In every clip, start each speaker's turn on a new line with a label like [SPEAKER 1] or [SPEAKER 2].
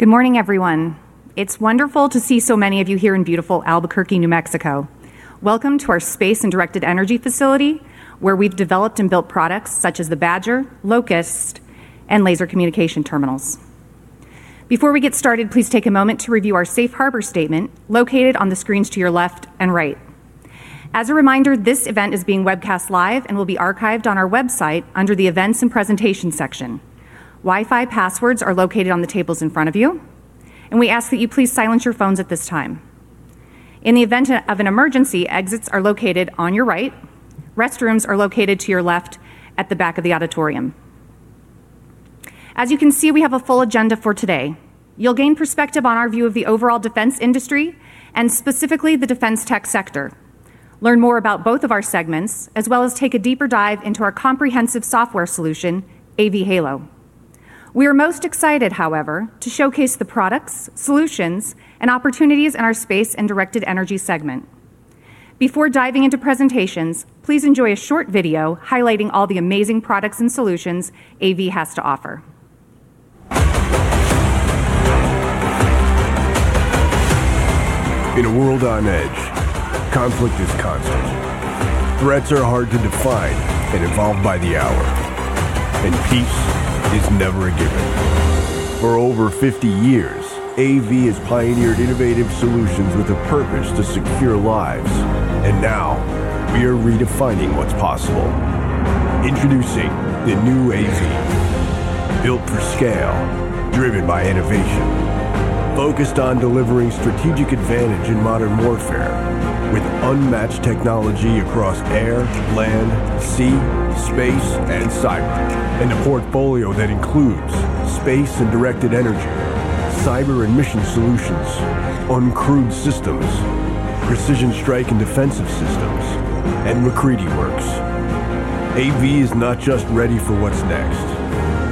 [SPEAKER 1] Good morning, everyone. It's wonderful to see so many of you here in beautiful Albuquerque, New Mexico. Welcome to our Space and Directed Energy Facility, where we've developed and built products such as the Badger, Locust, and laser communication terminals. Before we get started, please take a moment to review our Safe Harbor Statement, located on the screens to your left and right. As a reminder, this event is being webcast live and will be archived on our website under the Events and Presentations section. Wi-Fi passwords are located on the tables in front of you, and we ask that you please silence your phones at this time. In the event of an emergency, exits are located on your right. Restrooms are located to your left at the back of the auditorium. As you can see, we have a full agenda for today. You'll gain perspective on our view of the overall defense industry and specifically the defense tech sector. Learn more about both of our segments, as well as take a deeper dive into our comprehensive software solution, AV Halo. We are most excited, however, to showcase the products, solutions, and opportunities in our Space and Directed Energy segment. Before diving into presentations, please enjoy a short video highlighting all the amazing products and solutions AV has to offer. In a world on edge, conflict is constant. Threats are hard to define and evolve by the hour. Peace is never a given. For over 50 years, AV has pioneered innovative solutions with a purpose to secure lives, and now we are redefining what's possible. Introducing the new AV, built for scale, driven by innovation, focused on delivering strategic advantage in modern warfare with unmatched technology across air, land, sea, space, and cyber. In a portfolio that includes Space and Directed Energy, Cyber and Mission Solutions, Uncrewed Systems, Precision Strike and Defensive Systems, and Recreaty Works, AV is not just ready for what's next,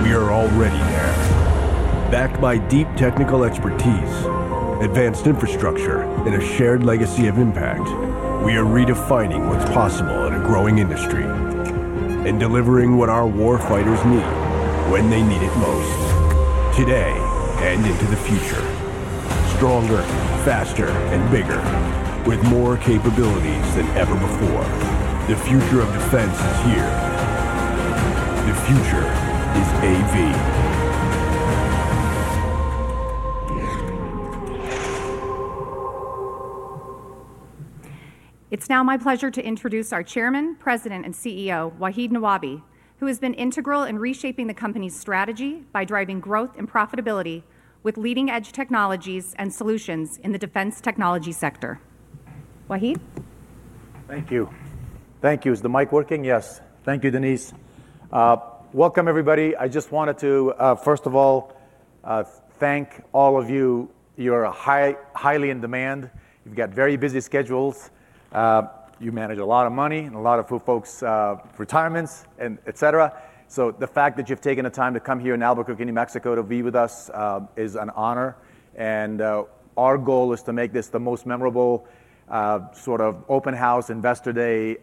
[SPEAKER 1] we are already there. Backed by deep technical expertise, advanced infrastructure, and a shared legacy of impact, we are redefining what's possible in a growing industry and delivering what our warfighters need when they need it most. Today and into the future. Stronger, faster, and bigger, with more capabilities than ever before. The future of defense is here. The future is AV. It's now my pleasure to introduce our Chairman, President, and CEO, Wahid Nawabi, who has been integral in reshaping the company's strategy by driving growth and profitability with leading-edge technologies and solutions in the defense technology sector. Wahid?
[SPEAKER 2] Thank you. Thank you. Is the mic working? Yes. Thank you, Denise. Welcome, everybody. I just wanted to, first of all, thank all of you. You're highly in demand. You've got very busy schedules. You manage a lot of money and a lot of folks' retirements, et cetera. The fact that you've taken the time to come here in Albuquerque, New Mexico, to be with us is an honor. Our goal is to make this the most memorable sort of open house investor day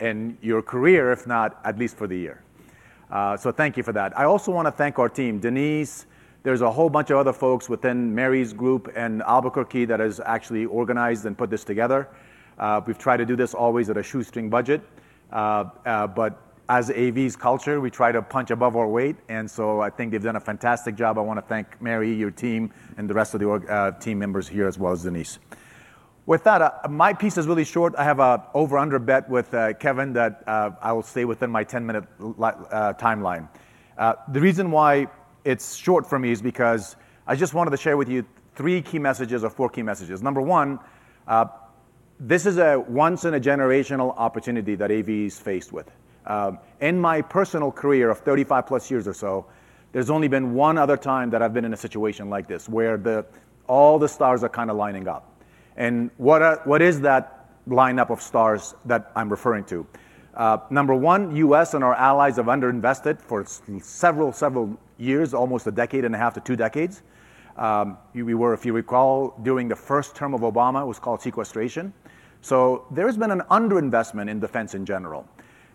[SPEAKER 2] in your career, if not at least for the year. Thank you for that. I also want to thank our team. Denise, there's a whole bunch of other folks within Mary's group and Albuquerque that have actually organized and put this together. We've tried to do this always at a shoestring budget. As AV's culture, we try to punch above our weight. I think they've done a fantastic job. I want to thank Mary, your team, and the rest of the team members here, as well as Denise. With that, my piece is really short. I have an over-under bet with Kevin that I'll stay within my 10-minute timeline. The reason why it's short for me is because I just wanted to share with you three key messages or four key messages. Number one, this is a once-in-a-generational opportunity that AV is faced with. In my personal career of 35-plus years or so, there's only been one other time that I've been in a situation like this where all the stars are kind of lining up. What is that lineup of stars that I'm referring to? Number one, the U.S. and our allies have underinvested for several, several years, almost a decade and a half to two decades. We were, if you recall, during the first term of Obama. It was called sequestration. There's been an underinvestment in defense in general.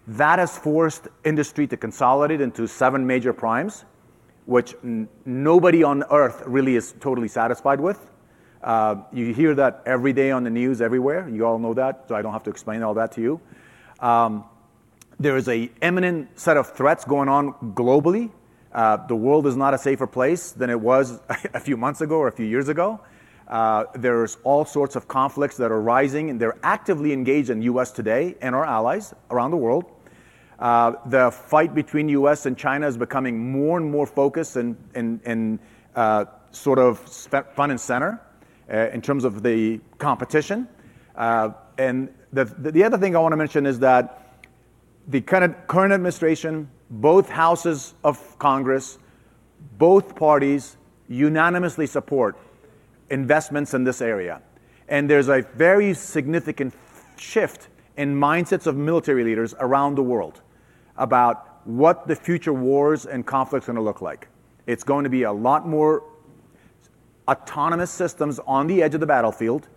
[SPEAKER 2] That has forced industry to consolidate into seven major primes, which nobody on Earth really is totally satisfied with. You hear that every day on the news everywhere. You all know that. I don't have to explain all that to you. There is an imminent set of threats going on globally. The world is not a safer place than it was a few months ago or a few years ago. There are all sorts of conflicts that are rising, and they're actively engaged in the U.S. today and our allies around the world. The fight between the U.S. and China is becoming more and more focused and sort of front and center in terms of the competition. The other thing I want to mention is that the current administration, both houses of Congress, both parties unanimously support investments in this area. There is a very significant shift in mindsets of military leaders around the world about what the future wars and conflicts are going to look like. It's going to be a lot more autonomous systems on the edge of the battlefield,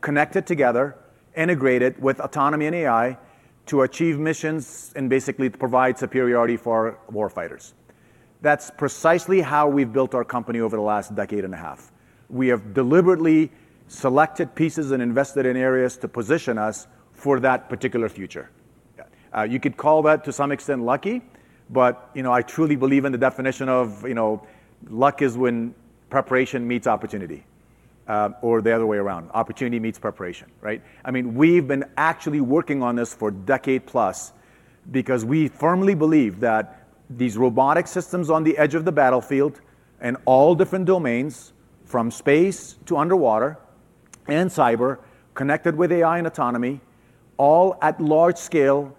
[SPEAKER 2] connected together, integrated with autonomy and AI to achieve missions and basically to provide superiority for warfighters. That's precisely how we've built our company over the last decade and a half. We have deliberately selected pieces and invested in areas to position us for that particular future. You could call that, to some extent, lucky. I truly believe in the definition of, you know, luck is when preparation meets opportunity or the other way around. Opportunity meets preparation. Right? We've been actually working on this for a decade plus because we firmly believe that these robotic systems on the edge of the battlefield in all different domains, from space to underwater and cyber, connected with AI and autonomy, all at large scale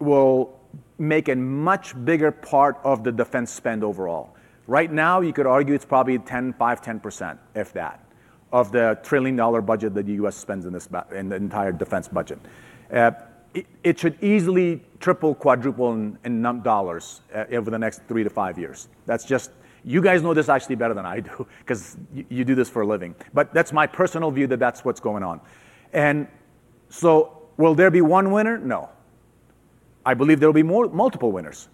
[SPEAKER 2] will make a much bigger part of the defense spend overall. Right now, you could argue it's probably 5%, 10%, if that, of the $1 trillion budget that the U.S. spends in the entire defense budget. It should easily triple, quadruple, in number of dollars over the next three to five years. You guys know this actually better than I do because you do this for a living. That's my personal view that that's what's going on. Will there be one winner? No. I believe there will be multiple winners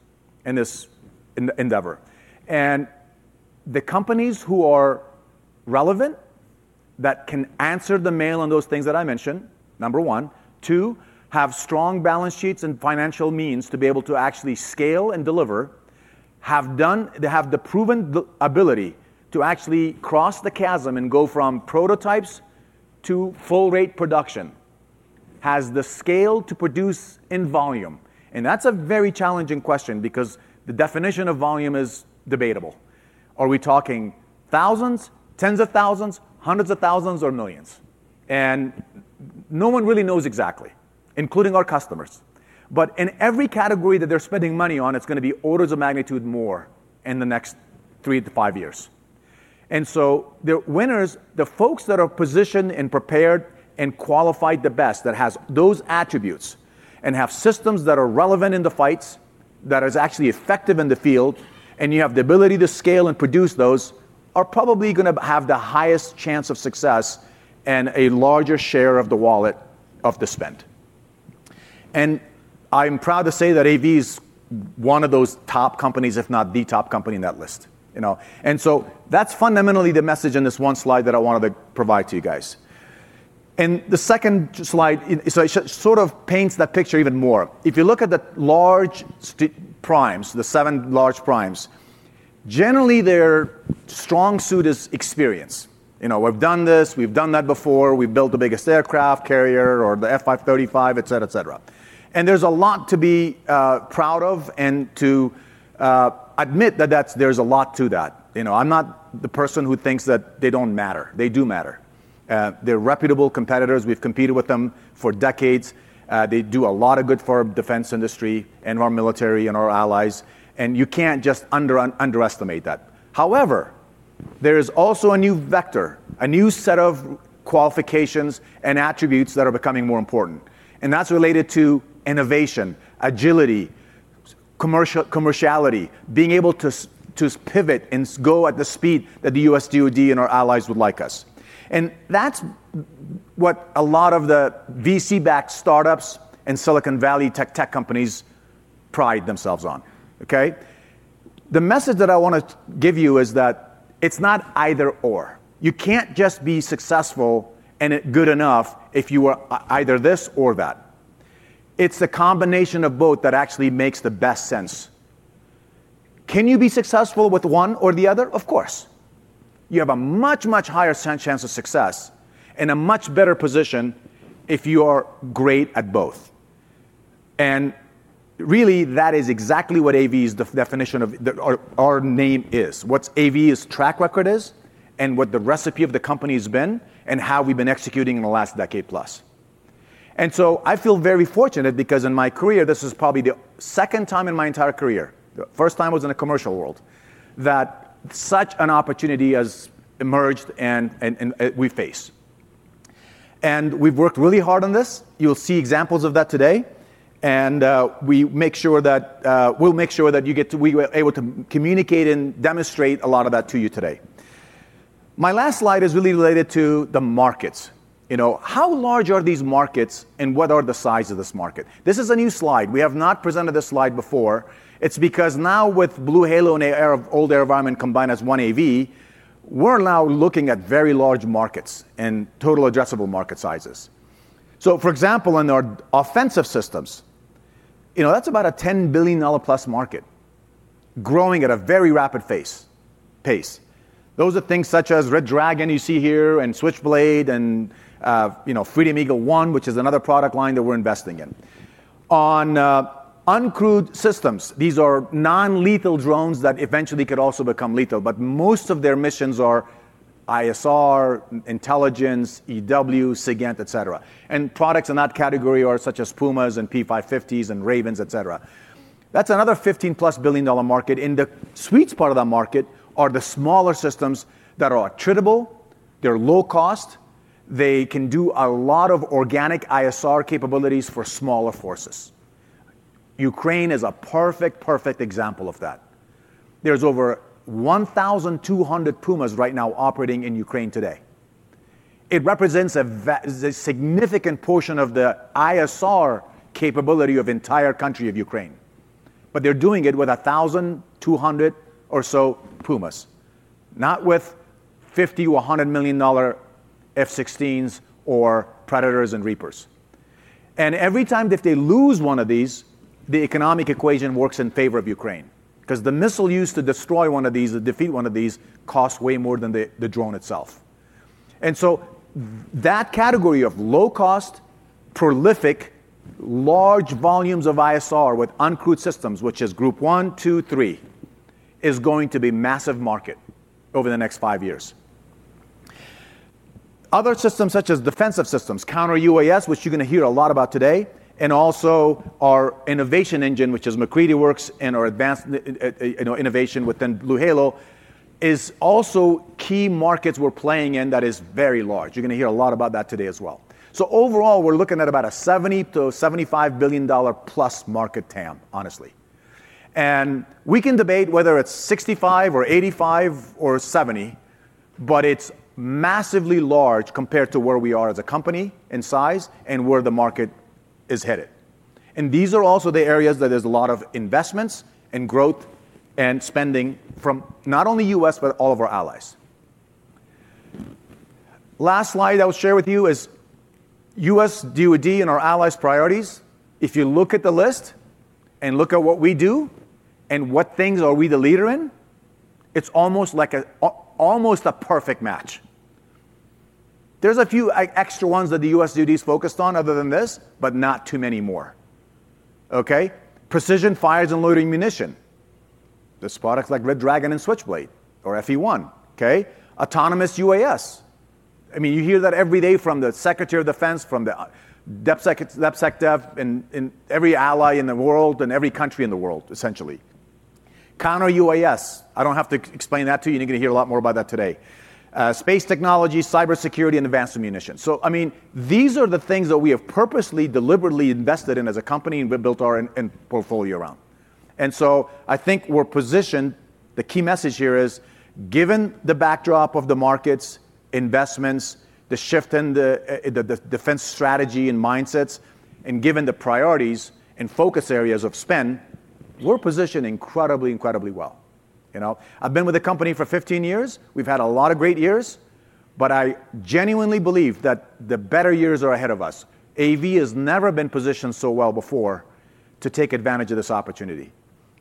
[SPEAKER 2] in this endeavor. The companies who are relevant that can answer the mail on those things that I mentioned, number one. Two, have strong balance sheets and financial means to be able to actually scale and deliver. They have the proven ability to actually cross the chasm and go from prototypes to full-rate production. Has the scale to produce in volume? That's a very challenging question because the definition of volume is debatable. Are we talking thousands, tens of thousands, hundreds of thousands, or millions? No one really knows exactly, including our customers. In every category that they're spending money on, it's going to be orders of magnitude more in the next three to five years. The winners, the folks that are positioned and prepared and qualified the best that have those attributes and have systems that are relevant in the fights, that are actually effective in the field, and you have the ability to scale and produce, those are probably going to have the highest chance of success and a larger share of the wallet of the spend. I'm proud to say that AV is one of those top companies, if not the top company in that list. That's fundamentally the message in this one slide that I wanted to provide to you guys. The second slide sort of paints that picture even more. If you look at the large primes, the seven large primes, generally, their strong suit is experience. We've done this. We've done that before. We built the biggest aircraft carrier, or the F535, et cetera, et cetera. There's a lot to be proud of and to admit that there's a lot to that. I'm not the person who thinks that they don't matter. They do matter. They're reputable competitors. We've competed with them for decades. They do a lot of good for our defense industry and our military and our allies. You can't just underestimate that. However, there is also a new vector, a new set of qualifications and attributes that are becoming more important. That's related to innovation, agility, commerciality, being able to pivot and go at the speed that the U.S. DOD and our allies would like us. That's what a lot of the VC-backed startups and Silicon Valley tech companies pride themselves on. The message that I want to give you is that it's not either/or. You can't just be successful and good enough if you are either this or that. It's a combination of both that actually makes the best sense. Can you be successful with one or the other? Of course. You have a much, much higher chance of success and a much better position if you are great at both. That is exactly what AV's definition of our name is, what AV's track record is and what the recipe of the company has been and how we've been executing in the last decade plus. I feel very fortunate because in my career, this is probably the second time in my entire career, the first time was in the commercial world, that such an opportunity has emerged and we face. We've worked really hard on this. You'll see examples of that today. We make sure that we'll make sure that we were able to communicate and demonstrate a lot of that to you today. My last slide is really related to the markets. How large are these markets and what are the size of this market? This is a new slide. We have not presented this slide before. It's because now with BlueHalo and Old AeroVironment combined as one AV, we're now looking at very large markets and total addressable market sizes. For example, in our offensive systems, that's about a $10 billion-plus market growing at a very rapid pace. Those are things such as Red Dragon you see here and Switchblade and Freedom Eagle One, which is another product line that we're investing in. On uncrewed systems, these are non-lethal drones that eventually could also become lethal. Most of their missions are ISR, intelligence, EW, SIGINT, et cetera. Products in that category are such as Puma and P550 and Raven, et cetera. That's another $15 billion-plus market. The sweet part of that market are the smaller systems that are attritable. They're low cost. They can do a lot of organic ISR capabilities for smaller forces. Ukraine is a perfect, perfect example of that. There's over 1,200 Puma right now operating in Ukraine today. It represents a significant portion of the ISR capability of the entire country of Ukraine. They're doing it with 1,200 or so Puma, not with $50 million or $100 million F-16s or Predators and Reapers. Every time if they lose one of these, the economic equation works in favor of Ukraine because the missile used to destroy one of these, to defeat one of these, costs way more than the drone itself. That category of low-cost, prolific, large volumes of ISR with uncrewed systems, which is group one, two, three, is going to be a massive market over the next five years. Other systems such as defensive systems, counter-UAS, which you're going to hear a lot about today, and also our innovation engine, which is Recreaty Works and our advanced innovation within BlueHalo, are also key markets we're playing in that are very large. You're going to hear a lot about that today as well. Overall, we're looking at about a $70 billion to $75 billion-plus market TAM, honestly. We can debate whether it's $65 billion or $85 billion or $70 billion, but it's massively large compared to where we are as a company in size and where the market is headed. These are also the areas that there's a lot of investments and growth and spending from not only the U.S. but all of our allies. Last slide I'll share with you is U.S. DOD and our allies' priorities. If you look at the list and look at what we do and what things are we the leader in, it's almost like almost a perfect match. There's a few extra ones that the U.S. DOD's is focused on other than this, but not too many more. OK? Precision fires and loitering munition. There's products like Red Dragon and Switchblade or Freedom Eagle One. OK? Autonomous UAS. I mean, you hear that every day from the Secretary of Defense, from the Deputy Secretary of Defense, and every ally in the world and every country in the world, essentially. Counter-UAS. I don't have to explain that to you. You are going to hear a lot more about that today. Space technology, cybersecurity, and advanced ammunition. These are the things that we have purposely, deliberately invested in as a company and we've built our portfolio around. I think we're positioned. The key message here is, given the backdrop of the markets, investments, the shift in the defense strategy and mindsets, and given the priorities and focus areas of spend, we're positioned incredibly, incredibly well. You know, I've been with the company for 15 years. We've had a lot of great years. I genuinely believe that the better years are ahead of us. AV has never been positioned so well before to take advantage of this opportunity.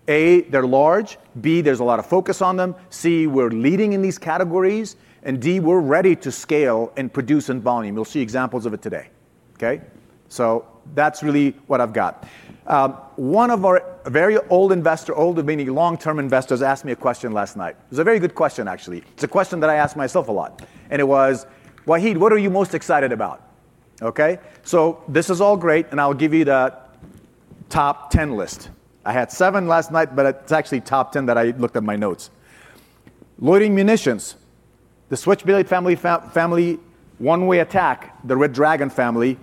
[SPEAKER 2] A, they're large. B, there's a lot of focus on them. C, we're leading in these categories. D, we're ready to scale and produce in volume. You'll see examples of it today. OK? That's really what I've got. One of our very old investors, older than me, long-term investors asked me a question last night. It was a very good question, actually. It's a question that I ask myself a lot. It was, Wahid, what are you most excited about? OK? This is all great. I'll give you the top 10 list. I had seven last night, but it's actually top 10 that I looked at my notes. Loitering munitions, the Switchblade family, one-way attack, the Red Dragon family.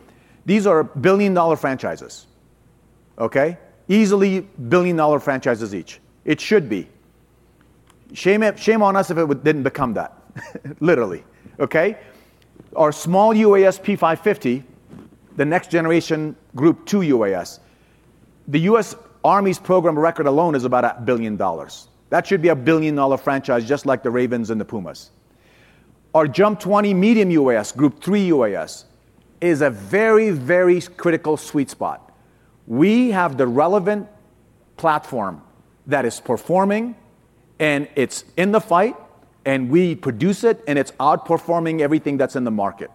[SPEAKER 2] These are billion-dollar franchises. OK? Easily billion-dollar franchises each. It should be. Shame on us if it didn't become that, literally. OK? Our small UAS P550, the next generation group two UAS, the U.S. Army's program record alone is about $1 billion. That should be a billion-dollar franchise just like the Ravens and the Pumas. Our Jump 20 medium UAS, group three UAS, is a very, very critical sweet spot. We have the relevant platform that is performing, and it's in the fight, and we produce it, and it's outperforming everything that's in the market.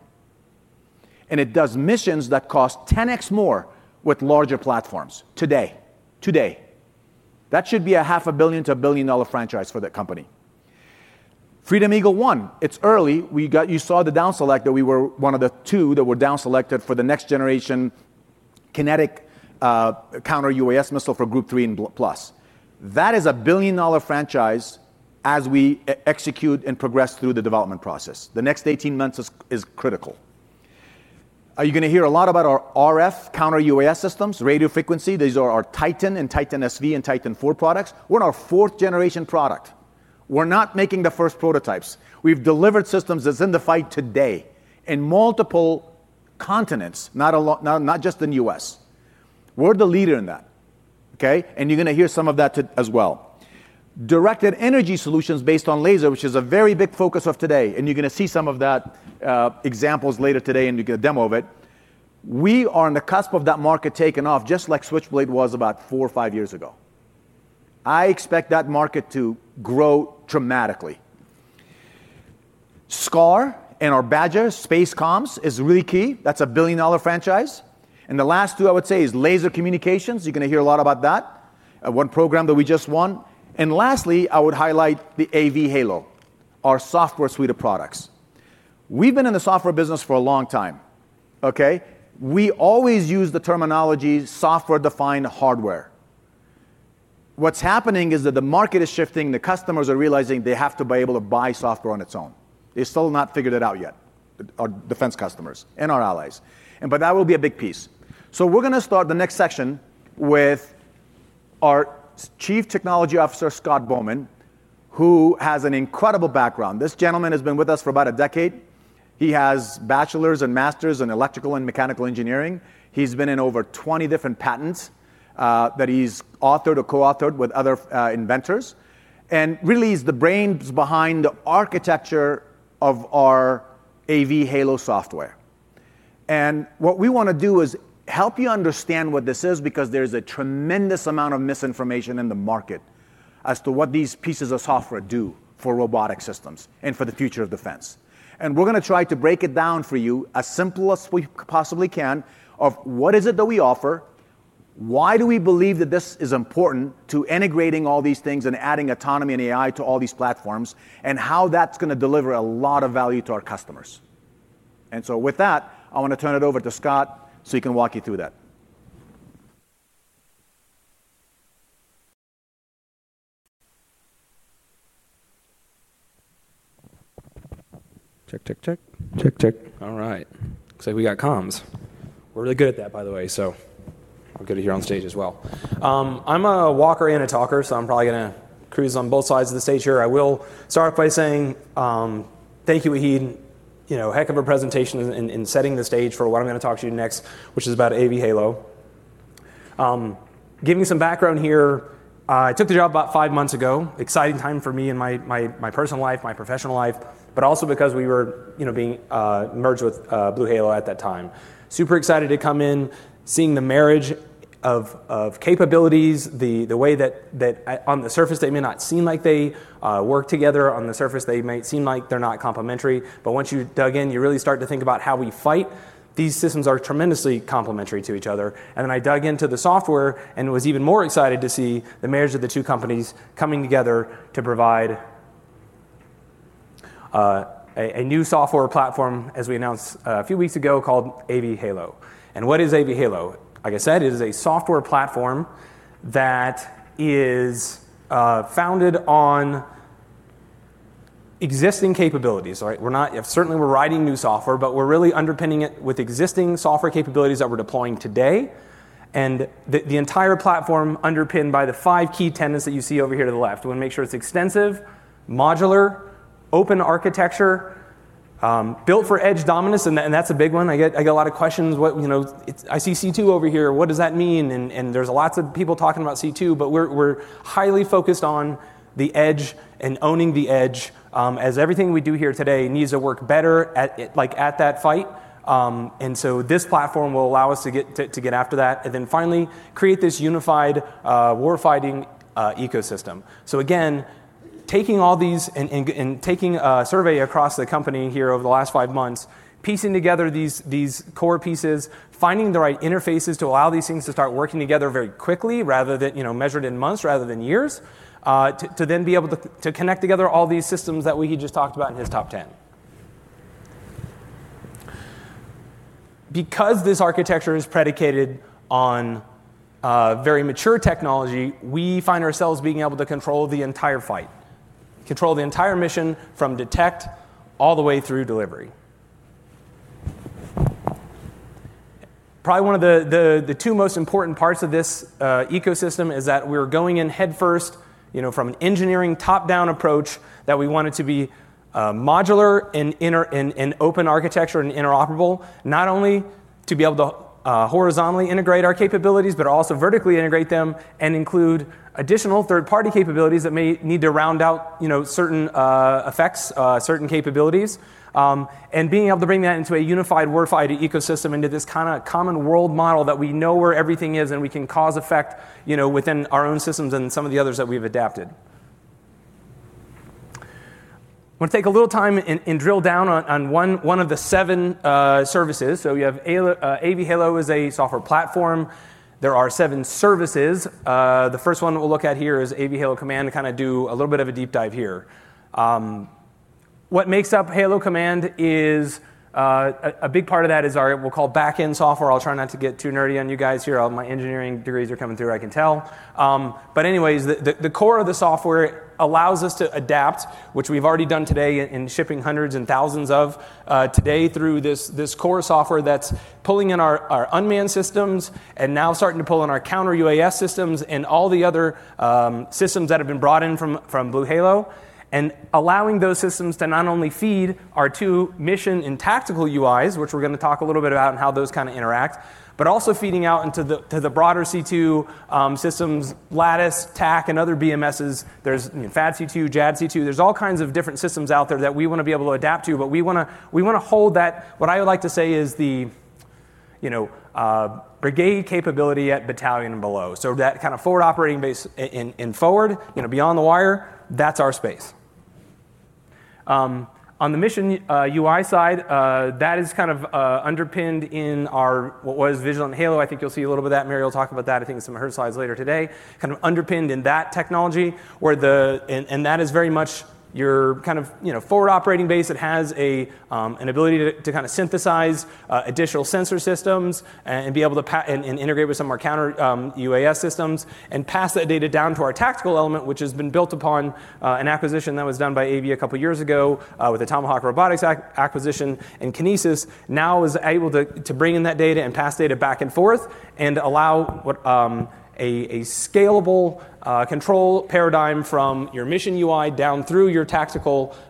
[SPEAKER 2] It does missions that cost 10x more with larger platforms today. That should be a $500 million to $1 billion franchise for that company. Freedom Eagle One, it's early. You saw the down select that we were one of the two that were down selected for the next generation kinetic counter-UAS missile for group three and plus. That is a $1 billion franchise as we execute and progress through the development process. The next 18 months is critical. You're going to hear a lot about our RF counter-UAS systems, radio frequency. These are our Titan and Titan SV and Titan IV products. We're in our fourth generation product. We're not making the first prototypes. We've delivered systems that are in the fight today in multiple continents, not just in the U.S. We're the leader in that. You're going to hear some of that as well. Directed Energy Solutions based on laser, which is a very big focus of today. You're going to see some of the examples later today and you get a demo of it. We are on the cusp of that market taking off just like Switchblade was about four or five years ago. I expect that market to grow dramatically. SCAR and our Badger, Space Comms is really key. That's a $1 billion franchise. The last two, I would say, is Laser Communications. You're going to hear a lot about that, one program that we just won. Lastly, I would highlight the AV Halo, our software suite of products. We've been in the software business for a long time. We always use the terminology software-defined hardware. What's happening is that the market is shifting. The customers are realizing they have to be able to buy software on its own. They've still not figured it out yet, our defense customers and our allies. That will be a big piece. We're going to start the next section with our Chief Technology Officer, Scott Bowman, who has an incredible background. This gentleman has been with us for about a decade. He has bachelor's and master's in electrical and mechanical engineering. He's been in over 20 different patents that he's authored or co-authored with other inventors. He's the brains behind the architecture of our AV Halo software. What we want to do is help you understand what this is because there's a tremendous amount of misinformation in the market as to what these pieces of software do for robotic systems and for the future of defense. We are going to try to break it down for you as simple as we possibly can of what is it that we offer, why do we believe that this is important to integrating all these things and adding autonomy and AI to all these platforms, and how that's going to deliver a lot of value to our customers. With that, I want to turn it over to Scott so he can walk you through that.
[SPEAKER 3] All right. Looks like we got comms. We're really good at that, by the way. We're good to hear on stage as well. I'm a walker and a talker, so I'm probably going to cruise on both sides of the stage here. I will start by saying thank you, Wahid. Heck of a presentation in setting the stage for what I'm going to talk to you next, which is about AV Halo. Give me some background here. I took the job about five months ago. Exciting time for me in my personal life, my professional life, but also because we were being merged with BlueHalo at that time. Super excited to come in, seeing the marriage of capabilities, the way that on the surface they may not seem like they work together. On the surface, they might seem like they're not complementary. Once you dug in, you really start to think about how we fight. These systems are tremendously complementary to each other. I dug into the software and was even more excited to see the marriage of the two companies coming together to provide a new software platform, as we announced a few weeks ago, called AV Halo. What is AV Halo? Like I said, it is a software platform that is founded on existing capabilities. Certainly, we're writing new software, but we're really underpinning it with existing software capabilities that we're deploying today. The entire platform is underpinned by the five key tenets that you see over here to the left. We want to make sure it's extensive, modular, open architecture, built for edge dominance. That's a big one. I get a lot of questions. I see C2 over here. What does that mean? There are lots of people talking about C2, but we're highly focused on the edge and owning the edge as everything we do here today needs to work better at that fight. This platform will allow us to get after that and finally create this unified warfighting ecosystem. Again, taking all these and taking a survey across the company here over the last five months, piecing together these core pieces, finding the right interfaces to allow these things to start working together very quickly, measured in months rather than years, to then be able to connect together all these systems that Wahid just talked about in his top 10. Because this architecture is predicated on very mature technology, we find ourselves being able to control the entire fight, control the entire mission from detect all the way through delivery. Probably one of the two most important parts of this ecosystem is that we're going in headfirst from an engineering top-down approach that we want it to be modular and open architecture and interoperable, not only to be able to horizontally integrate our capabilities, but also vertically integrate them and include additional third-party capabilities that may need to round out certain effects, certain capabilities. Being able to bring that into a unified warfighting ecosystem into this kind of common world model that we know where everything is and we can cause effect within our own systems and some of the others that we've adapted. I want to take a little time and drill down on one of the seven services. We have AV Halo as a software platform. There are seven services. The first one that we'll look at here is AV Halo Command to kind of do a little bit of a deep dive here. What makes up Halo Command is a big part of that is our, we'll call backend software. I'll try not to get too nerdy on you guys here. All my engineering degrees are coming through, I can tell. Anyways, the core of the software allows us to adapt, which we've already done today in shipping hundreds and thousands of today through this core software that's pulling in our uncrewed systems and now starting to pull in our counter-UAS systems and all the other systems that have been brought in from BlueHalo and allowing those systems to not only feed our two mission and tactical UIs, which we're going to talk a little bit about and how those kind of interact, but also feeding out into the broader C2 systems, Lattice, TAC, and other BMSs. There's FADC2, JADC2. There are all kinds of different systems out there that we want to be able to adapt to. We want to hold that, what I would like to say is the brigade capability at battalion and below. That kind of forward operating base in forward, beyond the wire, that's our space. On the mission UI side, that is kind of underpinned in our, what was Vigilant Halo. I think you'll see a little bit of that. Mary will talk about that. I think it's in some of her slides later today, kind of underpinned in that technology. That is very much your kind of forward operating base. It has an ability to kind of synthesize additional sensor systems and be able to integrate with some of our counter-UAS systems and pass that data down to our tactical element, which has been built upon an acquisition that was done by AV a couple of years ago with the Tomahawk Robotics acquisition. Kinesis now is able to bring in that data and pass data back and forth and allow a scalable control paradigm from your mission UI down through your tactical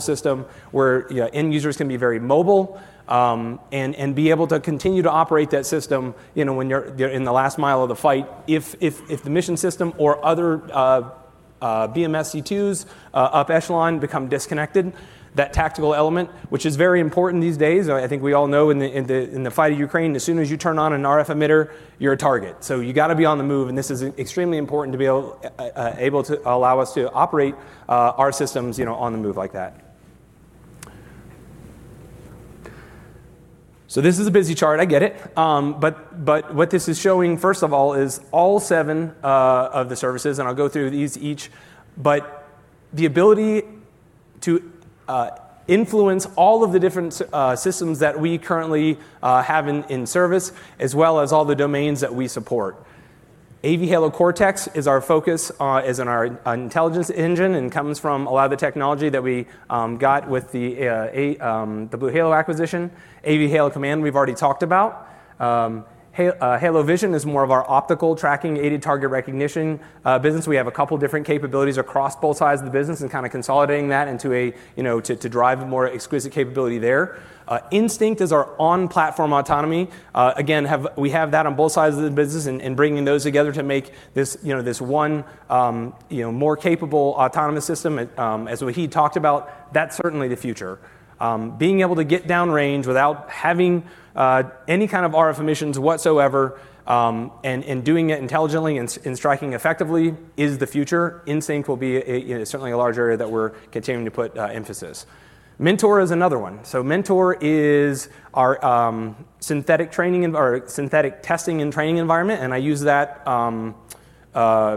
[SPEAKER 3] system, where end users can be very mobile and be able to continue to operate that system when they're in the last mile of the fight. If the mission system or other BMS C2s up echelon become disconnected, that tactical element, which is very important these days, I think we all know in the fight of Ukraine, as soon as you turn on an RF emitter, you're a target. You've got to be on the move. This is extremely important to be able to allow us to operate our systems on the move like that. This is a busy chart. I get it. What this is showing, first of all, is all seven of the services. I'll go through these each. The ability to influence all of the different systems that we currently have in service, as well as all the domains that we support. AV Halo Cortex is our focus as in our intelligence engine and comes from a lot of the technology that we got with the BlueHalo acquisition. AV Halo Command we've already talked about. Halo Vision is more of our optical tracking aided target recognition business. We have a couple of different capabilities across both sides of the business and kind of consolidating that to drive more exquisite capability there. Instinct is our on-platform autonomy. We have that on both sides of the business and bringing those together to make this one more capable autonomous system. As Wahid talked about, that's certainly the future. Being able to get downrange without having any kind of RF emissions whatsoever and doing it intelligently and striking effectively is the future. Instinct will be certainly a large area that we're continuing to put emphasis. Mentor is another one. Mentor is our synthetic testing and training environment. I use that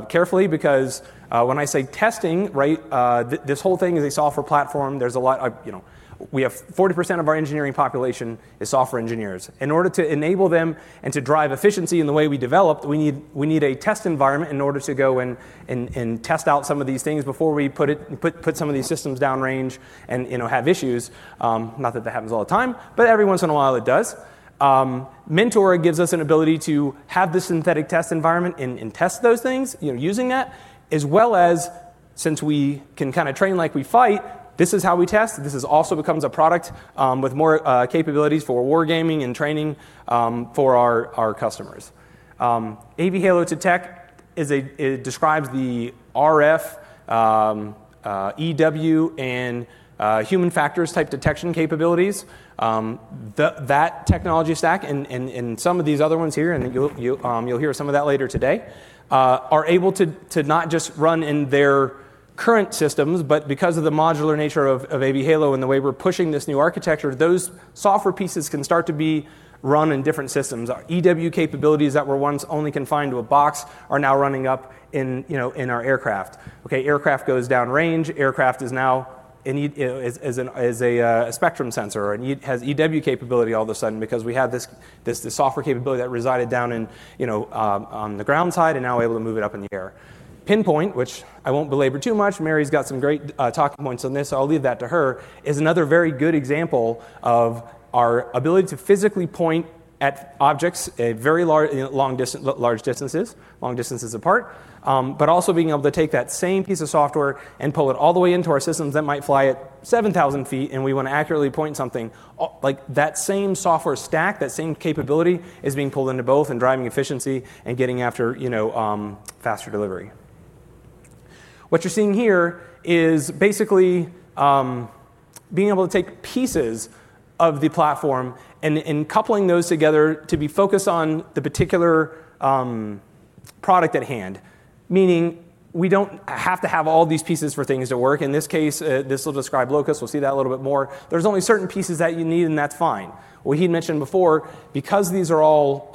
[SPEAKER 3] carefully because when I say testing, right, this whole thing is a software platform. We have 40% of our engineering population is software engineers. In order to enable them and to drive efficiency in the way we develop, we need a test environment in order to go in and test out some of these things before we put some of these systems downrange and have issues. Not that that happens all the time, but every once in a while, it does. Mentor gives us an ability to have this synthetic test environment and test those things using that, as well as since we can kind of train like we fight, this is how we test. This also becomes a product with more capabilities for wargaming and training for our customers. AV Halo to Tech describes the RF, EW, and human factors type detection capabilities. That technology stack and some of these other ones here, and you'll hear some of that later today, are able to not just run in their current systems, but because of the modular nature of AV Halo and the way we're pushing this new architecture, those software pieces can start to be run in different systems. Our EW capabilities that were once only confined to a box are now running up in our aircraft. OK? Aircraft goes downrange. Aircraft is now a spectrum sensor and has EW capability all of a sudden because we have this software capability that resided down on the ground side and now able to move it up in the air. Pinpoint, which I won't belabor too much, Mary's got some great talking points on this, so I'll leave that to her, is another very good example of our ability to physically point at objects at very long distances, long distances apart, but also being able to take that same piece of software and pull it all the way into our systems that might fly at 7,000 feet and we want to accurately point something. Like that same software stack, that same capability is being pulled into both and driving efficiency and getting after faster delivery. What you're seeing here is basically being able to take pieces of the platform and coupling those together to be focused on the particular product at hand, meaning we don't have to have all these pieces for things to work. In this case, this will describe Locust. We'll see that a little bit more. There's only certain pieces that you need, and that's fine. Wahid mentioned before, because these are all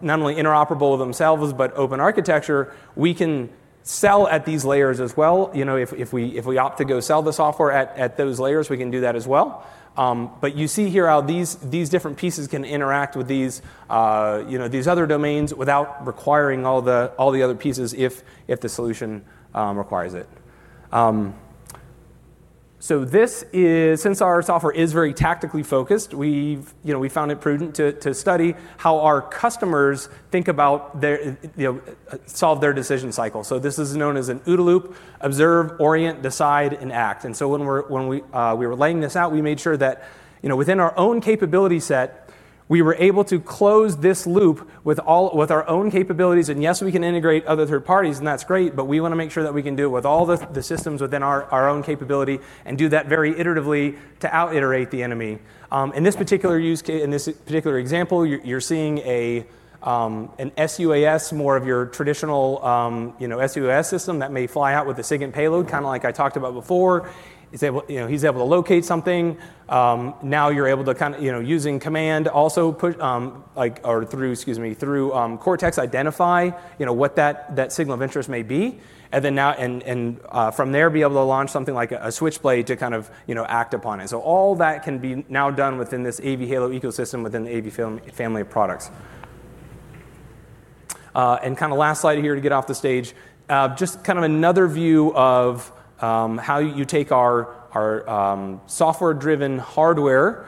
[SPEAKER 3] not only interoperable themselves, but open architecture, we can sell at these layers as well. If we opt to go sell the software at those layers, we can do that as well. You see here how these different pieces can interact with these other domains without requiring all the other pieces if the solution requires it. Since our software is very tactically focused, we found it prudent to study how our customers think about solving their decision cycle. This is known as an OODA loop: observe, orient, decide, and act. When we were laying this out, we made sure that within our own capability set, we were able to close this loop with our own capabilities. Yes, we can integrate other third parties, and that's great. We want to make sure that we can do it with all the systems within our own capability and do that very iteratively to out-iterate the enemy. In this particular example, you're seeing an SUAS, more of your traditional SUAS system that may fly out with a SIGINT payload, kind of like I talked about before. He's able to locate something. Now you're able to, using Command, also put or through Cortex, identify what that signal of interest may be. From there, be able to launch something like a Switchblade to act upon it. All that can be done within this AV Halo ecosystem, within the AV family of products. Last slide here to get off the stage, just another view of how you take our software-driven hardware,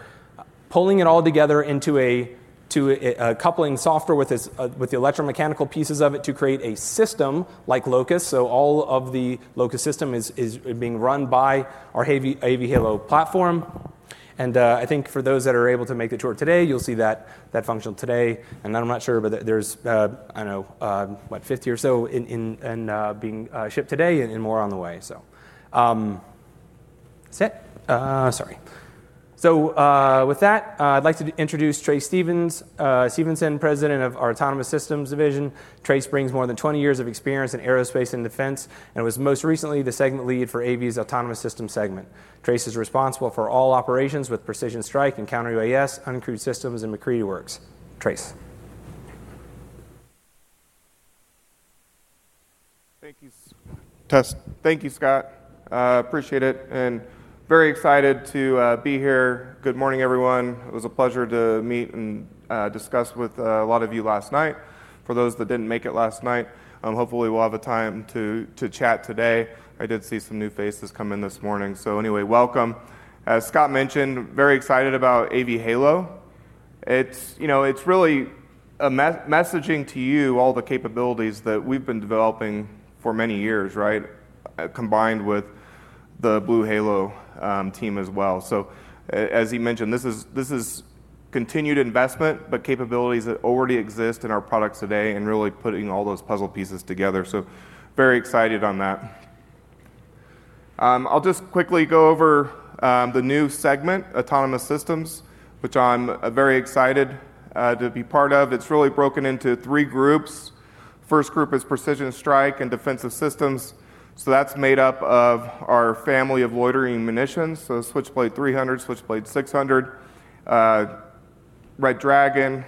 [SPEAKER 3] pulling it all together into coupling software with the electromechanical pieces of it to create a system like Locust. All of the Locust system is being run by our AV Halo platform. I think for those that are able to make the tour today, you'll see that functional today. I'm not sure, but there's, I don't know, what, 50 or so being shipped today and more on the way. With that, I'd like to introduce Trace Stevenson, President of our Autonomous Systems Division. Trace brings more than 20 years of experience in aerospace and defense, and was most recently the segment lead for AV's Autonomous Systems segment. Trace is responsible for all operations with Precision Strike and Counter-UAS, uncrewed systems, and Recreaty Works. Trace.
[SPEAKER 4] Thank you, Scott. Appreciate it. Very excited to be here. Good morning, everyone. It was a pleasure to meet and discuss with a lot of you last night. For those that didn't make it last night, hopefully we'll have time to chat today. I did see some new faces come in this morning. Anyway, welcome. As Scott mentioned, very excited about AV Halo. It's really messaging to you all the capabilities that we've been developing for many years, combined with the BlueHalo team as well. As he mentioned, this is continued investment, but capabilities that already exist in our products today and really putting all those puzzle pieces together. Very excited on that. I'll just quickly go over the new segment, Autonomous Systems, which I'm very excited to be part of. It's really broken into three groups. First group is Precision Strike and Defensive Systems. That's made up of our family of loitering munitions, so Switchblade 300, Switchblade 600, Red Dragon.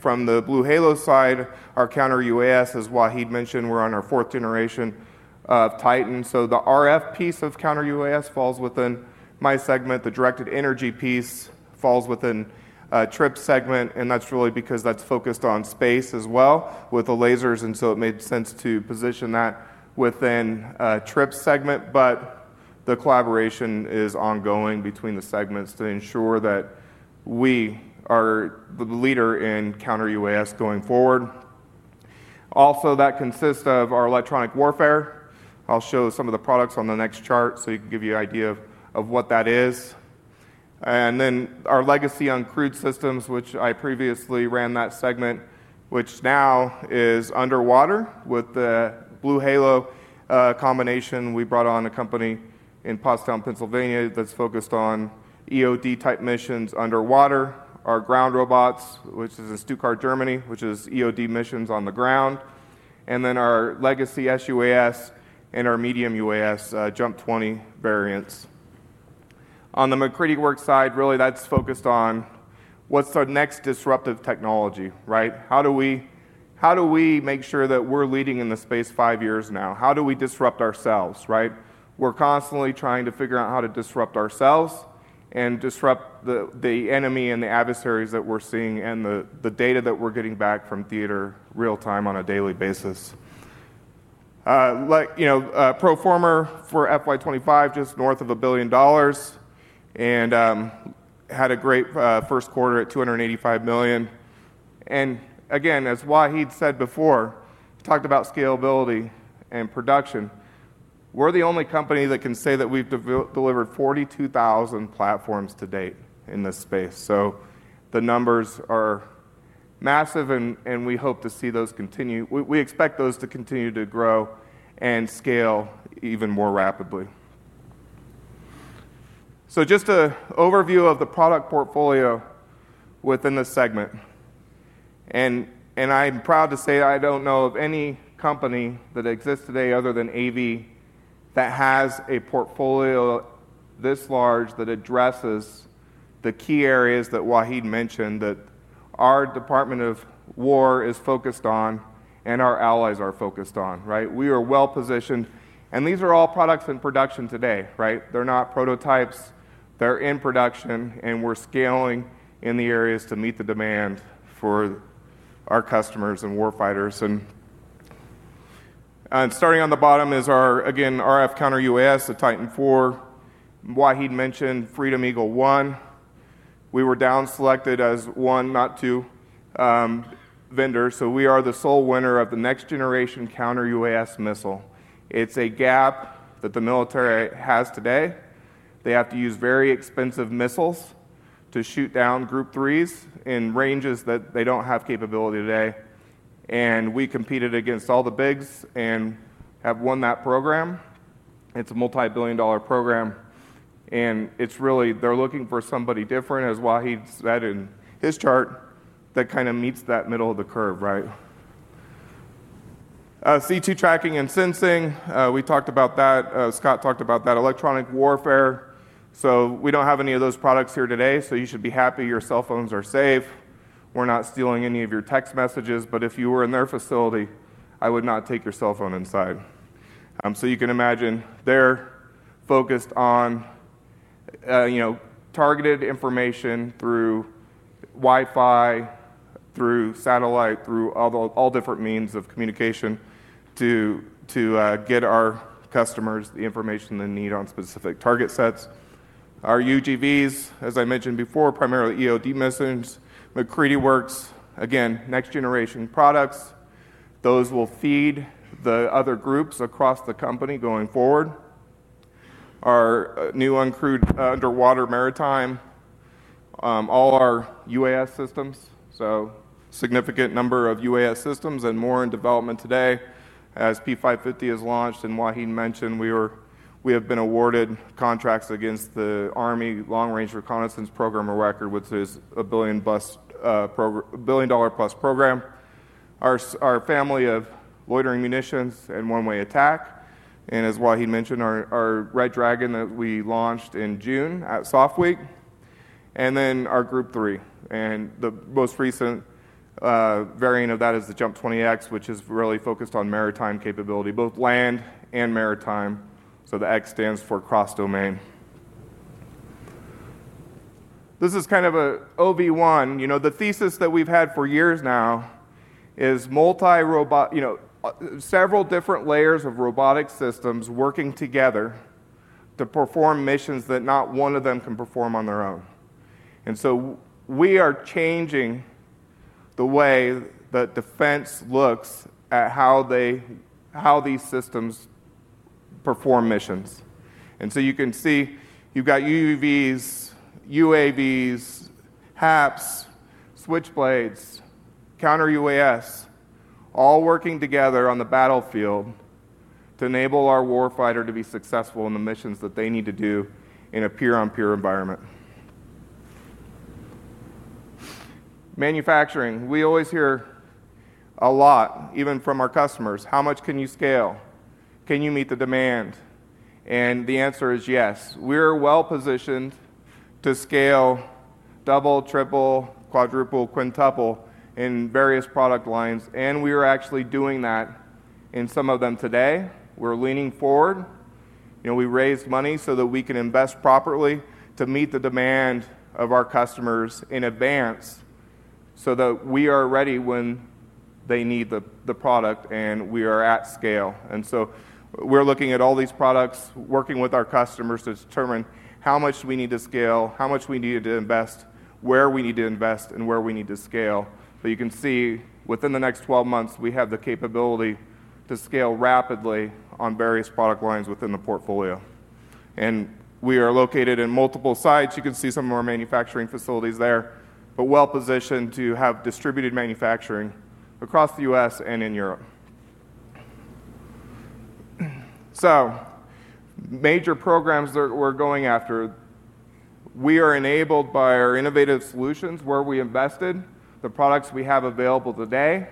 [SPEAKER 4] From the BlueHalo side, our counter-UAS, as Wahid mentioned, we're on our fourth generation of Titan. The RF piece of counter-UAS falls within my segment. The Directed Energy piece falls within Trip's segment. That's really because that's focused on space as well with the lasers, and it made sense to position that within Trip's segment. The collaboration is ongoing between the segments to ensure that we are the leader in counter-UAS going forward. Also, that consists of our electronic warfare. I'll show some of the products on the next chart so you can give you an idea of what that is. Then our legacy uncrewed systems, which I previously ran that segment, which now is underwater with the BlueHalo combination. We brought on a company in Pottstown, Pennsylvania, that's focused on EOD-type missions underwater, our ground robots, which is in Stuttgart, Germany, which is EOD missions on the ground, and then our legacy SUAS and our medium UAS, Jump 20 variants. On the R&D Works side, that's focused on what's our next disruptive technology, right? How do we make sure that we're leading in the space five years from now? How do we disrupt ourselves, right? We're constantly trying to figure out how to disrupt ourselves and disrupt the enemy and the adversaries that we're seeing and the data that we're getting back from theater real-time on a daily basis. Pro forma for FY 2025, just north of $1 billion, and had a great First Quarter at $285 million. As Wahid said before, talked about scalability and production. We're the only company that can say that we've delivered 42,000 platforms to date in this space. The numbers are massive, and we hope to see those continue. We expect those to continue to grow and scale even more rapidly. Just an overview of the product portfolio within the segment. I'm proud to say I don't know of any company that exists today other than AV that has a portfolio this large that addresses the key areas that Wahid mentioned that our Department of Defense is focused on and our allies are focused on. We are well positioned. These are all products in production today, right? They're not prototypes. They're in production, and we're scaling in the areas to meet the demand for our customers and warfighters. Starting on the bottom is our RF counter-UAS, the Titan IV. Wahid mentioned Freedom Eagle One. We were down selected as one, not two, vendors. We are the sole winner of the next generation counter-UAS missile. It's a gap that the military has today. They have to use very expensive missiles to shoot down group threes in ranges that they don't have capability today. We competed against all the bigs and have won that program. It's a multi-billion dollar program. They're looking for somebody different, as Wahid said in his chart, that kind of meets that middle of the curve, right? C2 tracking and sensing, we talked about that. Scott talked about that. Electronic warfare. We don't have any of those products here today. You should be happy your cell phones are safe. We're not stealing any of your text messages. If you were in their facility, I would not take your cell phone inside. You can imagine they're focused on targeted information through Wi-Fi, through satellite, through all different means of communication to get our customers the information they need on specific target sets. Our UGVs, as I mentioned before, primarily EOD missiles. Recreaty Works, next generation products. Those will feed the other groups across the company going forward. Our new uncrewed underwater maritime, all our UAS systems. A significant number of UAS systems and more in development today as P550 is launched. Wahid mentioned we have been awarded contracts against the Army Long Range Reconnaissance Program of Record, which is a billion-dollar-plus program. Our family of loitering munitions and one-way attack. As Wahid mentioned, our Red Dragon that we launched in June at Soft Week, and then our Group 3. The most recent variant of that is the Jump 20X, which is really focused on maritime capability, both land and maritime. The X stands for cross-domain. This is kind of an OV1. The thesis that we've had for years now is several different layers of robotic systems working together to perform missions that not one of them can perform on their own. We are changing the way that defense looks at how these systems perform missions. You can see you've got UUVs, UAVs, HAPs, Switchblades, counter-UAS all working together on the battlefield to enable our warfighter to be successful in the missions that they need to do in a peer-on-peer environment. Manufacturing. We always hear a lot, even from our customers, how much can you scale? Can you meet the demand? The answer is yes. We're well positioned to scale double, triple, quadruple, quintuple in various product lines, and we are actually doing that in some of them today. We're leaning forward. We raise money so that we can invest properly to meet the demand of our customers in advance so that we are ready when they need the product and we are at scale. We're looking at all these products, working with our customers to determine how much we need to scale, how much we need to invest, where we need to invest, and where we need to scale. You can see within the next 12 months, we have the capability to scale rapidly on various product lines within the portfolio. We are located in multiple sites. You can see some of our manufacturing facilities there, but well positioned to have distributed manufacturing across the U.S. and in Europe. Major programs that we're going after. We are enabled by our innovative solutions, where we invested, the products we have available today,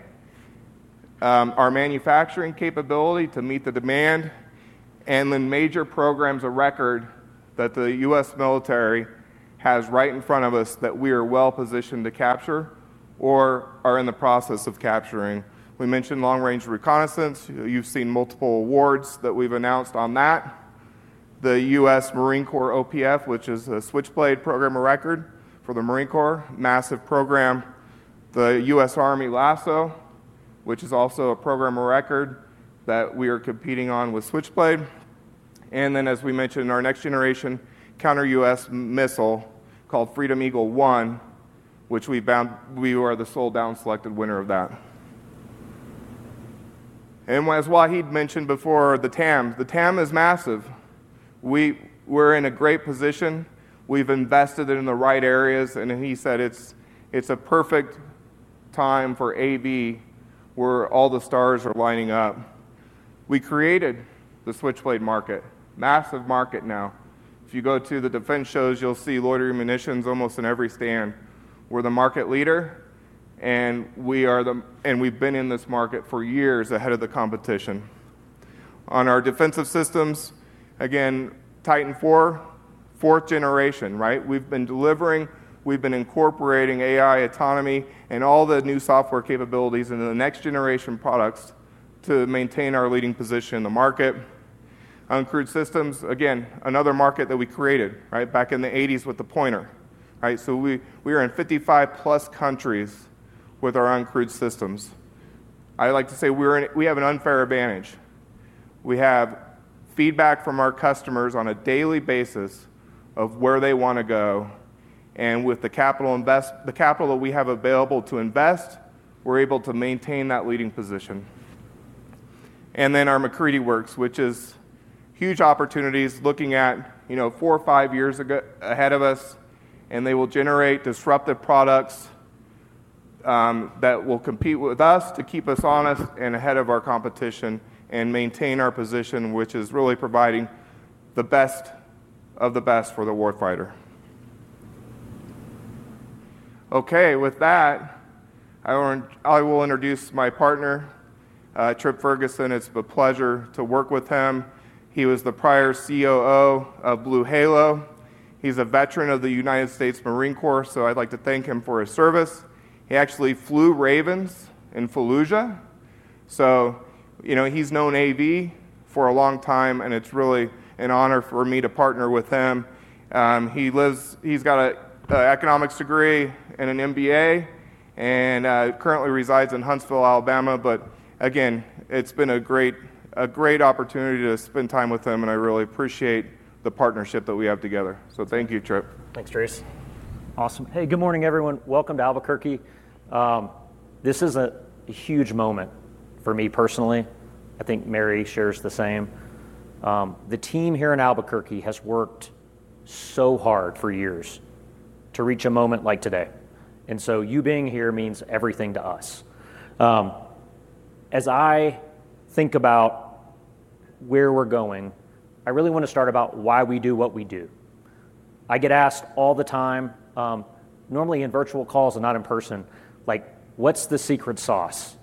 [SPEAKER 4] our manufacturing capability to meet the demand, and then major programs of record that the U.S. military has right in front of us that we are well positioned to capture or are in the process of capturing. We mentioned long-range reconnaissance. You've seen multiple awards that we've announced on that. The U.S. Marine Corps OPF, which is a Switchblade Program of Record for the Marine Corps, massive program. The U.S. Army LASSO, which is also a Program of Record that we are competing on with Switchblade. As we mentioned, our next generation counter-UAS missile called Freedom Eagle One, which we are the sole down selected winner of that. As Wahid mentioned before, the TAM. The TAM is massive. We're in a great position. We've invested in the right areas. He said it's a perfect time for AV where all the stars are lining up. We created the Switchblade market, massive market now. If you go to the defense shows, you'll see loitering munitions almost in every stand. We're the market leader. We've been in this market for years ahead of the competition. On our defensive systems, again, Titan IV, fourth generation, right? We've been delivering, we've been incorporating AI, autonomy, and all the new software capabilities into the next generation products to maintain our leading position in the market. Uncrewed systems, again, another market that we created back in the 1980s with the Pointer. We are in 55+ countries with our uncrewed systems. I like to say we have an unfair advantage. We have feedback from our customers on a daily basis of where they want to go. With the capital we have available to invest, we're able to maintain that leading position. Our R&D works, which is huge opportunities looking at four or five years ahead of us. They will generate disruptive products that will compete with us to keep us honest and ahead of our competition and maintain our position, which is really providing the best of the best for the warfighter. OK, with that, I will introduce my partner, Trip Ferguson. It's a pleasure to work with him. He was the prior COO of BlueHalo. He's a veteran of the United States Marine Corps, so I'd like to thank him for his service. He actually flew Ravens in Fallujah. He's known AV for a long time, and it's really an honor for me to partner with him. He's got an economics degree and an MBA and currently resides in Huntsville, Alabama. It's been a great opportunity to spend time with him, and I really appreciate the partnership that we have together. Thank you, Trip.
[SPEAKER 5] Thanks, Trace. Awesome. Hey, good morning, everyone. Welcome to Albuquerque. This is a huge moment for me personally. I think Mary shares the same. The team here in Albuquerque has worked so hard for years to reach a moment like today, and you being here means everything to us. As I think about where we're going, I really want to start about why we do what we do. I get asked all the time, normally in virtual calls and not in person, like, what's the secret sauce?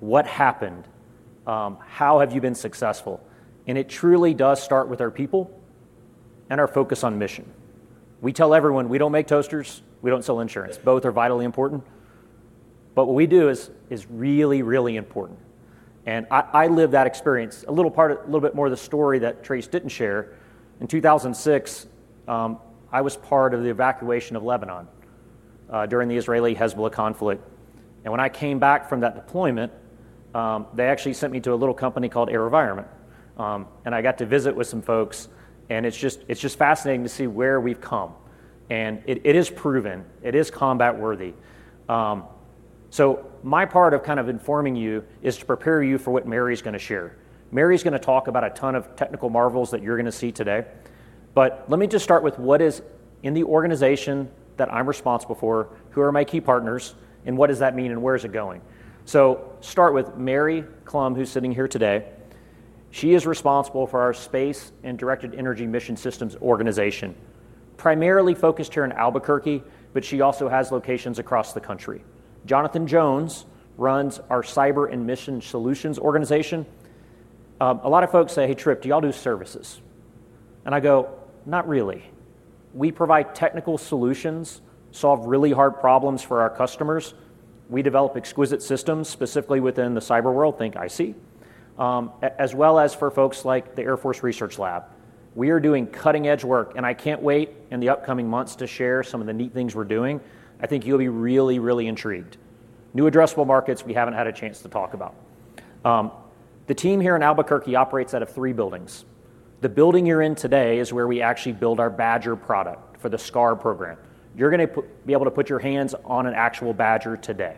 [SPEAKER 5] What happened? How have you been successful? It truly does start with our people and our focus on mission. We tell everyone we don't make toasters. We don't sell insurance. Both are vitally important, but what we do is really, really important. I live that experience, a little bit more of the story that Trace didn't share. In 2006, I was part of the evacuation of Lebanon during the Israeli-Hezbollah conflict. When I came back from that deployment, they actually sent me to a little company called AeroVironment. I got to visit with some folks, and it's just fascinating to see where we've come. It is proven. It is combat-worthy. My part of kind of informing you is to prepare you for what Mary's going to share. Mary's going to talk about a ton of technical marvels that you're going to see today. Let me just start with what is in the organization that I'm responsible for, who are my key partners, what does that mean, and where is it going. Start with Mary Clum, who's sitting here today. She is responsible for our Space and Directed Energy Mission Systems organization, primarily focused here in Albuquerque, but she also has locations across the country. Jonathan Jones runs our Cyber and Mission Solutions organization. A lot of folks say, hey, Trip, do you all do services? I go, not really. We provide technical solutions, solve really hard problems for our customers. We develop exquisite systems specifically within the cyber world, think I see, as well as for folks like the Air Force Research Lab. We are doing cutting-edge work, and I can't wait in the upcoming months to share some of the neat things we're doing. I think you'll be really, really intrigued. New addressable markets we haven't had a chance to talk about. The team here in Albuquerque operates out of three buildings. The building you're in today is where we actually build our Badger product for the SCAR program. You're going to be able to put your hands on an actual Badger today.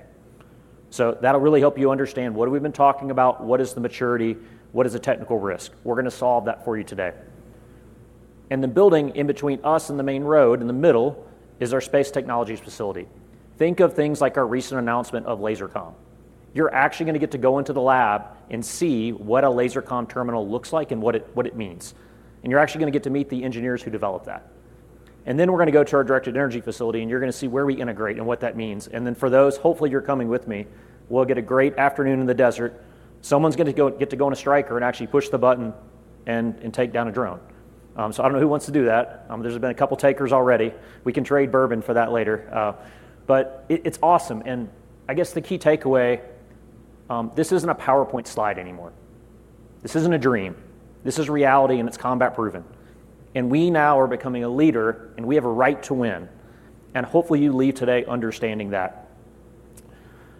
[SPEAKER 5] That'll really help you understand what we've been talking about, what is the maturity, what is the technical risk. We're going to solve that for you today. The building in between us and the main road in the middle is our Space Technologies facility. Think of things like our recent announcement of laser communications. You're actually going to get to go into the lab and see what a laser communication terminal looks like and what it means. You're actually going to get to meet the engineers who developed that. We're going to go to our Directed Energy facility, and you're going to see where we integrate and what that means. For those, hopefully you're coming with me, we'll get a great afternoon in the desert. Someone's going to get to go in a Stryker and actually push the button and take down a drone. I don't know who wants to do that. There's been a couple of takers already. We can trade bourbon for that later. It's awesome. The key takeaway, this isn't a PowerPoint slide anymore. This isn't a dream. This is reality, and it's combat-proven. We now are becoming a leader, and we have a right to win. Hopefully you leave today understanding that.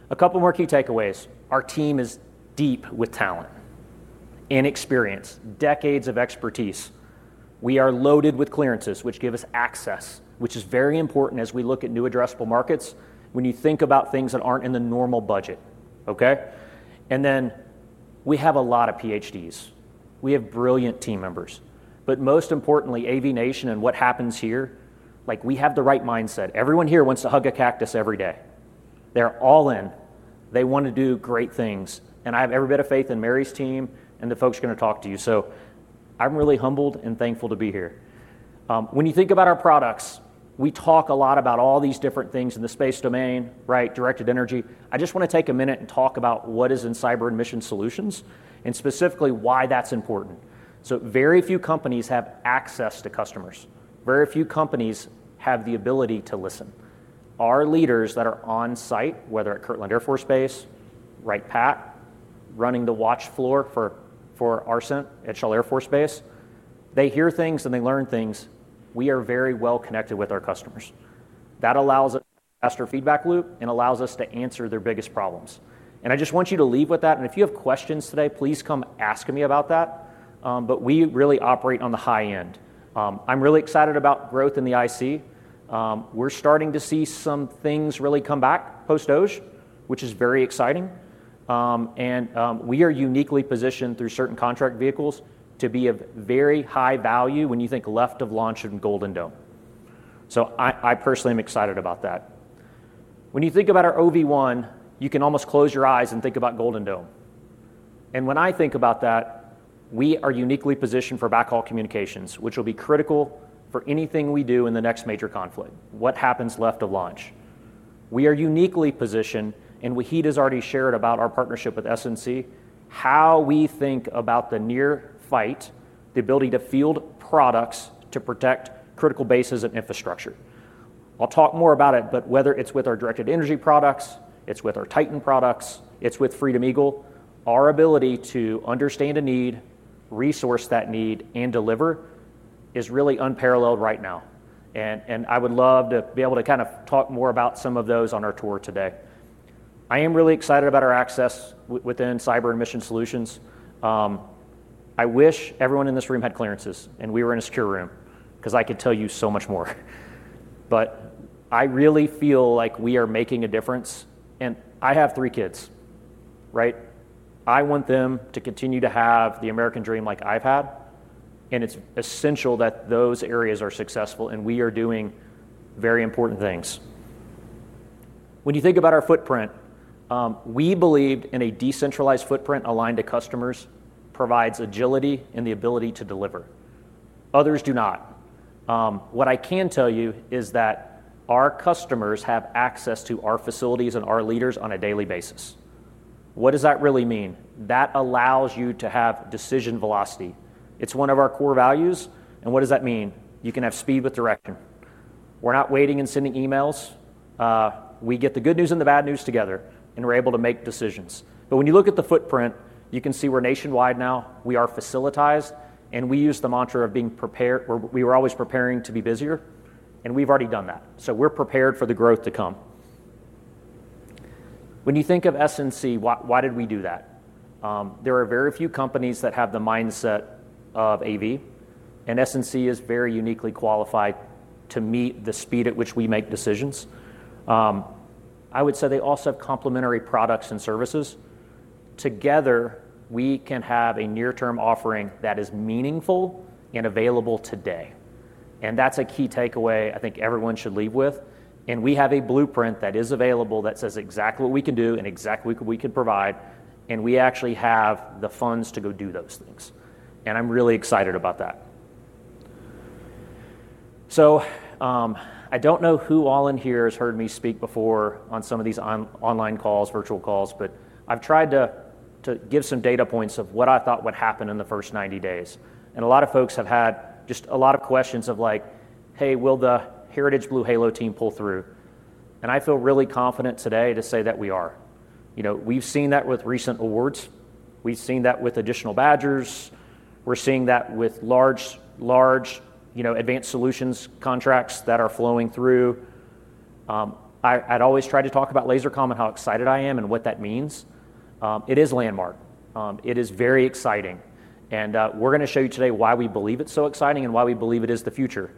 [SPEAKER 5] A couple more key takeaways. Our team is deep with talent and experience, decades of expertise. We are loaded with clearances, which give us access, which is very important as we look at new addressable markets when you think about things that aren't in the normal budget. We have a lot of PhDs. We have brilliant team members. Most importantly, AV Nation and what happens here, we have the right mindset. Everyone here wants to hug a cactus every day. They're all in. They want to do great things. I have every bit of faith in Mary's team and the folks going to talk to you. I'm really humbled and thankful to be here. When you think about our products, we talk a lot about all these different things in the space domain, directed energy. I just want to take a minute and talk about what is in Cyber and Mission Solutions and specifically why that's important. Very few companies have access to customers. Very few companies have the ability to listen. Our leaders that are on site, whether at Kirtland Air Force Base, Wright-Patt, running the watch floor for Arsent at Shell Air Force Base, they hear things and they learn things. We are very well connected with our customers. That allows a faster feedback loop and allows us to answer their biggest problems. I just want you to leave with that. If you have questions today, please come ask me about that. We really operate on the high end. I'm really excited about growth in the IC. We're starting to see some things really come back post-OJ, which is very exciting. We are uniquely positioned through certain contract vehicles to be of very high value when you think left of launch and Golden Dome. I personally am excited about that. When you think about our OV1, you can almost close your eyes and think about Golden Dome. When I think about that, we are uniquely positioned for backhaul communications, which will be critical for anything we do in the next major conflict. What happens left of launch? We are uniquely positioned, and Wahid has already shared about our partnership with SNC, how we think about the near fight, the ability to field products to protect critical bases and infrastructure. I'll talk more about it. Whether it's with our Directed Energy products, with our Titan products, with Freedom Eagle, our ability to understand a need, resource that need, and deliver is really unparalleled right now. I would love to be able to kind of talk more about some of those on our tour today. I am really excited about our access within Cyber and Mission Solutions. I wish everyone in this room had clearances, and we were in a secure room because I could tell you so much more. I really feel like we are making a difference. I have three kids, right? I want them to continue to have the American dream like I've had. It's essential that those areas are successful. We are doing very important things. When you think about our footprint, we believed in a decentralized footprint aligned to customers, provides agility and the ability to deliver. Others do not. What I can tell you is that our customers have access to our facilities and our leaders on a daily basis. What does that really mean? That allows you to have decision velocity. It's one of our core values. What does that mean? You can have speed with the director. We're not waiting and sending emails. We get the good news and the bad news together, and we're able to make decisions. When you look at the footprint, you can see we're nationwide now. We are facilitized. We use the mantra of being prepared, where we were always preparing to be busier. We've already done that. We're prepared for the growth to come. When you think of SNC, why did we do that? There are very few companies that have the mindset of AV. SNC is very uniquely qualified to meet the speed at which we make decisions. I would say they also have complementary products and services. Together, we can have a near-term offering that is meaningful and available today. That's a key takeaway I think everyone should leave with. We have a blueprint that is available that says exactly what we can do and exactly what we can provide. We actually have the funds to go do those things. I'm really excited about that. I don't know who all in here has heard me speak before on some of these online calls, virtual calls. I've tried to give some data points of what I thought would happen in the first 90 days. A lot of folks have had just a lot of questions of like, hey, will the Heritage BlueHalo team pull through? I feel really confident today to say that we are. We've seen that with recent awards. We've seen that with additional Badgers. We're seeing that with large, large advanced solutions contracts that are flowing through. I'd always tried to talk about LaserCom and how excited I am and what that means. It is landmark. It is very exciting. We're going to show you today why we believe it's so exciting and why we believe it is the future.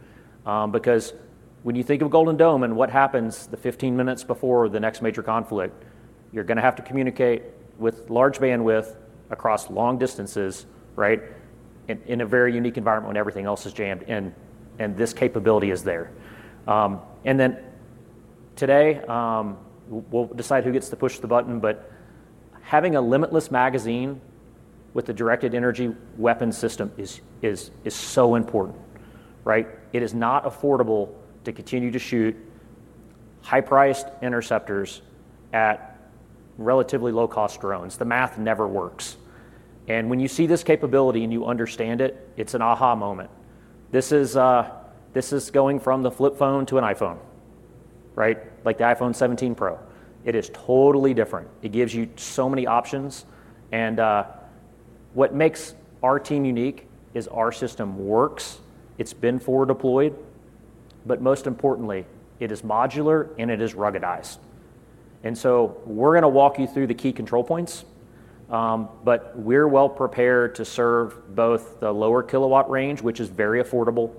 [SPEAKER 5] When you think of Golden Dome and what happens the 15 minutes before the next major conflict, you're going to have to communicate with large bandwidth across long distances, right, in a very unique environment when everything else is jammed. This capability is there. Today, we'll decide who gets to push the button. Having a limitless magazine with the Directed Energy Weapon System is so important, right? It is not affordable to continue to shoot high-priced interceptors at relatively low-cost drones. The math never works. When you see this capability and you understand it, it's an aha moment. This is going from the flip phone to an iPhone, right, like the iPhone 17 Pro. It is totally different. It gives you so many options. What makes our team unique is our system works. It's been forward deployed. Most importantly, it is modular and it is ruggedized. We're going to walk you through the key control points. We're well prepared to serve both the lower kilowatt range, which is very affordable,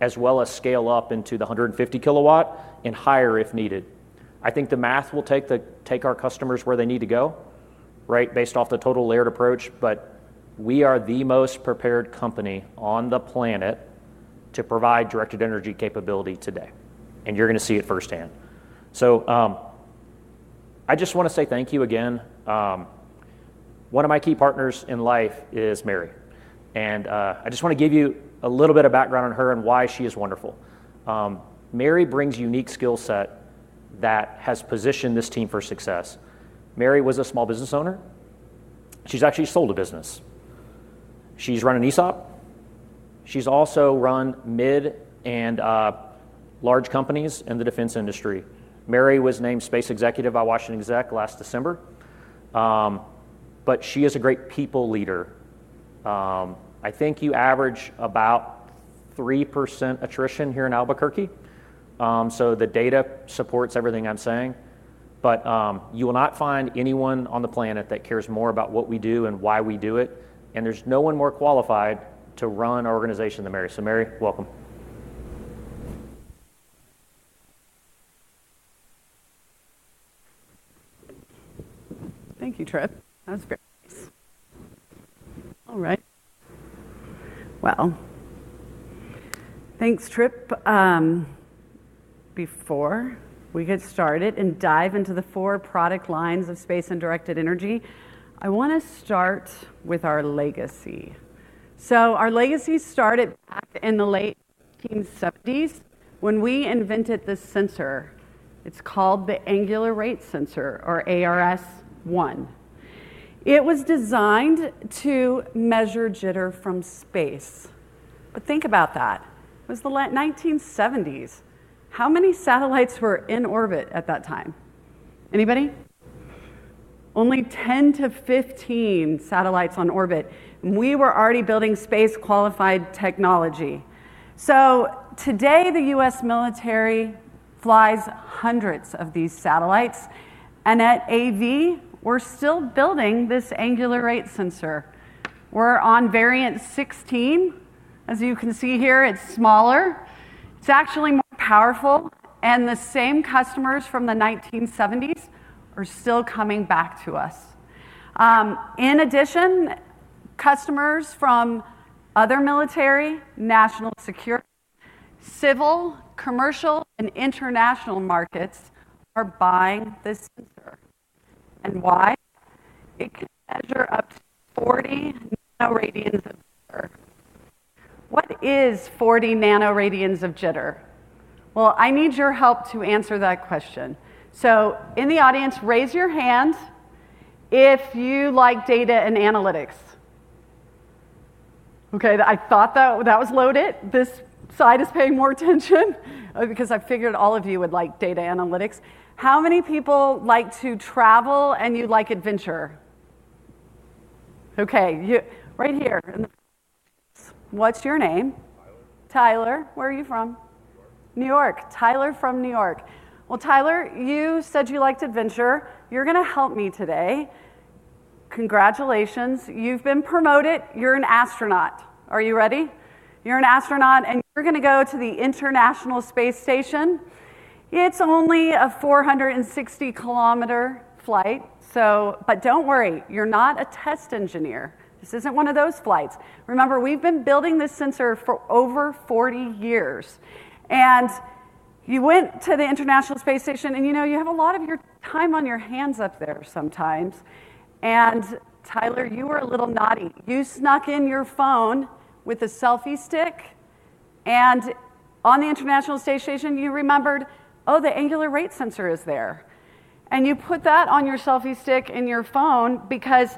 [SPEAKER 5] as well as scale up into the 150 kW and higher if needed. I think the math will take our customers where they need to go, right, based off the total layered approach. We are the most prepared company on the planet to provide directed energy capability today. You are going to see it firsthand. I just want to say thank you again. One of my key partners in life is Mary. I just want to give you a little bit of background on her and why she is wonderful. Mary brings a unique skill set that has positioned this team for success. Mary was a small business owner. She's actually sold a business. She's run an ESOP. She's also run mid and large companies in the defense industry. Mary was named Space Executive by Washington Exec last December. She is a great people leader. I think you average about 3% attrition here in Albuquerque. The data supports everything I'm saying. You will not find anyone on the planet that cares more about what we do and why we do it. There is no one more qualified to run our organization than Mary. Mary, welcome.
[SPEAKER 6] Thank you, Trip. That was very nice. All right. Thank you, Trip. Before we get started and dive into the four product lines of space and directed energy, I want to start with our legacy. Our legacy started back in the late 1970s when we invented this sensor. It's called the Angular Rate Sensor or ARS 1. It was designed to measure jitter from space. Think about that. It was the late 1970s. How many satellites were in orbit at that time? Anybody? Only 10 to 15 satellites on orbit. We were already building space-qualified technology. Today, the U.S. military flies hundreds of these satellites. At AV, we're still building this Angular Rate Sensor. We're on variant 16. As you can see here, it's smaller. It's actually powerful. The same customers from the 1970s are still coming back to us. In addition, customers from other military, national security services, civil, commercial, and international markets are buying this sensor. Why? It can measure up to 40 nrad of jitter. What is 40 nrad of jitter? I need your help to answer that question. In the audience, raise your hand if you like data and analytics. OK, I thought that was loaded. This side is paying more attention because I figured all of you would like data analytics. How many people like to travel and you like adventure? OK, right here. What's your name? Tyler. Where are you from? New York. Tyler from New York. Tyler, you said you liked adventure. You're going to help me today. Congratulations. You've been promoted. You're an astronaut. Are you ready? You're an astronaut, and you're going to go to the International Space Station. It's only a 460-km flight. Don't worry. You're not a test engineer. This isn't one of those flights. Remember, we've been building this sensor for over 40 years. You went to the International Space Station, and you have a lot of your time on your hands up there sometimes. Tyler, you were a little naughty. You snuck in your phone with a selfie stick. On the International Space Station, you remembered, oh, the Angular Rate Sensor is there. You put that on your selfie stick in your phone because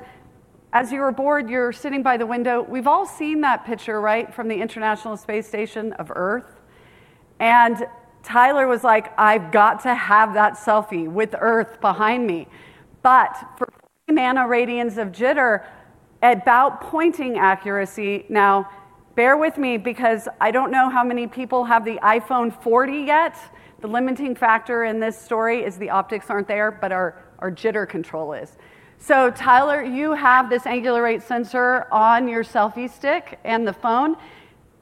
[SPEAKER 6] as you were bored, you were sitting by the window. We've all seen that picture, right, from the International Space Station of Earth. Tyler was like, I've got to have that selfie with Earth behind me. For 40 nrad of jitter at about pointing accuracy, now bear with me because I don't know how many people have the iPhone 40 yet. The limiting factor in this story is the optics aren't there, but our jitter control is. Tyler, you have this Angular Rate Sensor on your selfie stick and the phone.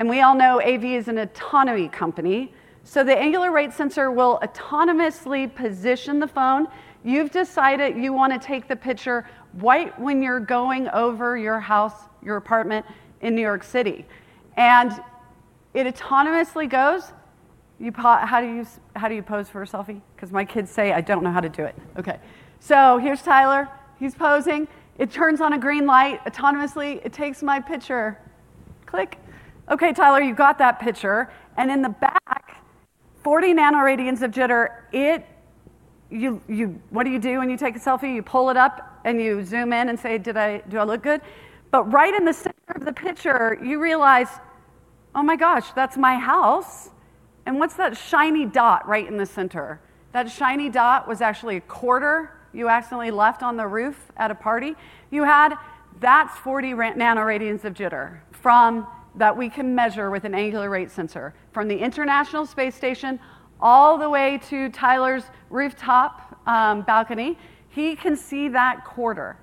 [SPEAKER 6] We all know AV is an autonomy company. The Angular Rate Sensor will autonomously position the phone. You've decided you want to take the picture right when you're going over your house, your apartment in New York City. It autonomously goes. How do you pose for a selfie? My kids say, I don't know how to do it. Here's Tyler. He's posing. It turns on a green light autonomously. It takes my picture. Click. Tyler, you've got that picture. In the back, 40 nrad of jitter. What do you do when you take a selfie? You pull it up and you zoom in and say, do I look good? Right in the center of the picture, you realize, oh my gosh, that's my house. What's that shiny dot right in the center? That shiny dot was actually a quarter you accidentally left on the roof at a party you had. That's 40 nrad of jitter that we can measure with an Angular Rate Sensor from the International Space Station all the way to Tyler's rooftop balcony. He can see that quarter.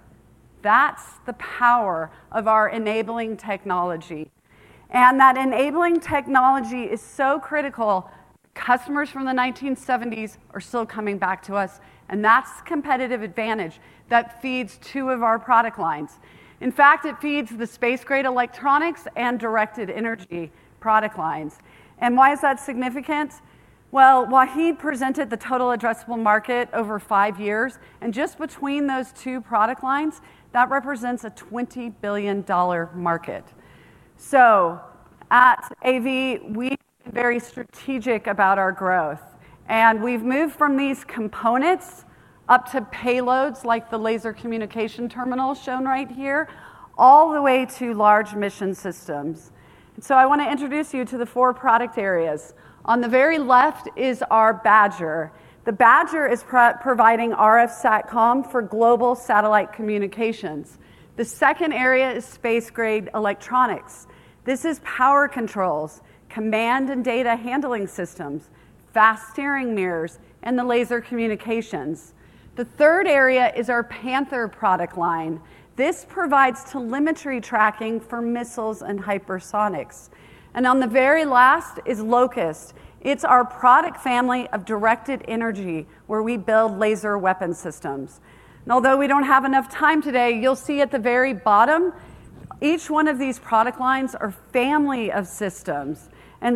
[SPEAKER 6] That's the power of our enabling technology. That enabling technology is so critical. Customers from the 1970s are still coming back to us. That's a competitive advantage that feeds two of our product lines. In fact, it feeds the Space Grade Electronics and Directed Energy product lines. Why is that significant? Wahid presented the total addressable market over five years. Just between those two product lines, that represents a $20 billion market. At AV, we've been very strategic about our growth. We've moved from these components up to payloads like the laser communication terminal shown right here, all the way to large mission systems. I want to introduce you to the four product areas. On the very left is our Badger. The Badger is providing RF SATCOM for global satellite communications. The second area is Space Grade Electronics. This is power controls, command and data handling systems, fast-steering mirrors, and the laser communications. The third area is our Panther product line. This provides telemetry tracking for missiles and hypersonics. On the very last is Locust. It's our product family of directed energy, where we build laser weapon systems. Although we don't have enough time today, you'll see at the very bottom, each one of these product lines is a family of systems. At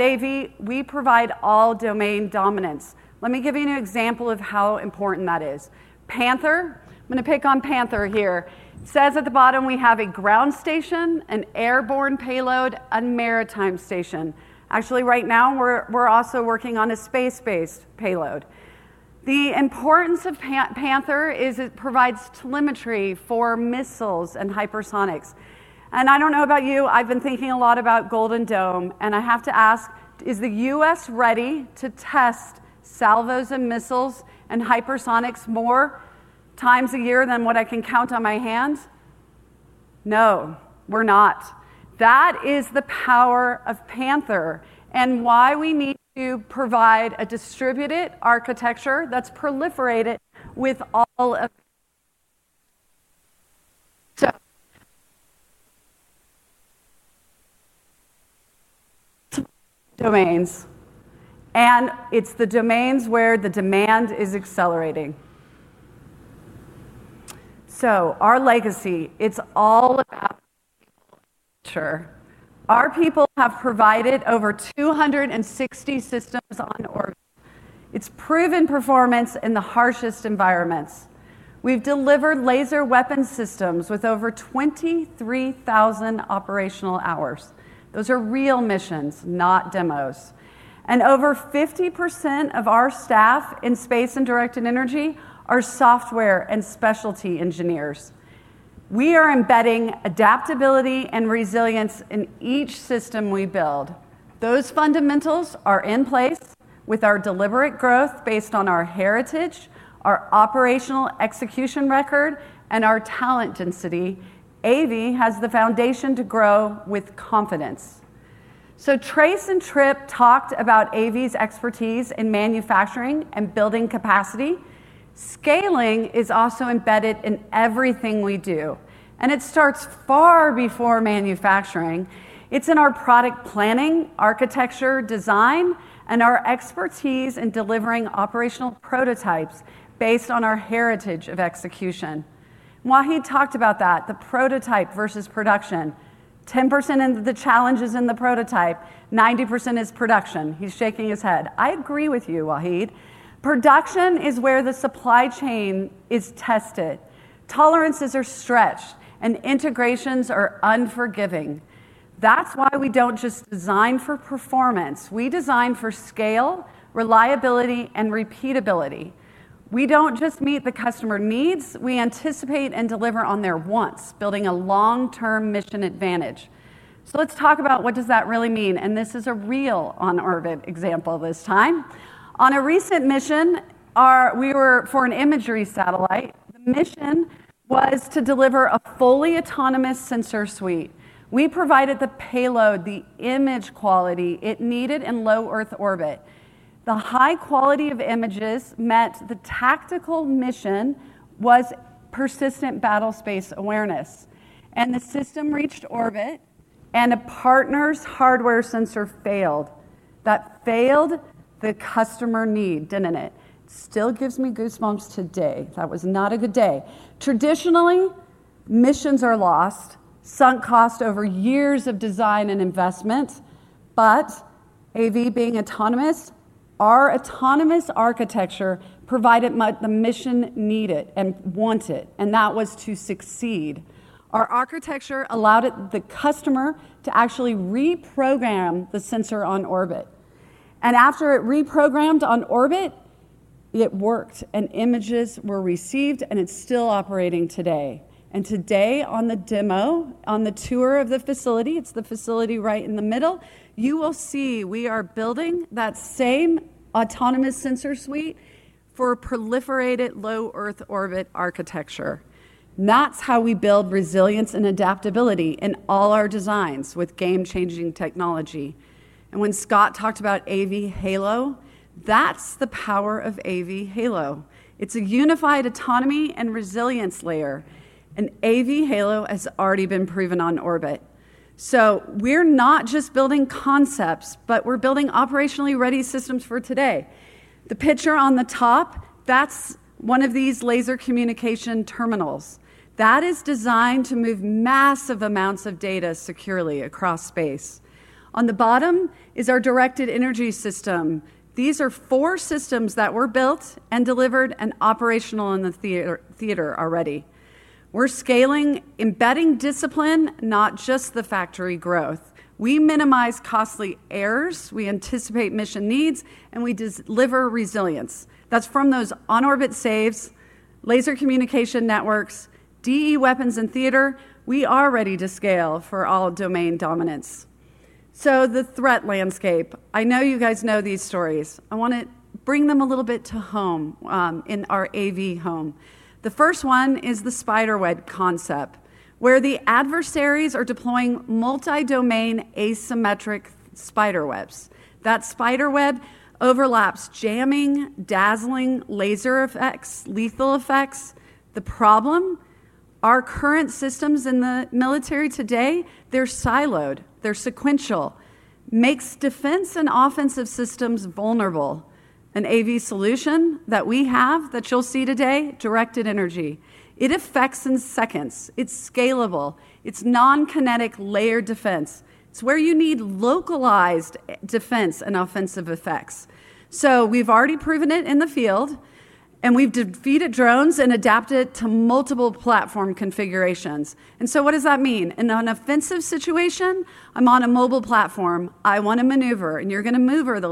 [SPEAKER 6] AV, we provide all domain dominance. Let me give you an example of how important that is. Panther, I'm going to pick on Panther here, says at the bottom we have a ground station, an airborne payload, and a maritime station. Actually, right now, we're also working on a space-based payload. The importance of Panther is it provides telemetry for missiles and hypersonics. I don't know about you. I've been thinking a lot about Golden Dome. I have to ask, is the U.S. ready to test salvos and missiles and hypersonics more times a year than what I can count on my hands? No, we're not. That is the power of Panther and why we need to provide a distributed architecture that's proliferated with all domains. It's the domains where the demand is accelerating. Our legacy, it's all about. Our people have provided over 260 systems on orbit. It's proven performance in the harshest environments. We've delivered laser weapon systems with over 23,000 operational hours. Those are real missions, not demos. Over 50% of our staff in space and directed energy are software and specialty engineers. We are embedding adaptability and resilience in each system we build. Those fundamentals are in place with our deliberate growth based on our heritage, our operational execution record, and our talent density. AV has the foundation to grow with confidence. Trace and Trip talked about AV's expertise in manufacturing and building capacity. Scaling is also embedded in everything we do. It starts far before manufacturing. It's in our product planning, architecture, design, and our expertise in delivering operational prototypes based on our heritage of execution. Wahid talked about that, the prototype versus production. 10% of the challenge is in the prototype. 90% is production. He's shaking his head. I agree with you, Wahid. Production is where the supply chain is tested. Tolerances are stretched, and integrations are unforgiving. That's why we don't just design for performance. We design for scale, reliability, and repeatability. We don't just meet the customer needs. We anticipate and deliver on their wants, building a long-term mission advantage. Let's talk about what does that really mean. This is a real on-orbit example this time. On a recent mission, We were for an imagery satellite. The mission was to deliver a fully autonomous sensor suite. We provided the payload, the image quality it needed in low Earth orbit. The high quality of images meant the tactical mission was persistent battle space awareness. The system reached orbit and a partner's hardware sensor failed. That failed the customer need, didn't it? Still gives me goosebumps today. That was not a good day. Traditionally, missions are lost. Sunk cost over years of design and investment. AV being autonomous, our autonomous architecture provided the mission needed and wanted, and that was to succeed. Our architecture allowed the customer to actually reprogram the sensor on orbit. After it reprogrammed on orbit, it worked, and images were received, and it's still operating today. Today, on the demo, on the tour of the facility, it's the facility right in the middle, you will see we are building that same autonomous sensor suite for proliferated low Earth orbit architecture. That's how we build resilience and adaptability in all our designs with game-changing technology. When Scott talked about AV Halo, that's the power of AV Halo. It's a unified autonomy and resilience layer. AV Halo has already been proven on orbit. We're not just building concepts, but we're building operationally ready systems for today. The picture on the top, that's one of these laser communication terminals. That is designed to move massive amounts of data securely across space. On the bottom is our directed energy system. These are four systems that were built and delivered and operational in the theater already. We're scaling, embedding discipline, not just the factory growth. We minimize costly errors, we anticipate mission needs, and we deliver resilience. That's from those on-orbit saves, laser communication networks, DE weapons in theater. We are ready to scale for all domain dominance. The threat landscape, I know you guys know these stories. I want to bring them a little bit to home in our AV home. The first one is the spider web concept, where the adversaries are deploying multi-domain asymmetric spider webs. That spider web overlaps jamming, dazzling, laser effects, lethal effects. The problem? Our current systems in the military today, they're siloed. They're sequential. Makes defense and offensive systems vulnerable. An AV solution that we have that you'll see today, directed energy. It affects in seconds. It's scalable. It's non-kinetic layered defense. It's where you need localized defense and offensive effects. We've already proven it in the field, and we've defeated drones and adapted it to multiple platform configurations. What does that mean? In an offensive situation, I'm on a mobile platform. I want to maneuver, and you're going to maneuver the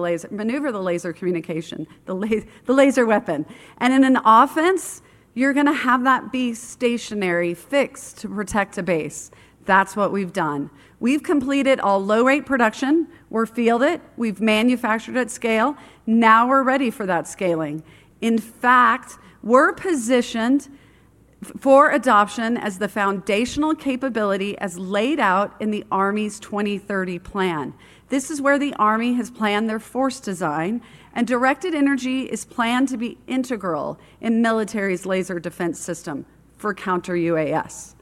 [SPEAKER 6] laser communication, the laser weapon. In an offense, you're going to have that be stationary, fixed to protect a base. That's what we've done. We've completed all low-rate production. We're fielded. We've manufactured at scale. Now we're ready for that scaling. In fact, we're positioned for adoption as the foundational capability as laid out in the Army's 2030 plan. This is where the Army has planned their force design, and directed energy is planned to be integral in the military's laser defense system for counter-UAS.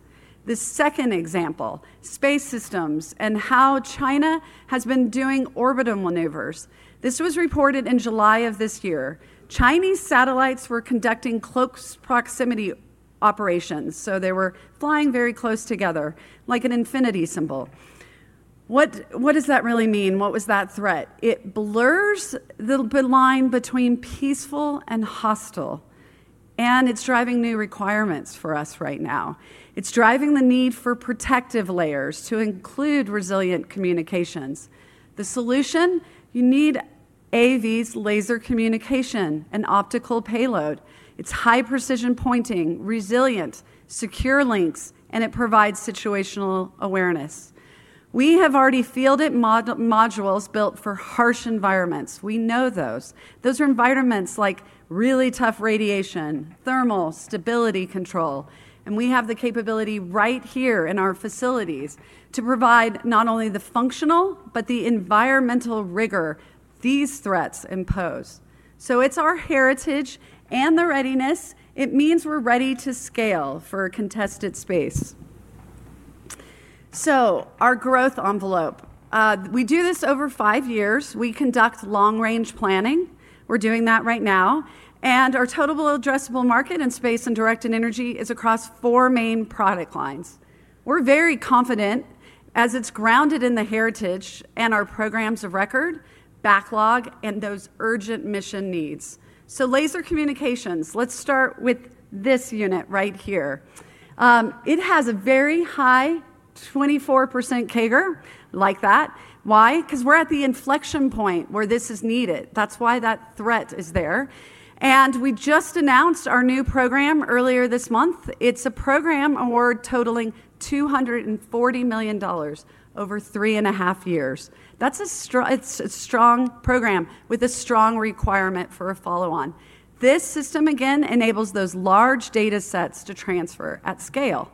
[SPEAKER 6] The second example, space systems, and how China has been doing orbital maneuvers. This was reported in July of this year. Chinese satellites were conducting close proximity operations, so they were flying very close together, like an infinity symbol. What does that really mean? What was that threat? It blurs the line between peaceful and hostile. It's driving new requirements for us right now. It's driving the need for protective layers to include resilient communications. The solution? You need AV's laser communication and optical payload. It's high precision pointing, resilient, secure links, and it provides situational awareness. We have already fielded modules built for harsh environments. We know those. Those are environments like really tough radiation, thermal, stability control. We have the capability right here in our facilities to provide not only the functional but the environmental rigor these threats impose. It's our heritage and the readiness. It means we're ready to scale for a contested space. Our growth envelope. We do this over five years. We conduct long-range planning. We're doing that right now. Our total addressable market in space and directed energy is across four main product lines. We're very confident as it's grounded in the heritage and our programs of record, backlog, and those urgent mission needs. Laser communications, let's start with this unit right here. It has a very high 24% CAGR like that. Why? We're at the inflection point where this is needed. That's why that threat is there. We just announced our new program earlier this month. It's a program award totaling $240 million over three and a half years. That's a strong program with a strong requirement for a follow-on. This system, again, enables those large data sets to transfer at scale.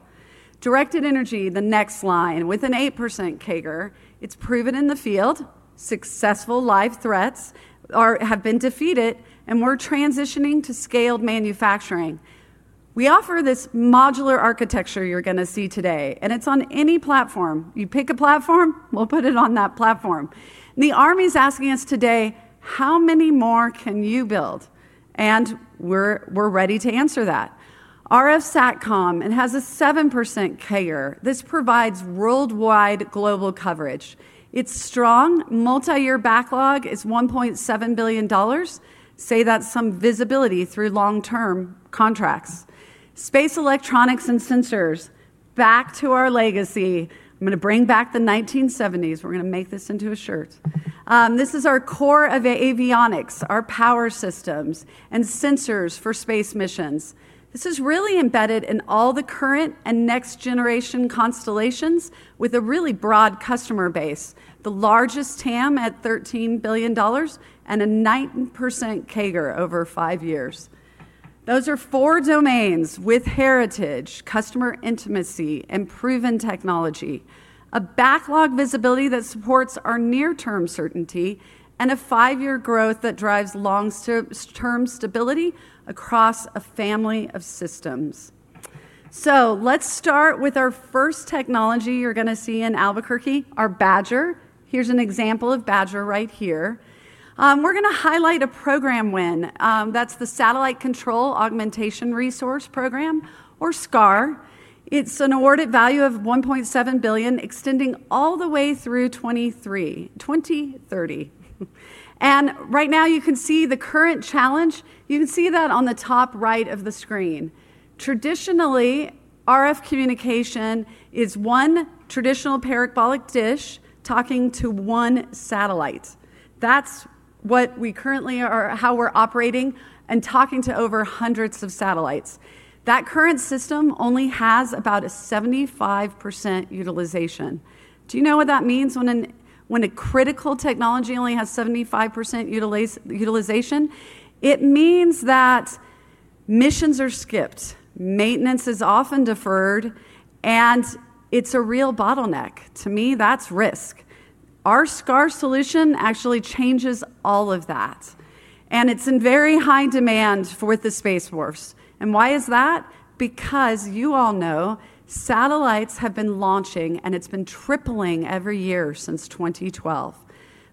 [SPEAKER 6] Directed energy, the next line, with an 8% CAGR. It's proven in the field. Successful live threats have been defeated, and we're transitioning to scaled manufacturing. We offer this modular architecture you're going to see today, and it's on any platform. You pick a platform, we'll put it on that platform. The Army is asking us today, how many more can you build? We're ready to answer that. RF SATCOM has a 7% CAGR. This provides worldwide global coverage. It's a strong, multi-year backlog. It's $1.7 billion. Say that's some visibility through long-term contracts. Space electronics and sensors, back to our legacy. I'm going to bring back the 1970s. We're going to make this into a shirt. This is our core of avionics, our power systems, and sensors for space missions. This is really embedded in all the current and next-generation constellations with a really broad customer base. The largest TAM at $13 billion and a 9% CAGR over five years. Those are four domains with heritage, customer intimacy, and proven technology. A backlog visibility that supports our near-term certainty and a five-year growth that drives long-term stability across a family of systems. Let's start with our first technology you're going to see in Albuquerque, our Badger. Here's an example of Badger right here. We're going to highlight a program win. That's the Satellite Control Augmentation Resource Program, or SCAR. It's an awarded value of $1.7 billion, extending all the way through 2030. Right now, you can see the current challenge. You can see that on the top right of the screen. Traditionally, RF communication is one traditional parabolic dish talking to one satellite. That's what we currently are, how we're operating and talking to over hundreds of satellites. That current system only has about a 75% utilization. Do you know what that means when a critical technology only has 75% utilization? It means that missions are skipped, maintenance is often deferred, and it's a real bottleneck. To me, that's risk. Our SCAR solution actually changes all of that. It's in very high demand with the Space Force. Why is that? Because you all know, satellites have been launching, and it's been tripling every year since 2012.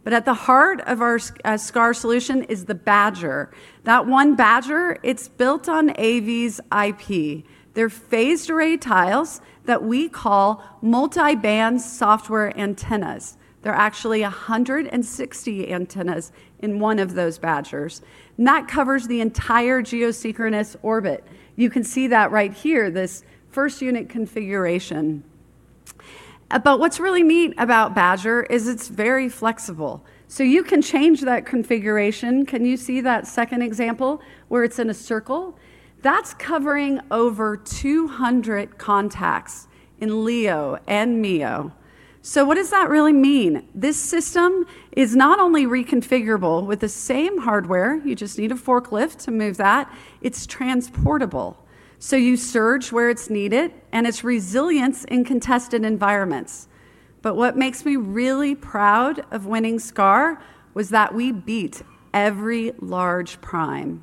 [SPEAKER 6] At the heart of our SCAR solution is the Badger. That one Badger, it's built on AV's IP. They're phased array tiles that we call multi-band software antennas. There are actually 160 antennas in one of those Badgers, and that covers the entire geosynchronous orbit. You can see that right here, this first unit configuration. What's really neat about Badger is it's very flexible, so you can change that configuration. Can you see that second example where it's in a circle? That's covering over 200 contacts in LEO and MEO. What does that really mean? This system is not only reconfigurable with the same hardware, you just need a forklift to move that, it's transportable. You surge where it's needed, and it's resilient in contested environments. What makes me really proud of winning SCAR was that we beat every large prime.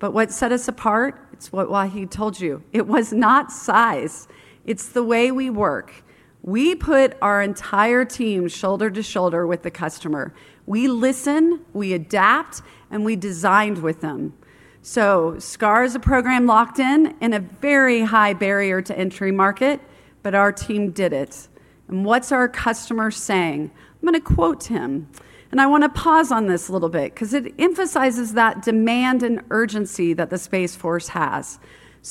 [SPEAKER 6] What set us apart, it's what Wahid told you. It was not size. It's the way we work. We put our entire team shoulder to shoulder with the customer. We listen, we adapt, and we designed with them. SCAR is a program locked in and a very high barrier to entry market, but our team did it. What's our customer saying? I'm going to quote him. I want to pause on this a little bit because it emphasizes that demand and urgency that the Space Force has.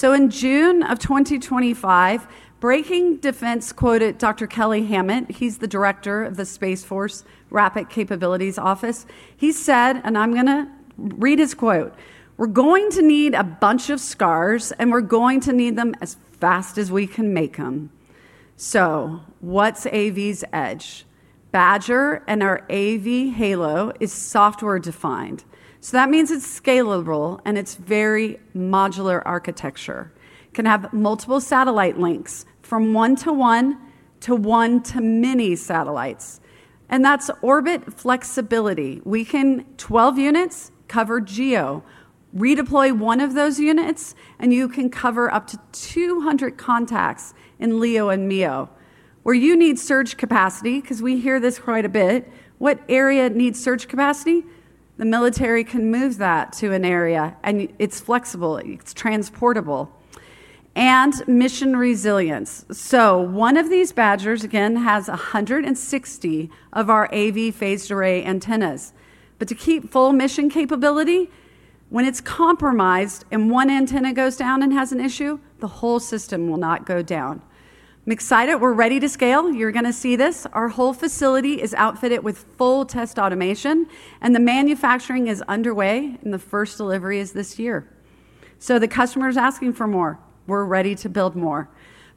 [SPEAKER 6] In June of 2025, Breaking Defense quoted Dr. Kelly Hammett. He's the Director of the Space Force Rapid Capabilities Office. He said, and I'm going to read his quote, "We're going to need a bunch of SCARs, and we're going to need them as fast as we can make them." What's AV's edge? Badger and our AV Halo is software-defined. That means it's scalable, and it's very modular architecture. It can have multiple satellite links from one-to-one to one-to-many satellites, and that's orbit flexibility. We can, 12 units, cover GEO, redeploy one of those units, and you can cover up to 200 contacts in LEO and MEO. Where you need surge capacity, because we hear this quite a bit, what area needs surge capacity? The military can move that to an area, and it's flexible. It's transportable and mission resilience. One of these Badgers, again, has 160 of our AV phased array antennas. To keep full mission capability, when it's compromised and one antenna goes down and has an issue, the whole system will not go down. I'm excited. We're ready to scale. You're going to see this. Our whole facility is outfitted with full test automation, and the manufacturing is underway, and the first delivery is this year. The customer is asking for more. We're ready to build more.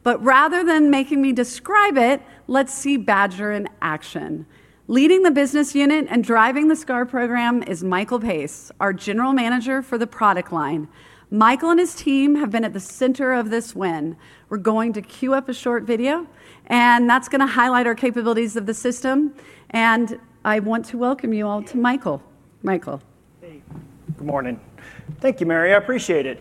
[SPEAKER 6] Rather than making me describe it, let's see Badger in action. Leading the business unit and driving the SCAR program is Michael Pace, our General Manager for the product line. Michael and his team have been at the center of this win. We're going to queue up a short video, and that's going to highlight our capabilities of the system. I want to welcome you all to Michael. Michael.
[SPEAKER 7] Thank you. Good morning. Thank you, Mary. I appreciate it.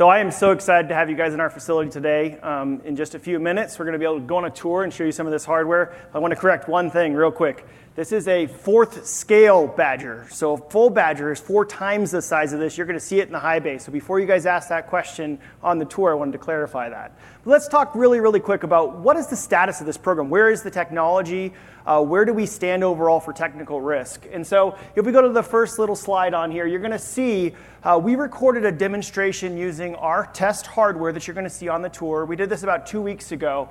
[SPEAKER 7] I am so excited to have you guys in our facility today. In just a few minutes, we're going to be able to go on a tour and show you some of this hardware. I want to correct one thing real quick. This is a fourth scale Badger. A full Badger is 4x the size of this. You're going to see it in the high bay. Before you guys ask that question on the tour, I wanted to clarify that. Let's talk really, really quick about what is the status of this program. Where is the technology? Where do we stand overall for technical risk? If we go to the first little slide on here, you're going to see we recorded a demonstration using our test hardware that you're going to see on the tour. We did this about two weeks ago.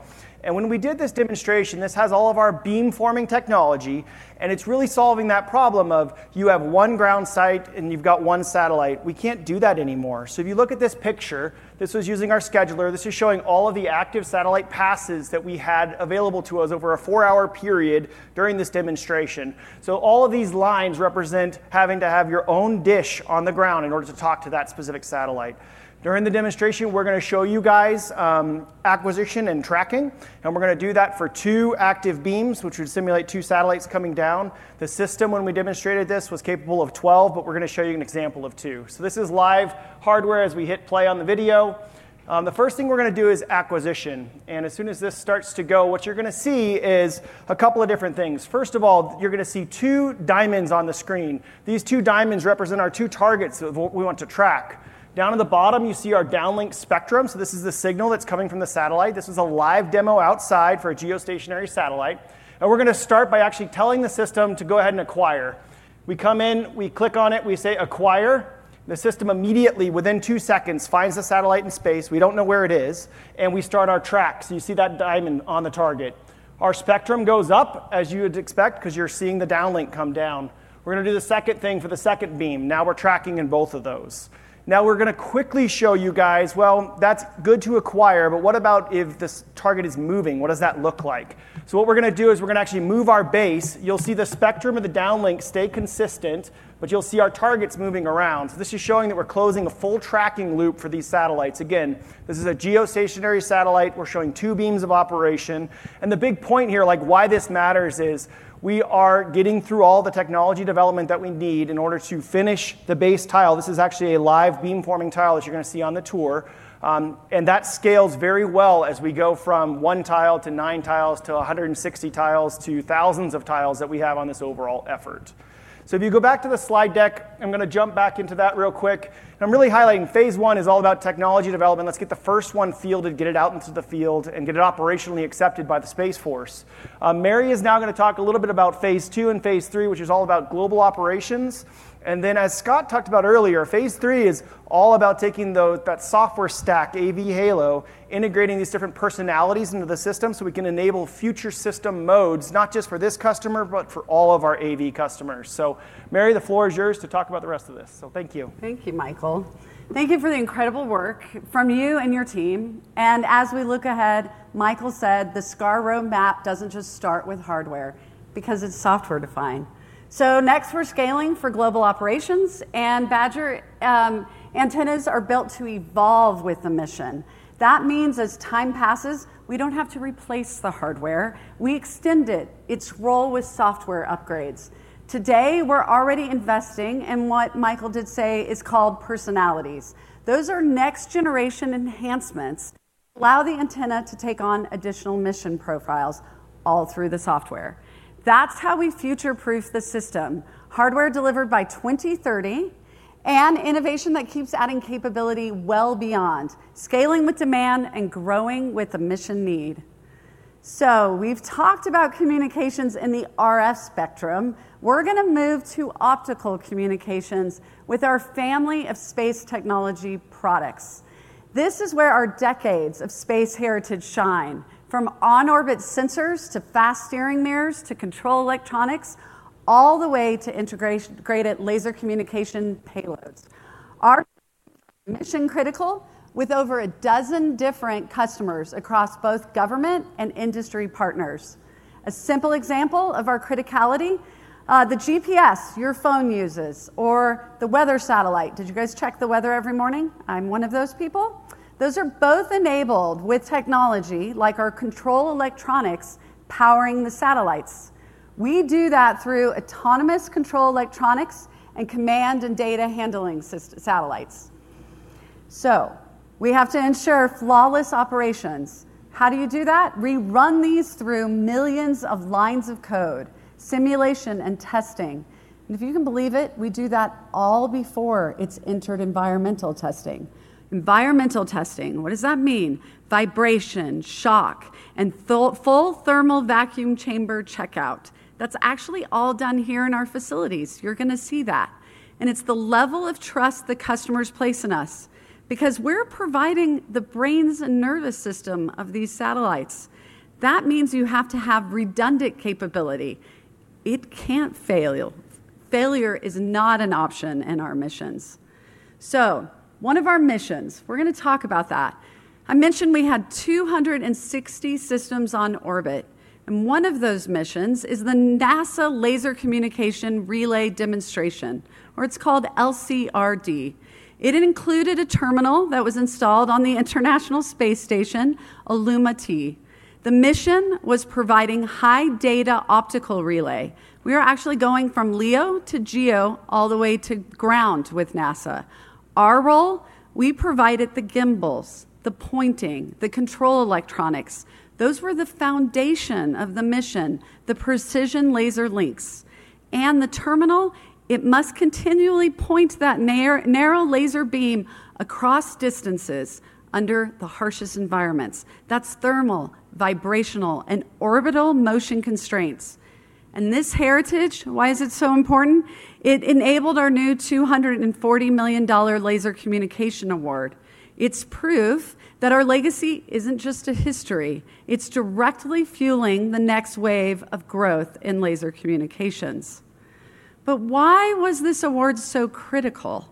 [SPEAKER 7] When we did this demonstration, this has all of our beam-forming technology, and it's really solving that problem of you have one ground site and you've got one satellite. We can't do that anymore. If you look at this picture, this was using our scheduler. This is showing all of the active satellite passes that we had available to us over a four-hour period during this demonstration. All of these lines represent having to have your own dish on the ground in order to talk to that specific satellite. During the demonstration, we're going to show you guys acquisition and tracking. We're going to do that for two active beams, which would simulate two satellites coming down. The system, when we demonstrated this, was capable of 12, but we're going to show you an example of two. This is live hardware as we hit play on the video. The first thing we're going to do is acquisition. As soon as this starts to go, what you're going to see is a couple of different things. First of all, you're going to see two diamonds on the screen. These two diamonds represent our two targets of what we want to track. Down at the bottom, you see our downlink spectrum. This is the signal that's coming from the satellite. This was a live demo outside for a geostationary satellite. We're going to start by actually telling the system to go ahead and acquire. We come in, we click on it, we say acquire. The system immediately, within two seconds, finds the satellite in space. We don't know where it is, and we start our track. You see that diamond on the target. Our spectrum goes up, as you would expect, because you're seeing the downlink come down. We're going to do the second thing for the second beam. Now we're tracking in both of those. Now we're going to quickly show you guys, that's good to acquire, but what about if this target is moving? What does that look like? What we're going to do is we're going to actually move our base. You'll see the spectrum of the downlink stay consistent, but you'll see our targets moving around. This is showing that we're closing a full tracking loop for these satellites. Again, this is a geostationary satellite. We're showing two beams of operation. The big point here, like why this matters, is we are getting through all the technology development that we need in order to finish the base tile. This is actually a live beam-forming tile that you're going to see on the tour. That scales very well as we go from one tile to nine tiles to 160 tiles to thousands of tiles that we have on this overall effort. If you go back to the slide deck, I'm going to jump back into that real quick. I'm really highlighting phase one is all about technology development. Let's get the first one fielded, get it out into the field, and get it operationally accepted by the Space Force. Mary is now going to talk a little bit about phase two and phase three, which is all about global operations. As Scott talked about earlier, phase three is all about taking that software stack, AV Halo, integrating these different personalities into the system so we can enable future system modes, not just for this customer, but for all of our AV customers. Mary, the floor is yours to talk about the rest of this. Thank you.
[SPEAKER 6] Thank you, Michael. Thank you for the incredible work from you and your team. As we look ahead, Michael said, the SCAR roadmap doesn't just start with hardware because it's software-defined. Next, we're scaling for global operations. Badger antennas are built to evolve with the mission. That means, as time passes, we don't have to replace the hardware. We extend its role with software upgrades. Today, we're already investing in what Michael did say is called personalities. Those are next-generation enhancements that allow the antenna to take on additional mission profiles all through the software. That's how we future-proof the system. Hardware delivered by 2030 and innovation that keeps adding capability well beyond, scaling with demand and growing with the mission need. We've talked about communications in the RF spectrum. We're going to move to optical communications with our family of space technology products. This is where our decades of space heritage shine, from on-orbit sensors to fast-steering mirrors to control electronics, all the way to integrated laser communication payloads. Our mission is critical with over a dozen different customers across both government and industry partners. A simple example of our criticality: the GPS your phone uses or the weather satellite. Did you guys check the weather every morning? I'm one of those people. Those are both enabled with technology like our control electronics powering the satellites. We do that through autonomous control electronics and command and data handling satellites. We have to ensure flawless operations. How do you do that? We run these through millions of lines of code, simulation, and testing. If you can believe it, we do that all before it's entered environmental testing. Environmental testing, what does that mean? Vibration, shock, and full thermal vacuum chamber checkout. That's actually all done here in our facilities. You're going to see that. It's the level of trust the customers place in us because we're providing the brains and nervous systems of these satellites. That means you have to have redundant capability. It can't fail. Failure is not an option in our missions. One of our missions, we're going to talk about that. I mentioned we had 260 systems on orbit. One of those missions is the NASA Laser Communication Relay Demonstration, or it's called LCRD. It included a terminal that was installed on the International Space Station, Illuma-T. The mission was providing high data optical relay. We are actually going from LEO to GEO all the way to ground with NASA. Our role, we provided the gimbals, the pointing, the control electronics. Those were the foundation of the mission, the precision laser links. The terminal, it must continually point that narrow laser beam across distances under the harshest environments. That's thermal, vibrational, and orbital motion constraints. This heritage, why is it so important? It enabled our new $240 million Laser Communication Award. It's proof that our legacy isn't just a history. It's directly fueling the next wave of growth in laser communications. Why was this award so critical?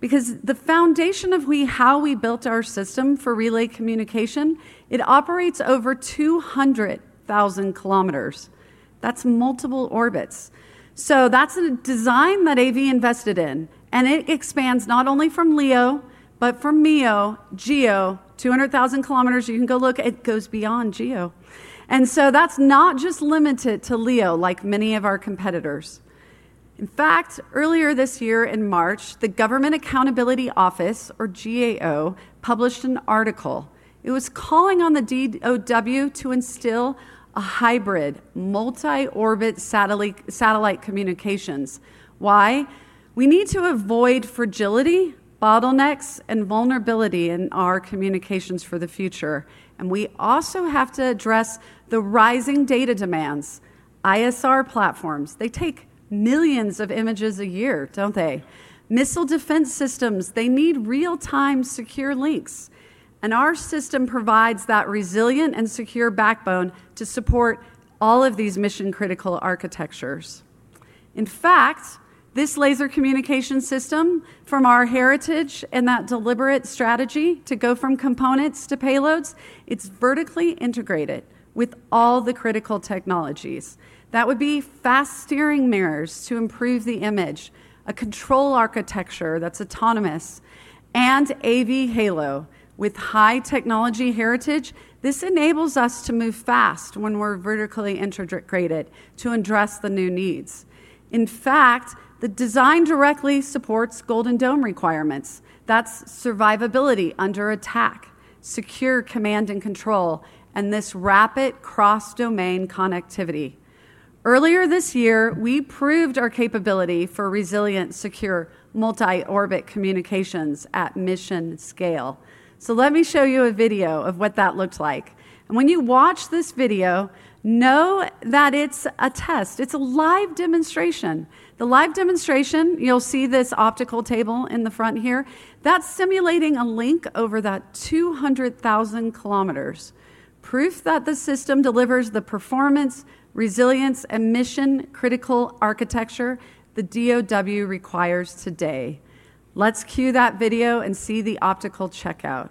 [SPEAKER 6] The foundation of how we built our system for relay communication, it operates over 200,000 km. That's multiple orbits. That's a design that AV invested in. It expands not only from LEO, but from MEO, GEO, 200,000 km. You can go look. It goes beyond GEO. That's not just limited to LEO, like many of our competitors. In fact, earlier this year in March, the Government Accountability Office, or GAO, published an article. It was calling on the DOD to instill a hybrid multi-orbit satellite communications. We need to avoid fragility, bottlenecks, and vulnerability in our communications for the future. We also have to address the rising data demands. ISR platforms, they take millions of images a year, don't they? Missile defense systems, they need real-time secure links. Our system provides that resilient and secure backbone to support all of these mission-critical architectures. In fact, this laser communication system from our heritage and that deliberate strategy to go from components to payloads, it's vertically integrated with all the critical technologies. That would be fast-steering mirrors to improve the image, a control architecture that's autonomous, and AV Halo with high-technology heritage. This enables us to move fast when we're vertically integrated to address the new needs. The design directly supports Golden Dome requirements. That's survivability under attack, secure command and control, and this rapid cross-domain connectivity. Earlier this year, we proved our capability for resilient, secure, multi-orbit communications at mission scale. Let me show you a video of what that looks like. When you watch this video, know that it's a test. It's a live demonstration. The live demonstration, you'll see this optical table in the front here. That's simulating a link over that 200,000 km. Proof that the system delivers the performance, resilience, and mission-critical architecture the DOD requires today. Let's queue that video and see the optical checkout.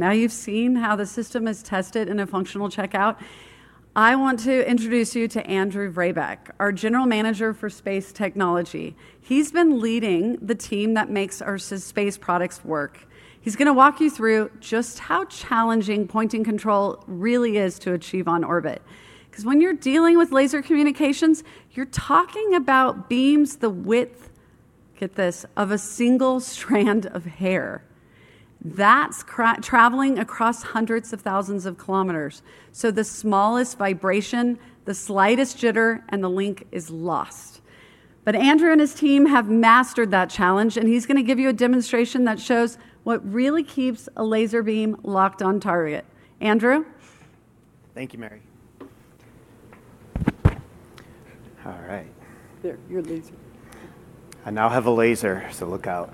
[SPEAKER 6] Okay, now you've seen how the system is tested in a functional checkout. I want to introduce you to Andrew Rybek, our General Manager for Space Technology. He's been leading the team that makes our space products work. He's going to walk you through just how challenging pointing control really is to achieve on orbit. Because when you're dealing with laser communications, you're talking about beams the width, get this, of a single strand of hair. That's traveling across hundreds of thousands of kilometers. The smallest vibration, the slightest jitter, and the link is lost. Andrew and his team have mastered that challenge, and he's going to give you a demonstration that shows what really keeps a laser beam locked on target. Andrew?
[SPEAKER 8] Thank you, Mary. All right.
[SPEAKER 6] There, your laser communications.
[SPEAKER 8] I now have a laser, so look out.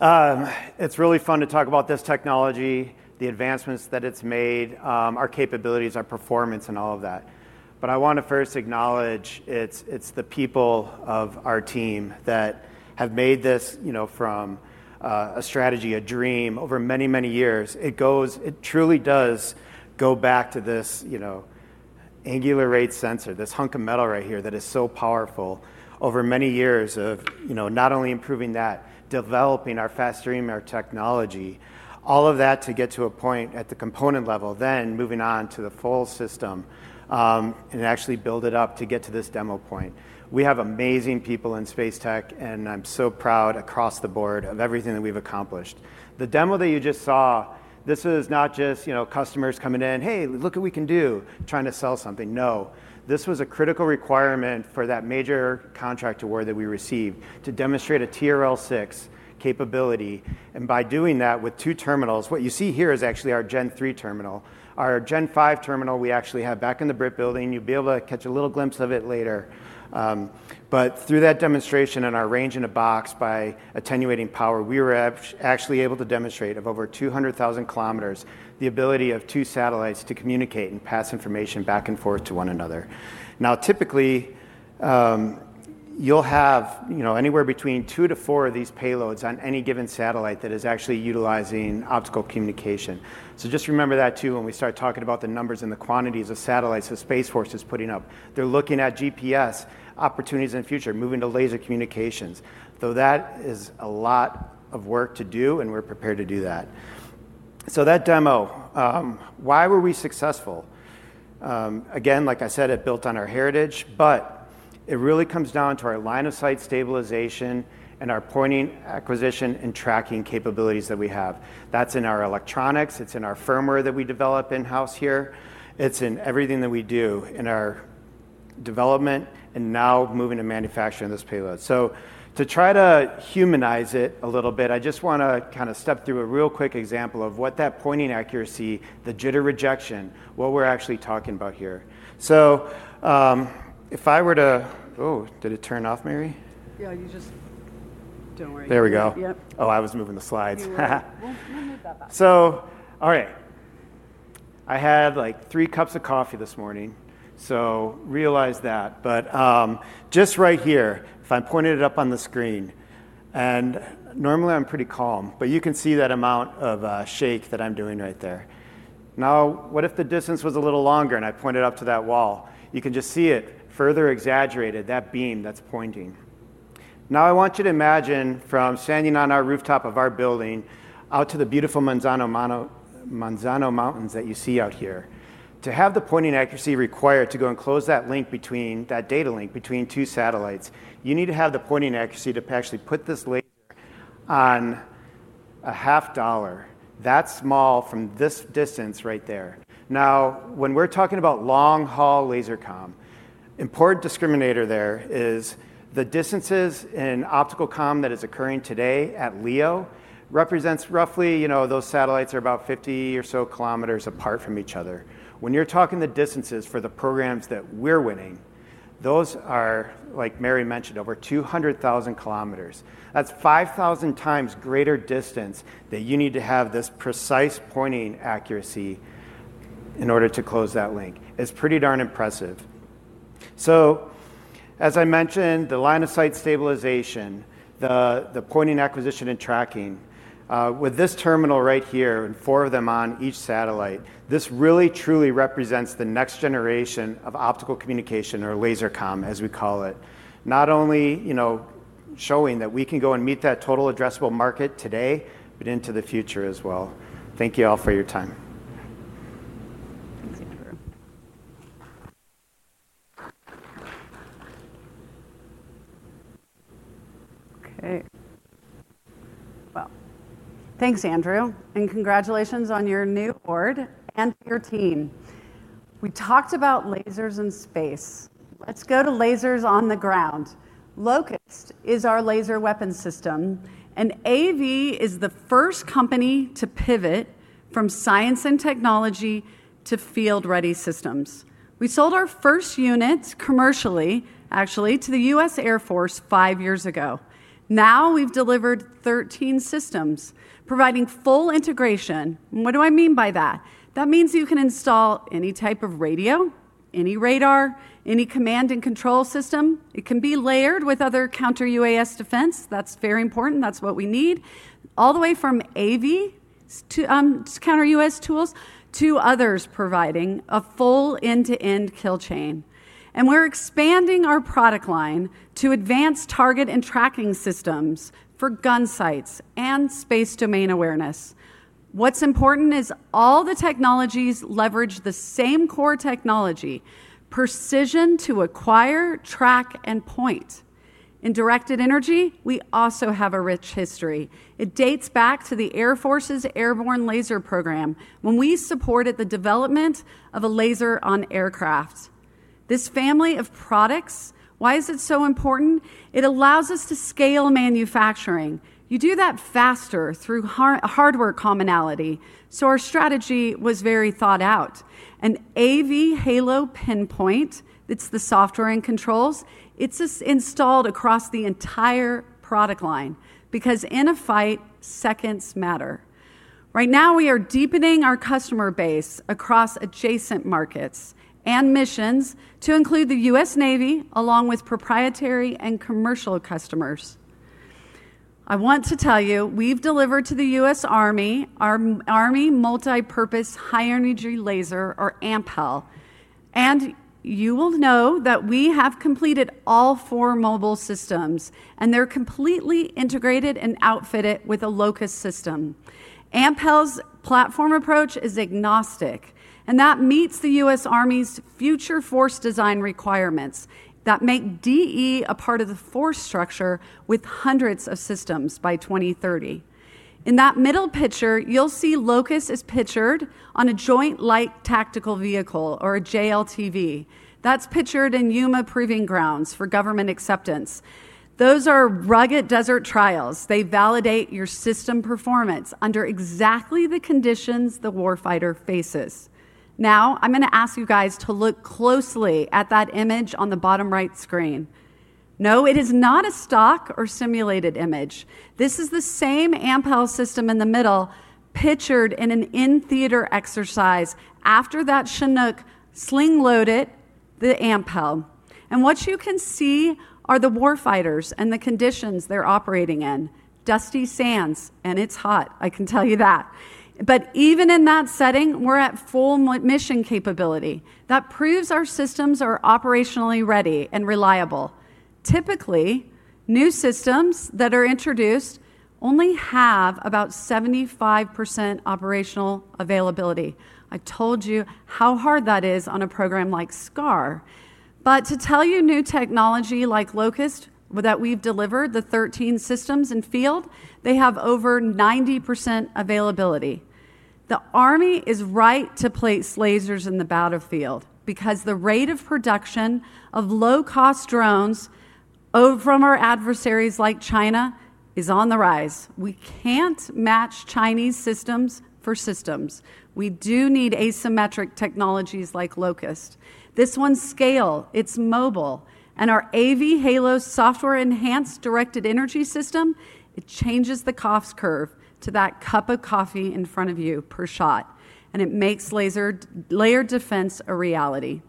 [SPEAKER 8] It's really fun to talk about this technology, the advancements that it's made, our capabilities, our performance, and all of that. I want to first acknowledge it's the people of our team that have made this, you know, from a strategy, a dream over many, many years. It truly does go back to this angular rate sensor, this hunk of metal right here that is so powerful over many years of not only improving that, developing our fast stream and our technology, all of that to get to a point at the component level, then moving on to the full system and actually build it up to get to this demo point. We have amazing people in space tech, and I'm so proud across the board of everything that we've accomplished. The demo that you just saw, this is not just customers coming in, hey, look what we can do, trying to sell something. This was a critical requirement for that major contract award that we received to demonstrate a TRL6 capability. By doing that with two terminals, what you see here is actually our Gen 3 terminal. Our Gen 5 terminal we actually had back in the Britt Building. You'll be able to catch a little glimpse of it later. Through that demonstration and our range in a box by attenuating power, we were actually able to demonstrate over 200,000 km the ability of two satellites to communicate and pass information back and forth to one another. Typically, you'll have anywhere between two to four of these payloads on any given satellite that is actually utilizing optical communication. Just remember that too when we start talking about the numbers and the quantities of satellites the Space Force is putting up. They're looking at GPS opportunities in the future, moving to laser communications. That is a lot of work to do, and we're prepared to do that. That demo, why were we successful? Like I said, it built on our heritage, but it really comes down to our line-of-sight stabilization and our pointing acquisition and tracking capabilities that we have. That's in our electronics. It's in our firmware that we develop in-house here. It's in everything that we do in our development and now moving to manufacturing those payloads. To try to humanize it a little bit, I just want to kind of step through a real quick example of what that pointing accuracy, the jitter rejection, what we're actually talking about here. If I were to, oh, did it turn off, Mary?
[SPEAKER 6] Yeah, don't worry.
[SPEAKER 8] There we go.
[SPEAKER 6] Yep.
[SPEAKER 8] Oh, I was moving the slides. All right. I had like three cups of coffee this morning. Realize that. Just right here, if I pointed it up on the screen, and normally I'm pretty calm, but you can see that amount of shake that I'm doing right there. Now, if the distance was a little longer and I pointed up to that wall, you can just see it further exaggerated, that beam that's pointing. I want you to imagine from standing on our rooftop of our building out to the beautiful Manzano Mountains that you see out here. To have the pointing accuracy required to go and close that link between, that data link between two satellites, you need to have the pointing accuracy to actually put this link on a half dollar. That's small from this distance right there. When we're talking about long-haul laser com, important discriminator there is the distances in optical com that is occurring today at LEO represents roughly, you know, those satellites are about 50 or so kilometers apart from each other. When you're talking the distances for the programs that we're winning, those are, like Mary mentioned, over 200,000 km. That's 5,000x greater distance that you need to have this precise pointing accuracy in order to close that link. It's pretty darn impressive. As I mentioned, the line-of-sight stabilization, the pointing acquisition and tracking, with this terminal right here and four of them on each satellite, this really truly represents the next generation of optical communication or laser com, as we call it. Not only showing that we can go and meet that total addressable market today, but into the future as well. Thank you all for your time.
[SPEAKER 6] Thanks, Andrew. Okay. Thanks, Andrew. Congratulations on your new orb and your team. We talked about lasers in space. Let's go to lasers on the ground. Locust is our laser weapon system. AV is the first company to pivot from science and technology to field-ready systems. We sold our first units commercially, actually, to the U.S. Air Force five years ago. Now we've delivered 13 systems, providing full integration. What do I mean by that? That means you can install any type of radio, any radar, any command and control system. It can be layered with other counter-UAS defense. That's very important. That's what we need. All the way from AV to counter-UAS tools to others providing a full end-to-end kill chain. We're expanding our product line to advanced target and tracking systems for gun sites and space domain awareness. What's important is all the technologies leverage the same core technology, precision to acquire, track, and point. In directed energy, we also have a rich history. It dates back to the Air Force's Airborne Laser Program when we supported the development of a laser on aircraft. This family of products, why is it so important? It allows us to scale manufacturing. You do that faster through hardware commonality. Our strategy was very thought out. AV Halo Pinpoint, it's the software and controls, it's installed across the entire product line because in a fight, seconds matter. Right now, we are deepening our customer base across adjacent markets and missions to include the U.S. Navy, along with proprietary and commercial customers. I want to tell you, we've delivered to the U.S. Army our Army Multipurpose High Energy Laser, or AMPEL. You will know that we have completed all four mobile systems, and they're completely integrated and outfitted with a Locust system. AMPEL's platform approach is agnostic, and that meets the U.S. Army's future force design requirements that make DE a part of the force structure with hundreds of systems by 2030. In that middle picture, you'll see Locust is pictured on a joint light tactical vehicle, or a JLTV. That's pictured in UMA-proven grounds for government acceptance. Those are rugged desert trials. They validate your system performance under exactly the conditions the warfighter faces. Now, I'm going to ask you guys to look closely at that image on the bottom right screen. No, it is not a stock or simulated image. This is the same AMPEL system in the middle, pictured in an in-theater exercise after that Chinook sling-loaded the AMPEL. What you can see are the warfighters and the conditions they're operating in. Dusty sands, and it's hot. I can tell you that. Even in that setting, we're at full mission capability. That proves our systems are operationally ready and reliable. Typically, new systems that are introduced only have about 75% operational availability. I've told you how hard that is on a program like SCAR. To tell you new technology like Locust that we've delivered, the 13 systems in field, they have over 90% availability. The Army is right to place lasers in the battlefield because the rate of production of low-cost drones from our adversaries like China is on the rise. We can't match Chinese systems for systems. We do need asymmetric technologies like Locust. This one's scale. It's mobile. Our AV Halo software-enhanced directed energy system changes the cost curve to that cup of coffee in front of you per shot. It makes layered defense a reality.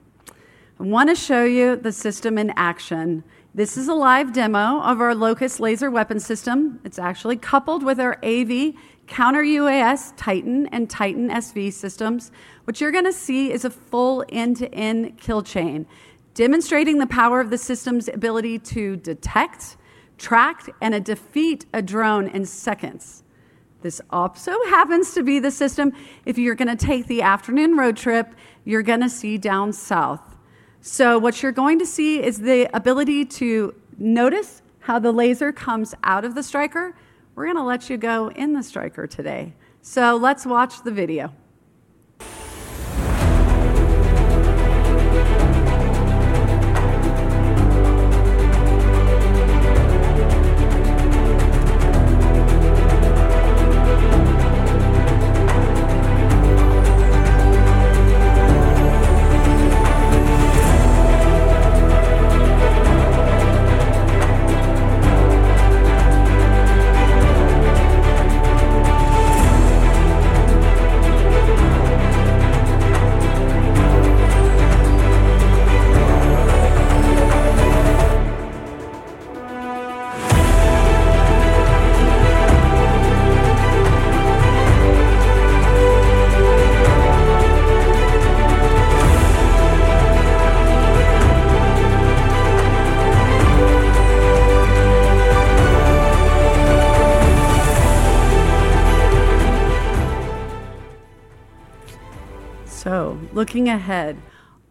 [SPEAKER 6] I want to show you the system in action. This is a live demo of our Locust laser weapon system. It's actually coupled with our AV counter-UAS Titan and Titan SV systems. What you're going to see is a full end-to-end kill chain, demonstrating the power of the system's ability to detect, track, and defeat a drone in seconds. This also happens to be the system, if you're going to take the afternoon road trip, you're going to see down south. What you're going to see is the ability to notice how the laser comes out of the striker. We're going to let you go in the striker today. Let's watch the video. Looking ahead,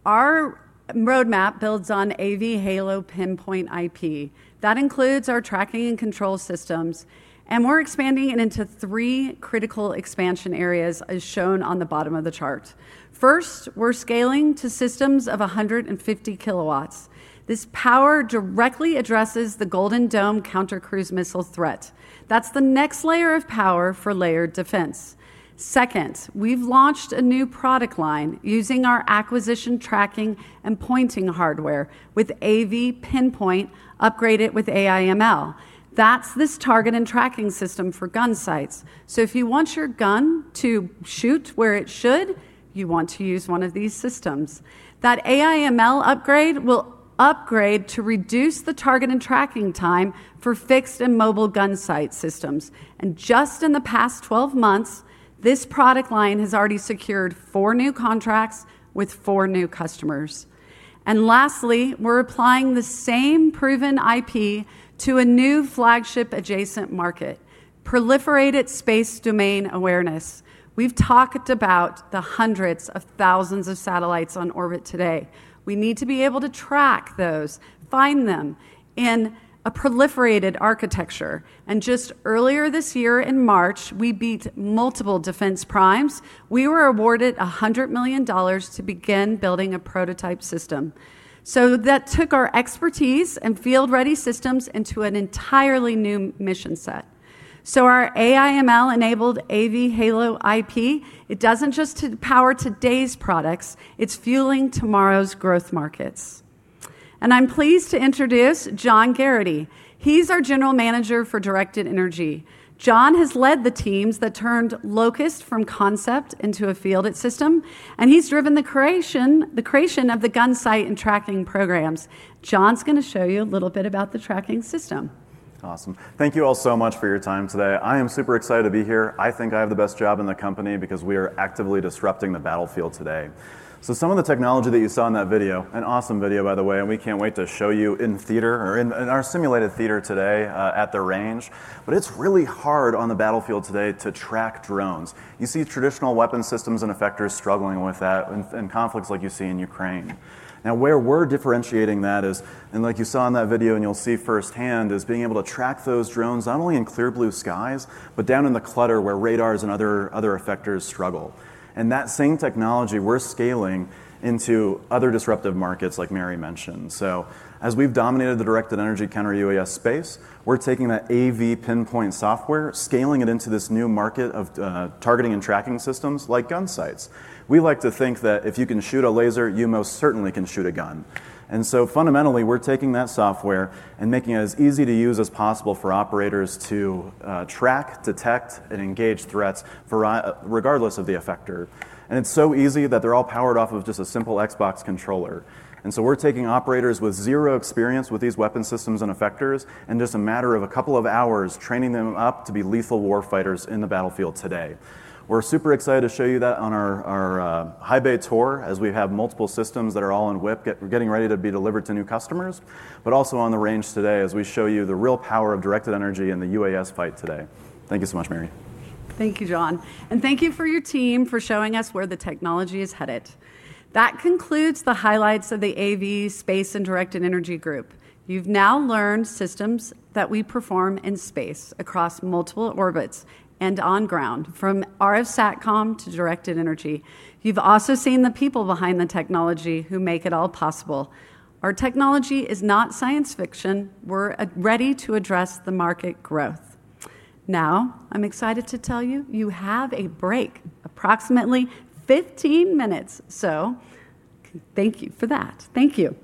[SPEAKER 6] our roadmap builds on AV Halo Pinpoint IP. That includes our tracking and control systems. We're expanding into three critical expansion areas as shown on the bottom of the chart. First, we're scaling to systems of 150 kW. This power directly addresses the Golden Dome counter-cruise missile threat. That's the next layer of power for layered defense. Second, we've launched a new product line using our acquisition tracking and pointing hardware with AV Pinpoint upgraded with AI/ML. That's this target and tracking system for gun sites. If you want your gun to shoot where it should, you want to use one of these systems. That AI/ML upgrade will upgrade to reduce the target and tracking time for fixed and mobile gun site systems. In just the past 12 months, this product line has already secured four new contracts with four new customers. Lastly, we're applying the same proven IP to a new flagship adjacent market, proliferated space domain awareness. We've talked about the hundreds of thousands of satellites on orbit today. We need to be able to track those, find them in a proliferated architecture. Earlier this year in March, we beat multiple defense primes. We were awarded $100 million to begin building a prototype system. That took our expertise and field-ready systems into an entirely new mission set. Our AIML enabled AV Halo IP doesn't just power today's products. It's fueling tomorrow's growth markets. I'm pleased to introduce John Garrity. He's our General Manager for Directed Energy. John has led the teams that turned Locust from concept into a fielded system, and he's driven the creation of the gun site and tracking programs. John's going to show you a little bit about the tracking system.
[SPEAKER 9] Awesome. Thank you all so much for your time today. I am super excited to be here. I think I have the best job in the company because we are actively disrupting the battlefield today. Some of the technology that you saw in that video, an awesome video by the way, and we can't wait to show you in theater or in our simulated theater today at the range. It's really hard on the battlefield today to track drones. You see traditional weapon systems and effectors struggling with that in conflicts like you see in Ukraine. Where we're differentiating that is, like you saw in that video and you'll see firsthand, being able to track those drones not only in clear blue skies, but down in the clutter where radars and other effectors struggle. That same technology, we're scaling into other disruptive markets like Mary mentioned. As we've dominated the directed energy counter-UAS space, we're taking that AV Pinpoint software, scaling it into this new market of targeting and tracking systems like gun sites. We like to think that if you can shoot a laser, you most certainly can shoot a gun. Fundamentally, we're taking that software and making it as easy to use as possible for operators to track, detect, and engage threats regardless of the effector. It's so easy that they're all powered off of just a simple Xbox controller. We're taking operators with zero experience with these weapon systems and effectors, in just a matter of a couple of hours, training them up to be lethal warfighters in the battlefield today. We're super excited to show you that on our high bay tour as we have multiple systems that are all in whip getting ready to be delivered to new customers, but also on the range today as we show you the real power of directed energy in the UAS fight today. Thank you so much, Mary.
[SPEAKER 6] Thank you, John. Thank you for your team for showing us where the technology is headed. That concludes the highlights of the AV Space and Directed Energy Group. You've now learned systems that we perform in space across multiple orbits and on ground from RF SATCOM to directed energy. You've also seen the people behind the technology who make it all possible. Our technology is not science fiction. We're ready to address the market growth. Now, I'm excited to tell you, you have a break, approximately 15 minutes. Thank you for that. Thank demo. Thank you.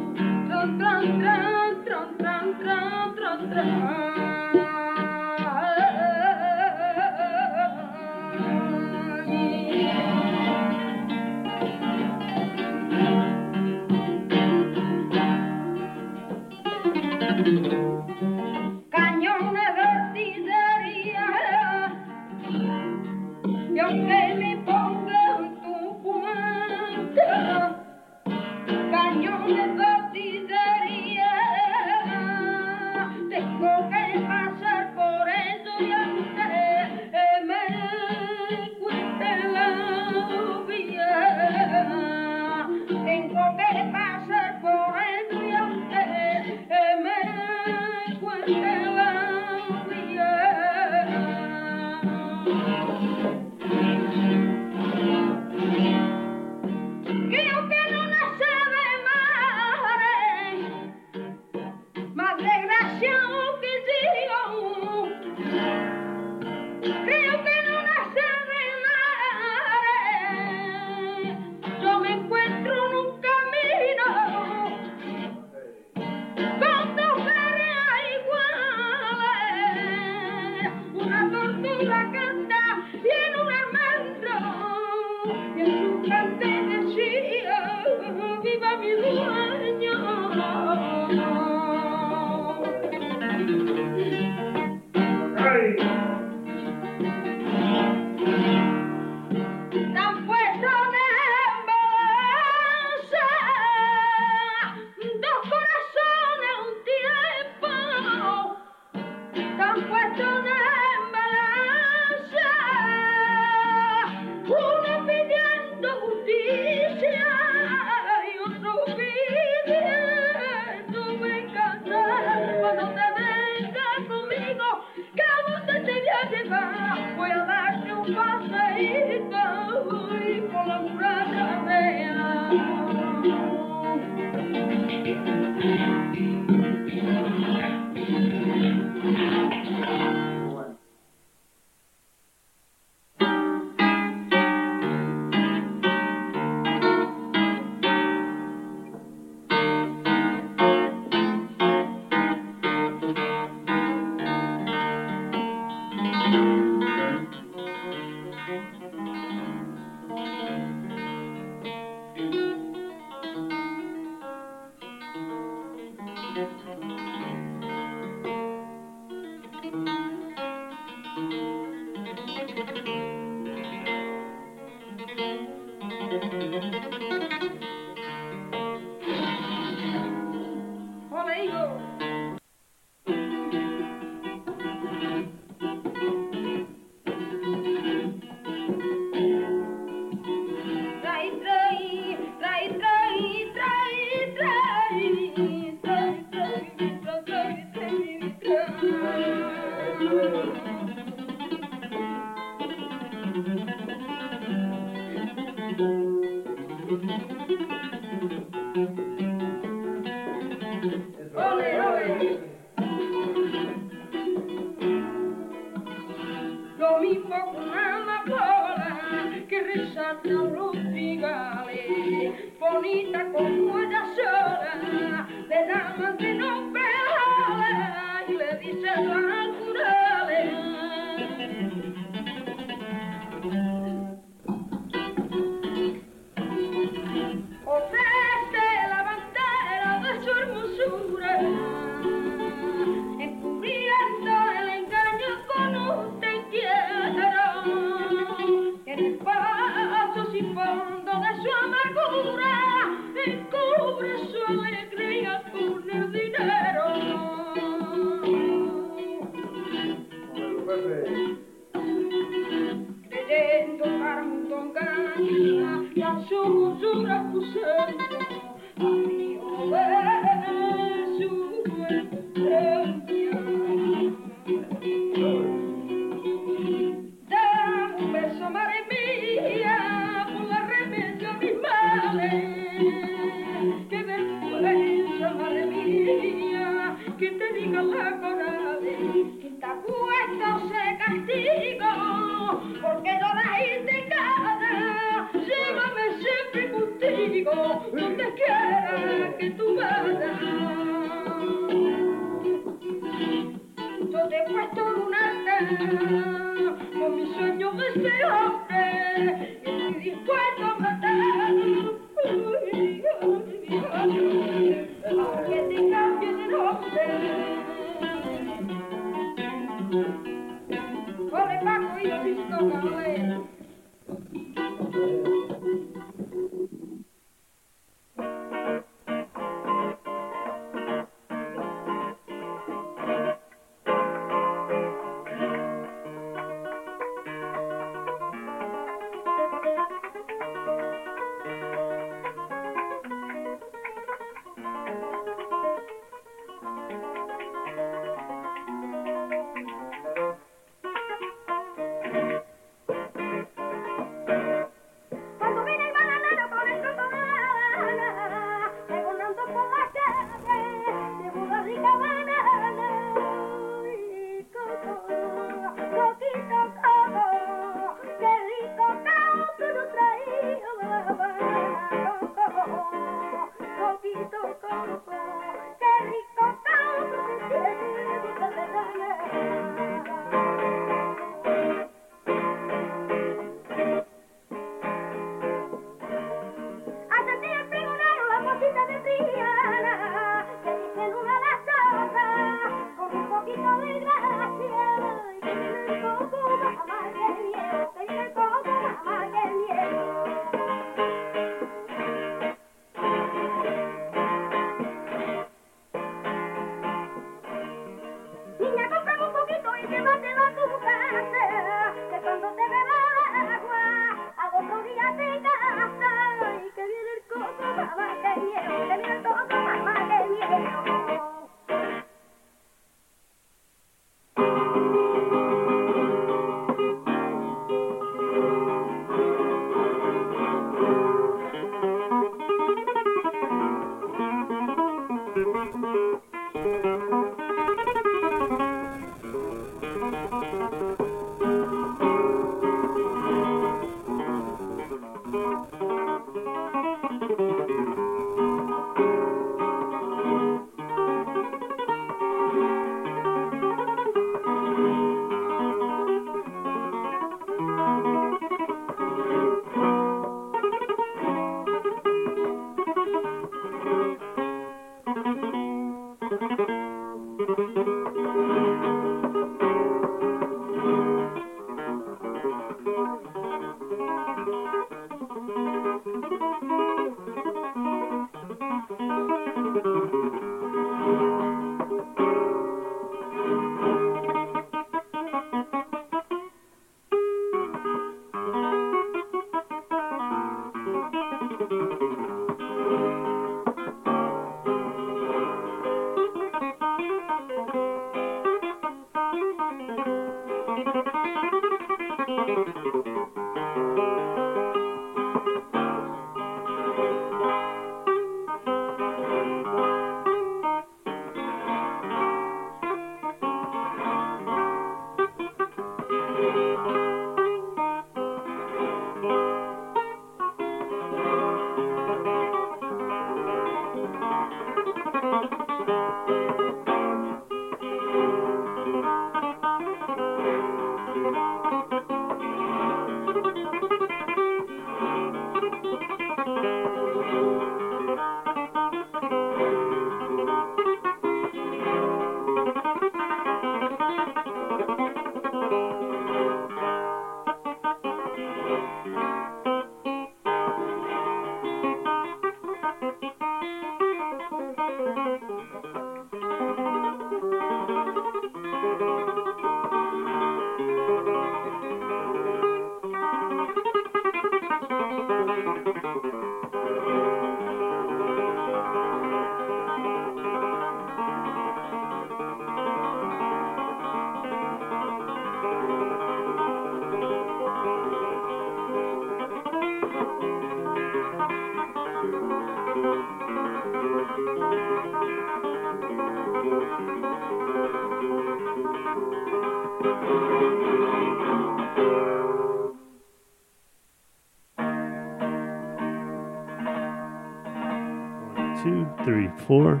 [SPEAKER 1] Hi,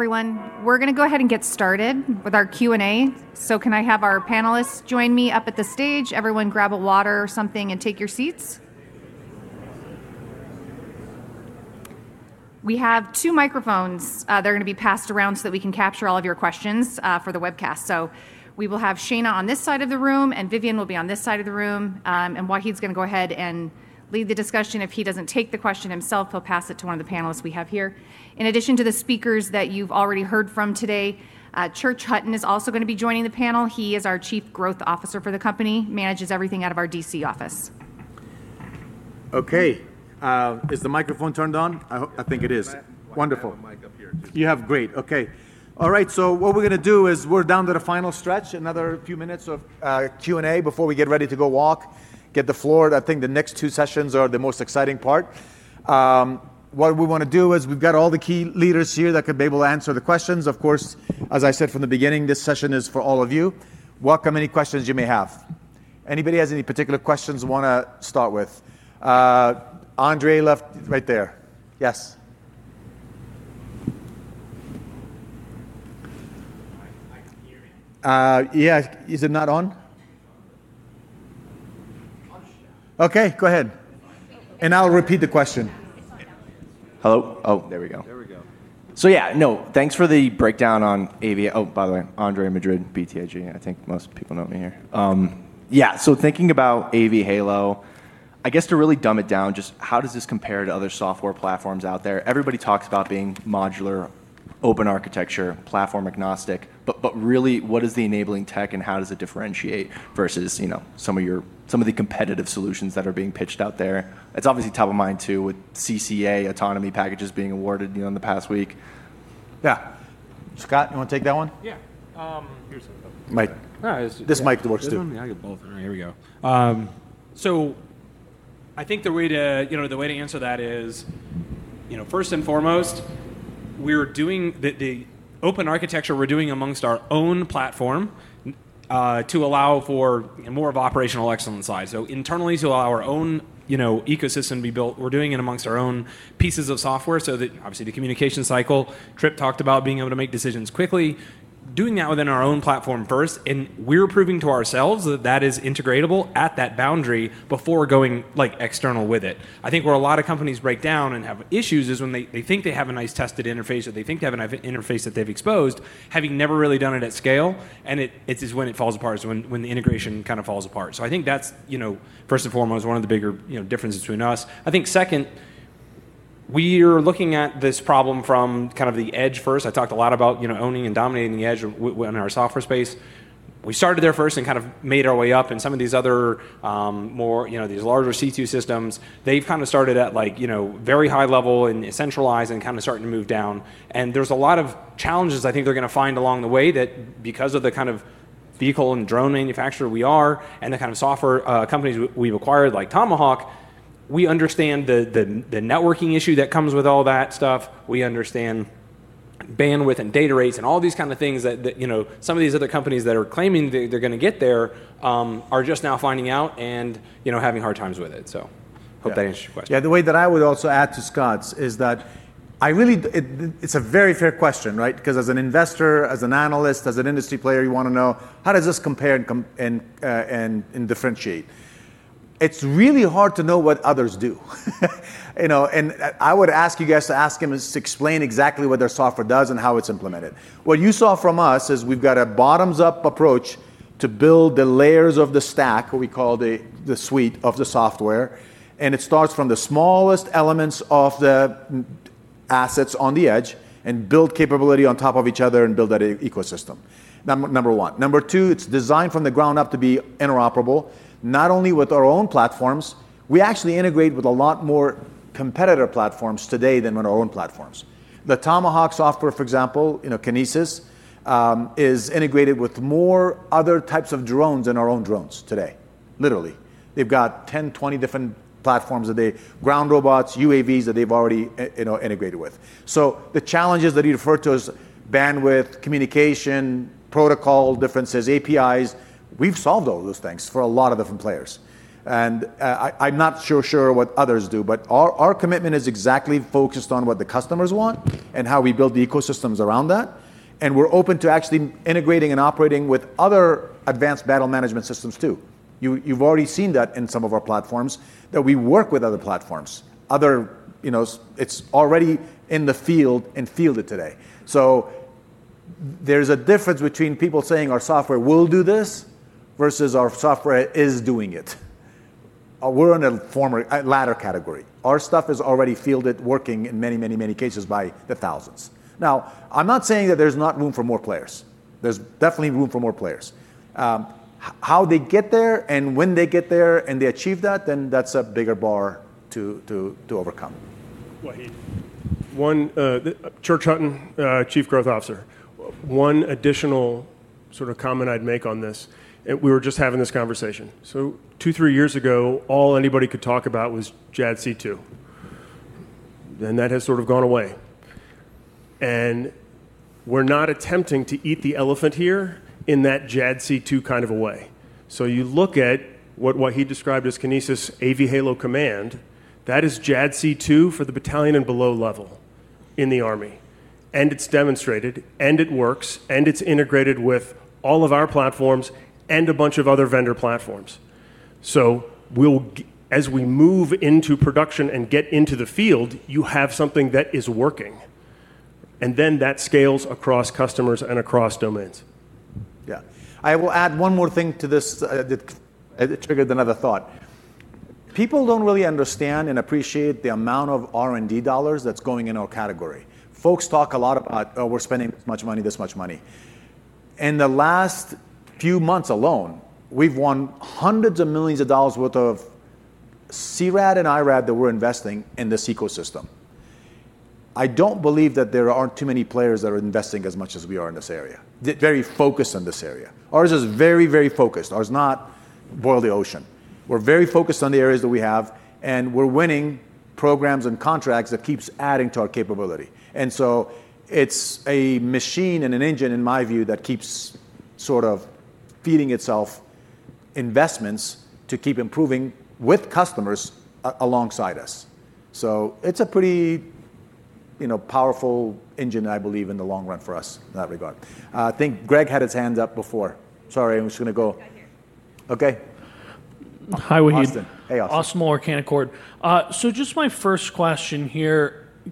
[SPEAKER 1] everyone. We're going to go ahead and get started with our Q&A. Can I have our panelists join me up at the stage? Everyone grab a water or something and take your seats. We have two microphones. They're going to be passed around so that we can capture all of your questions for the webcast. We will have Shana on this side of the room, and Vivian will be on this side of the room. Wahid's going to go ahead and lead the discussion. If he doesn't take the question himself, he'll pass it to one of the panelists we have here. In addition to the speakers that you've already heard from today, Church Hutton is also going to be joining the panel. He is our Chief Growth Officer for the company, manages everything out of our DC office.
[SPEAKER 2] Okay. Is the microphone turned on? I think it is. Wonderful. You have great. Okay. All right. What we're going to do is we're down to the final stretch, another few minutes of Q&A before we get ready to go walk, get the floor. I think the next two sessions are the most exciting part. What we want to do is we've got all the key leaders here that could be able to answer the questions. Of course, as I said from the beginning, this session is for all of you. Welcome any questions you may have. Anybody has any particular questions we want to start with? Andre left right there. Yes. Yeah. Is it not on? Okay. Go ahead. I'll repeat the question. Hello. There we go. There we go.
[SPEAKER 10] Thank you for the breakdown on AV. By the way, Andre Madrid, BTIG. I think most people know me here. Thinking about AV Halo, to really dumb it down, how does this compare to other software platforms out there? Everybody talks about being modular, open architecture, platform agnostic. What is the enabling tech and how does it differentiate versus some of the competitive solutions that are being pitched out there? It's obviously top of mind too with CCA autonomy packages being awarded in the past wee.
[SPEAKER 2] Scott, you want to take that one?
[SPEAKER 3] Yeah, here's the mic.
[SPEAKER 2] This mic works too.
[SPEAKER 3] Yeah, I got both. All right, here we go. I think the way to answer that is, first and foremost, we're doing the open architecture we're doing amongst our own platform to allow for more of operational excellence side. Internally, to allow our own ecosystem to be built, we're doing it amongst our own pieces of software so that obviously the communication cycle, Trip talked about being able to make decisions quickly, doing that within our own platform first. We're proving to ourselves that that is integratable at that boundary before going external with it. I think where a lot of companies break down and have issues is when they think they have a nice tested interface or they think they have an interface that they've exposed, having never really done it at scale. It's when it falls apart. It's when the integration kind of falls apart. I think that's, first and foremost, one of the bigger differences between us. I think second, we are looking at this problem from kind of the edge first. I talked a lot about owning and dominating the edge in our software space. We started there first and kind of made our way up. Some of these other, more, these larger C2 systems, they've kind of started at, like, very high level and centralized and kind of starting to move down. There are a lot of challenges I think they're going to find along the way that because of the kind of vehicle and drone manufacturer we are and the kind of software companies we've acquired, like Tomahawk, we understand the networking issue that comes with all that stuff. We understand bandwidth and data rates and all these kinds of things that some of these other companies that are claiming that they're going to get there are just now finding out and having hard times with it. I hope that answers your question.
[SPEAKER 2] Yeah, the way that I would also add to Scott's is that I really, it's a very fair question, right? Because as an investor, as an analyst, as an industry player, you want to know how does this compare and differentiate. It's really hard to know what others do. I would ask you guys to ask them to explain exactly what their software does and how it's implemented. What you saw from us is we've got a bottoms-up approach to build the layers of the stack, what we call the suite of the software. It starts from the smallest elements of the assets on the edge and builds capability on top of each other and builds that ecosystem. Number one. Number two, it's designed from the ground up to be interoperable. Not only with our own platforms, we actually integrate with a lot more competitor platforms today than with our own platforms. The Tomahawk software, for example, Kinesis, is integrated with more other types of drones than our own drones today, literally. They've got 10, 20 different platforms that the ground robots, UAVs that they've already integrated with. The challenges that he referred to as bandwidth, communication, protocol differences, APIs, we've solved all those things for a lot of different players. I'm not sure what others do, but our commitment is exactly focused on what the customers want and how we build the ecosystems around that. We're open to actually integrating and operating with other advanced battle management systems too. You've already seen that in some of our platforms that we work with other platforms. It's already in the field and fielded today. There's a difference between people saying our software. Do this versus our software is doing it. We're in a former latter category. Our stuff is already fielded, working in many, many, many cases by the thousands. Now, I'm not saying that there's not room for more players. There's definitely room for more players. How they get there and when they get there and they achieve that, that's a bigger bar to overcome.
[SPEAKER 11] Wahid, one, Church Hutton, Chief Growth Officer, one additional sort of comment I'd make on this, and we were just having this conversation. Two, three years ago, all anybody could talk about was JADC2. That has sort of gone away. We're not attempting to eat the elephant here in that JADC2 kind of a way. You look at what Wahid described as Kinesis AV Halo Command. That is JADC2 for the battalion and below level in the Army. It's demonstrated, it works, and it's integrated with all of our platforms and a bunch of other vendor platforms. As we move into production and get into the field, you have something that is working. That scales across customers and across domains.
[SPEAKER 2] Yeah, I will add one more thing to this. It triggered another thought. People don't really understand and appreciate the amount of R&D dollars that's going in our category. Folks talk a lot about, oh, we're spending this much money, this much money. In the last few months alone, we've won hundreds of millions of dollars worth of CRAD and IRAD that we're investing in this ecosystem. I don't believe that there are too many players that are investing as much as we are in this area. They're very focused on this area. Ours is very, very focused. Ours is not boil the ocean. We're very focused on the areas that we have, and we're winning programs and contracts that keep adding to our capability. It's a machine and an engine, in my view, that keeps sort of feeding itself investments to keep improving with customers alongside us. It's a pretty powerful engine, I believe, in the long run for us in that regard. I think Greg had his hands up before. Sorry, I was going to go. Hi, Wahid. Austin. Hey, Austin.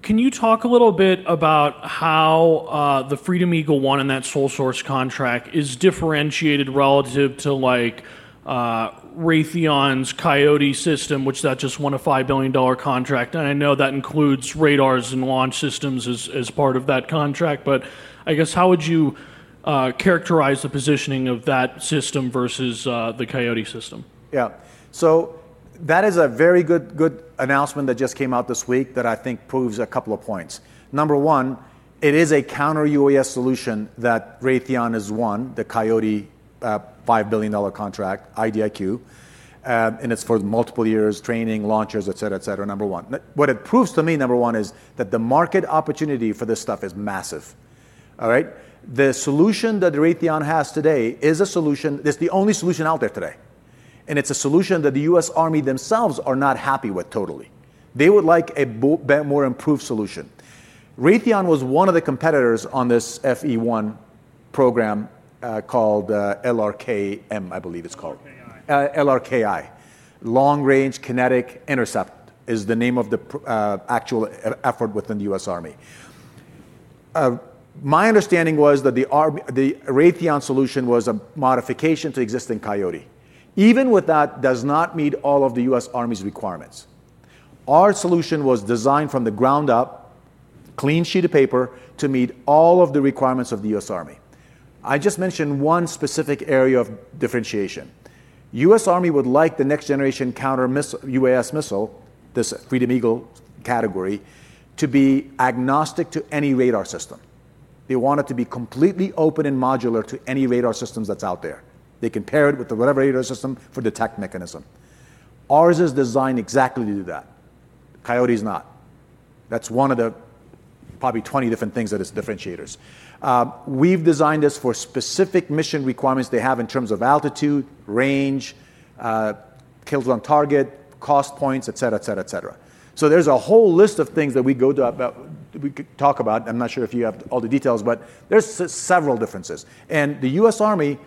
[SPEAKER 2] Can you talk a little bit about how the Freedom Eagle One and that sole-source contract is differentiated relative to like Raytheon's Coyote system, which is just one of those $5 billion contracts? I know that includes radars and launch systems as part of that contract, but how would you characterize the positioning of that system versus the Coyote system? That is a very good announcement that just came out this week that I think proves a couple of points. Number one, it is a counter-UAS solution that Raytheon has won, the Coyote $5 billion contract, IDIQ, and it's for multiple years, training, launchers, et cetera. What it proves to me, number one, is that the market opportunity for this stuff is massive. The solution that Raytheon has today is the only solution out there today, and it's a solution that the U.S. Army themselves are not happy with totally. They would like a more improved solution. Raytheon was one of the competitors on this FE1 program called LRKM, I believe it's called. LRKI, Long Range Kinetic Interceptor, is the name of the actual effort within the U.S. Army. My understanding was that the Raytheon solution was a modification to existing Coyote. Even with that, it does not meet all of the U.S. Army's requirements. Our solution was designed from the ground up, clean sheet of paper, to meet all of the requirements of the U.S. Army. I just mentioned one specific area of differentiation. The U.S. Army would like the next generation counter-UAS missile, this Freedom Eagle category, to be agnostic to any radar system. They want it to be completely open and modular to any radar system that's out there. They can pair it with whatever radar system for detect mechanism. Ours is designed exactly to do that. Coyote is not. That's one of probably 20 different things that are differentiators. We've designed this for specific mission requirements they have in terms of altitude, range, kills on target, cost points, et cetera. There is a whole list of things that we could talk about. I'm not sure if you have all the details, but there are several differences. The U.S. Army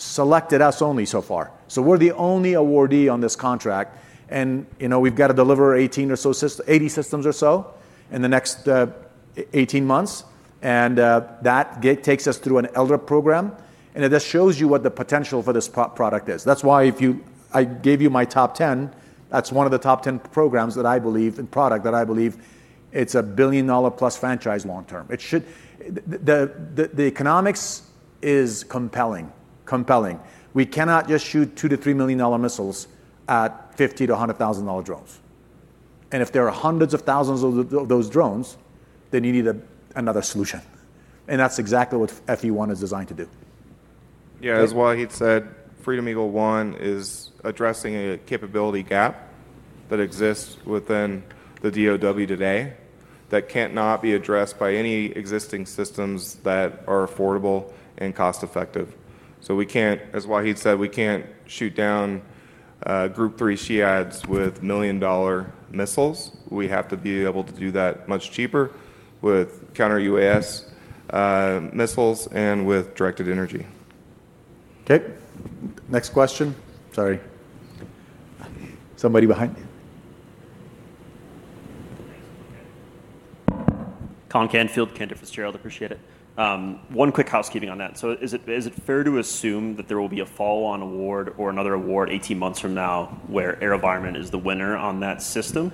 [SPEAKER 2] selected us only so far. We're the only awardee on this contract, and we've got to deliver 80 systems or so in the next 18 months. That takes us through an elder program. It just shows you what the potential for this product is. That's why if I gave you my top 10, that's one of the top 10 programs that I believe in, product that I believe it's a billion dollar plus franchise long term. The economics is compelling, compelling. We cannot just shoot $2 million to $3 million missiles at $50,000 to $100,000 drones. If there are hundreds of thousands of those drones, then you need another solution. That's exactly what FE1 is designed to do.
[SPEAKER 7] Yeah, as Wahid said, Freedom Eagle One is addressing a capability gap that exists within the DoD today that cannot be addressed by any existing systems that are affordable and cost effective. We can't, as Wahid said, we can't shoot down Group 3 SHIADs with million dollar missiles. We have to be able to do that much cheaper with counter-UAS missiles and with directed energy.
[SPEAKER 2] Okay, next question. Sorry, somebody behind me. Cantor Fitzgerald, appreciate it. One quick housekeeping on that. Is it fair to assume that there will be a follow-on award or another award 18 months from now where AeroVironment is the winner on that system?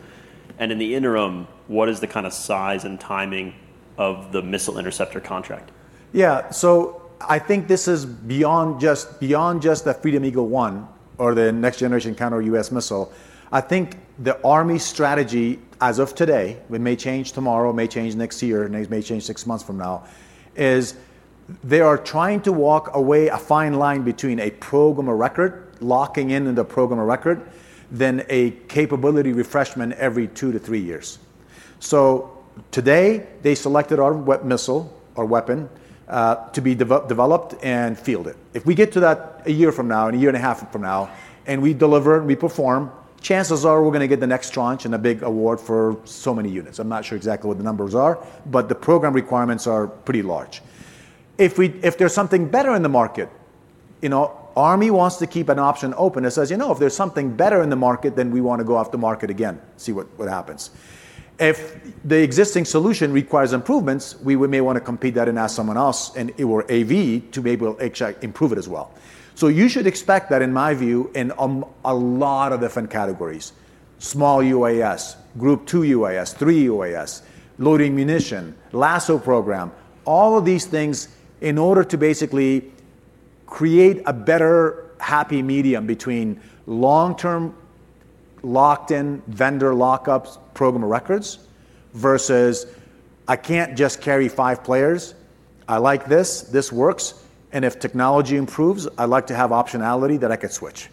[SPEAKER 2] In the interim, what is the kind of size and timing of the missile interceptor contract? Yeah, so I think this is beyond just the Freedom Eagle One or the next generation counter-UAS missile. I think the Army strategy as of today, it may change tomorrow, may change next year, and it may change six months from now, is they are trying to walk a fine line between a program of record, locking in the program of record, then a capability refreshment every two to three years. Today, they selected our missile, our weapon, to be developed and fielded. If we get to that a year from now and a year and a half from now, and we deliver and we perform, chances are we're going to get the next tranche and a big award for so many units. I'm not sure exactly what the numbers are, but the program requirements are pretty large. If there's something better in the market, you know, Army wants to keep an option open. It says, you know, if there's something better in the market, then we want to go after the market again, see what happens. If the existing solution requires improvements, we may want to compete that and ask someone else in AV to be able to improve it as well. You should expect that in my view, in a lot of different categories, small UAS, Group 2 UAS, 3 UAS, loitering munition, LASSO program, all of these things in order to basically create a better happy medium between long-term locked-in vendor lockups, program of records, versus I can't just carry five players. I like this, this works, and if technology improves, I'd like to have optionality that I could switch.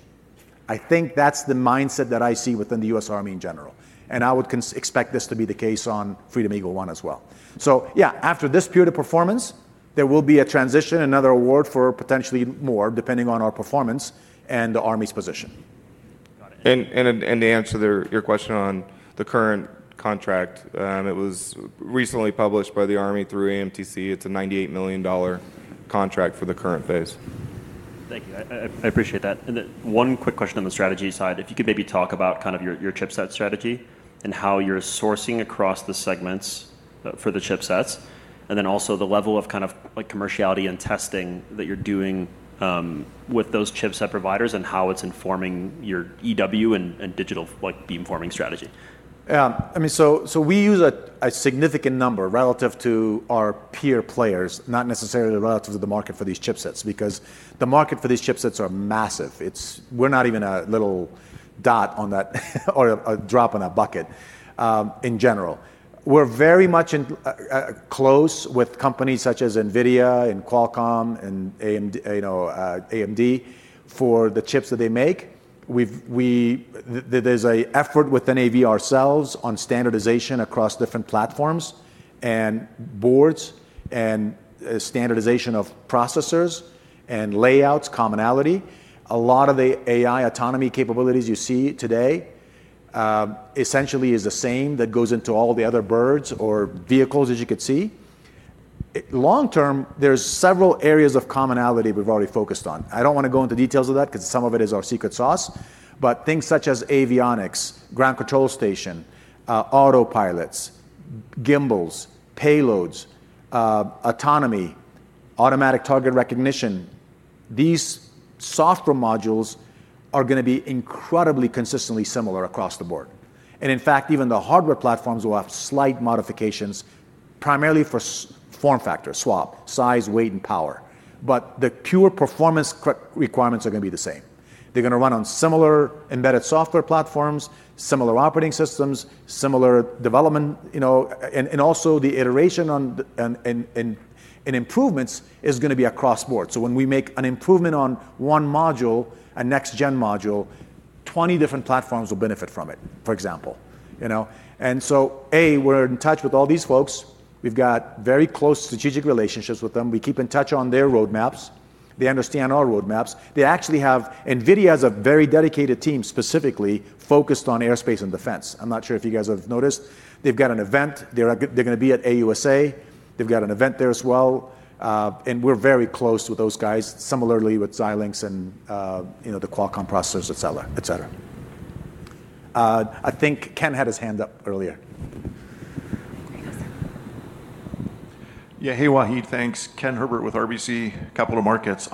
[SPEAKER 2] I think that's the mindset that I see within the U.S. Army in general. I would expect this to be the case on Freedom Eagle One as well. After this period of performance, there will be a transition, another award for potentially more, depending on our performance and the Army's position.
[SPEAKER 7] To answer your question on the current contract, it was recently published by the U.S. Army through AMTC. It's a $98 million contract for the current phase. Thank you. I appreciate that. One quick question on the strategy side, if you could maybe talk about your chipset strategy and how you're sourcing across the segments for the chipsets, and also the level of commerciality and testing that you're doing with those chipset providers and how it's informing your electronic warfare and digital beamforming strategy.
[SPEAKER 2] Yeah, I mean, we use a significant number relative to our peer players, not necessarily relative to the market for these chipsets, because the market for these chipsets is massive. We're not even a little dot on that or a drop in that bucket in general. We're very much close with companies such as NVIDIA and Qualcomm and AMD for the chips that they make. There's an effort within AV ourselves on standardization across different platforms and boards and standardization of processors and layouts, commonality. A lot of the AI autonomy capabilities you see today essentially are the same that go into all the other birds or vehicles, as you could see. Long term, there are several areas of commonality we've already focused on. I don't want to go into details of that because some of it is our secret sauce, but things such as avionics, ground control station, autopilots, gimbals, payloads, autonomy, automatic target recognition, these software modules are going to be incredibly consistently similar across the board. In fact, even the hardware platforms will have slight modifications, primarily for form factor, SWAP, size, weight, and power. The pure performance requirements are going to be the same. They're going to run on similar embedded software platforms, similar operating systems, similar development, you know, and also the iteration and improvements is going to be across board. When we make an improvement on one module, a next-gen module, 20 different platforms will benefit from it, for example, you know. We're in touch with all these folks. We've got very close strategic relationships with them. We keep in touch on their roadmaps. They understand our roadmaps. They actually have, NVIDIA has a very dedicated team specifically focused on airspace and defense. I'm not sure if you guys have noticed. They've got an event. They're going to be at AUSA. They've got an event there as well. We're very close with those guys, similarly with Xilinx and, you know, the Qualcomm processors, et cetera, et cetera. I think Ken had his hand up earlier.
[SPEAKER 12] Yeah, hey, Wahid, thanks. Ken Herbert with RBC Capital Markets.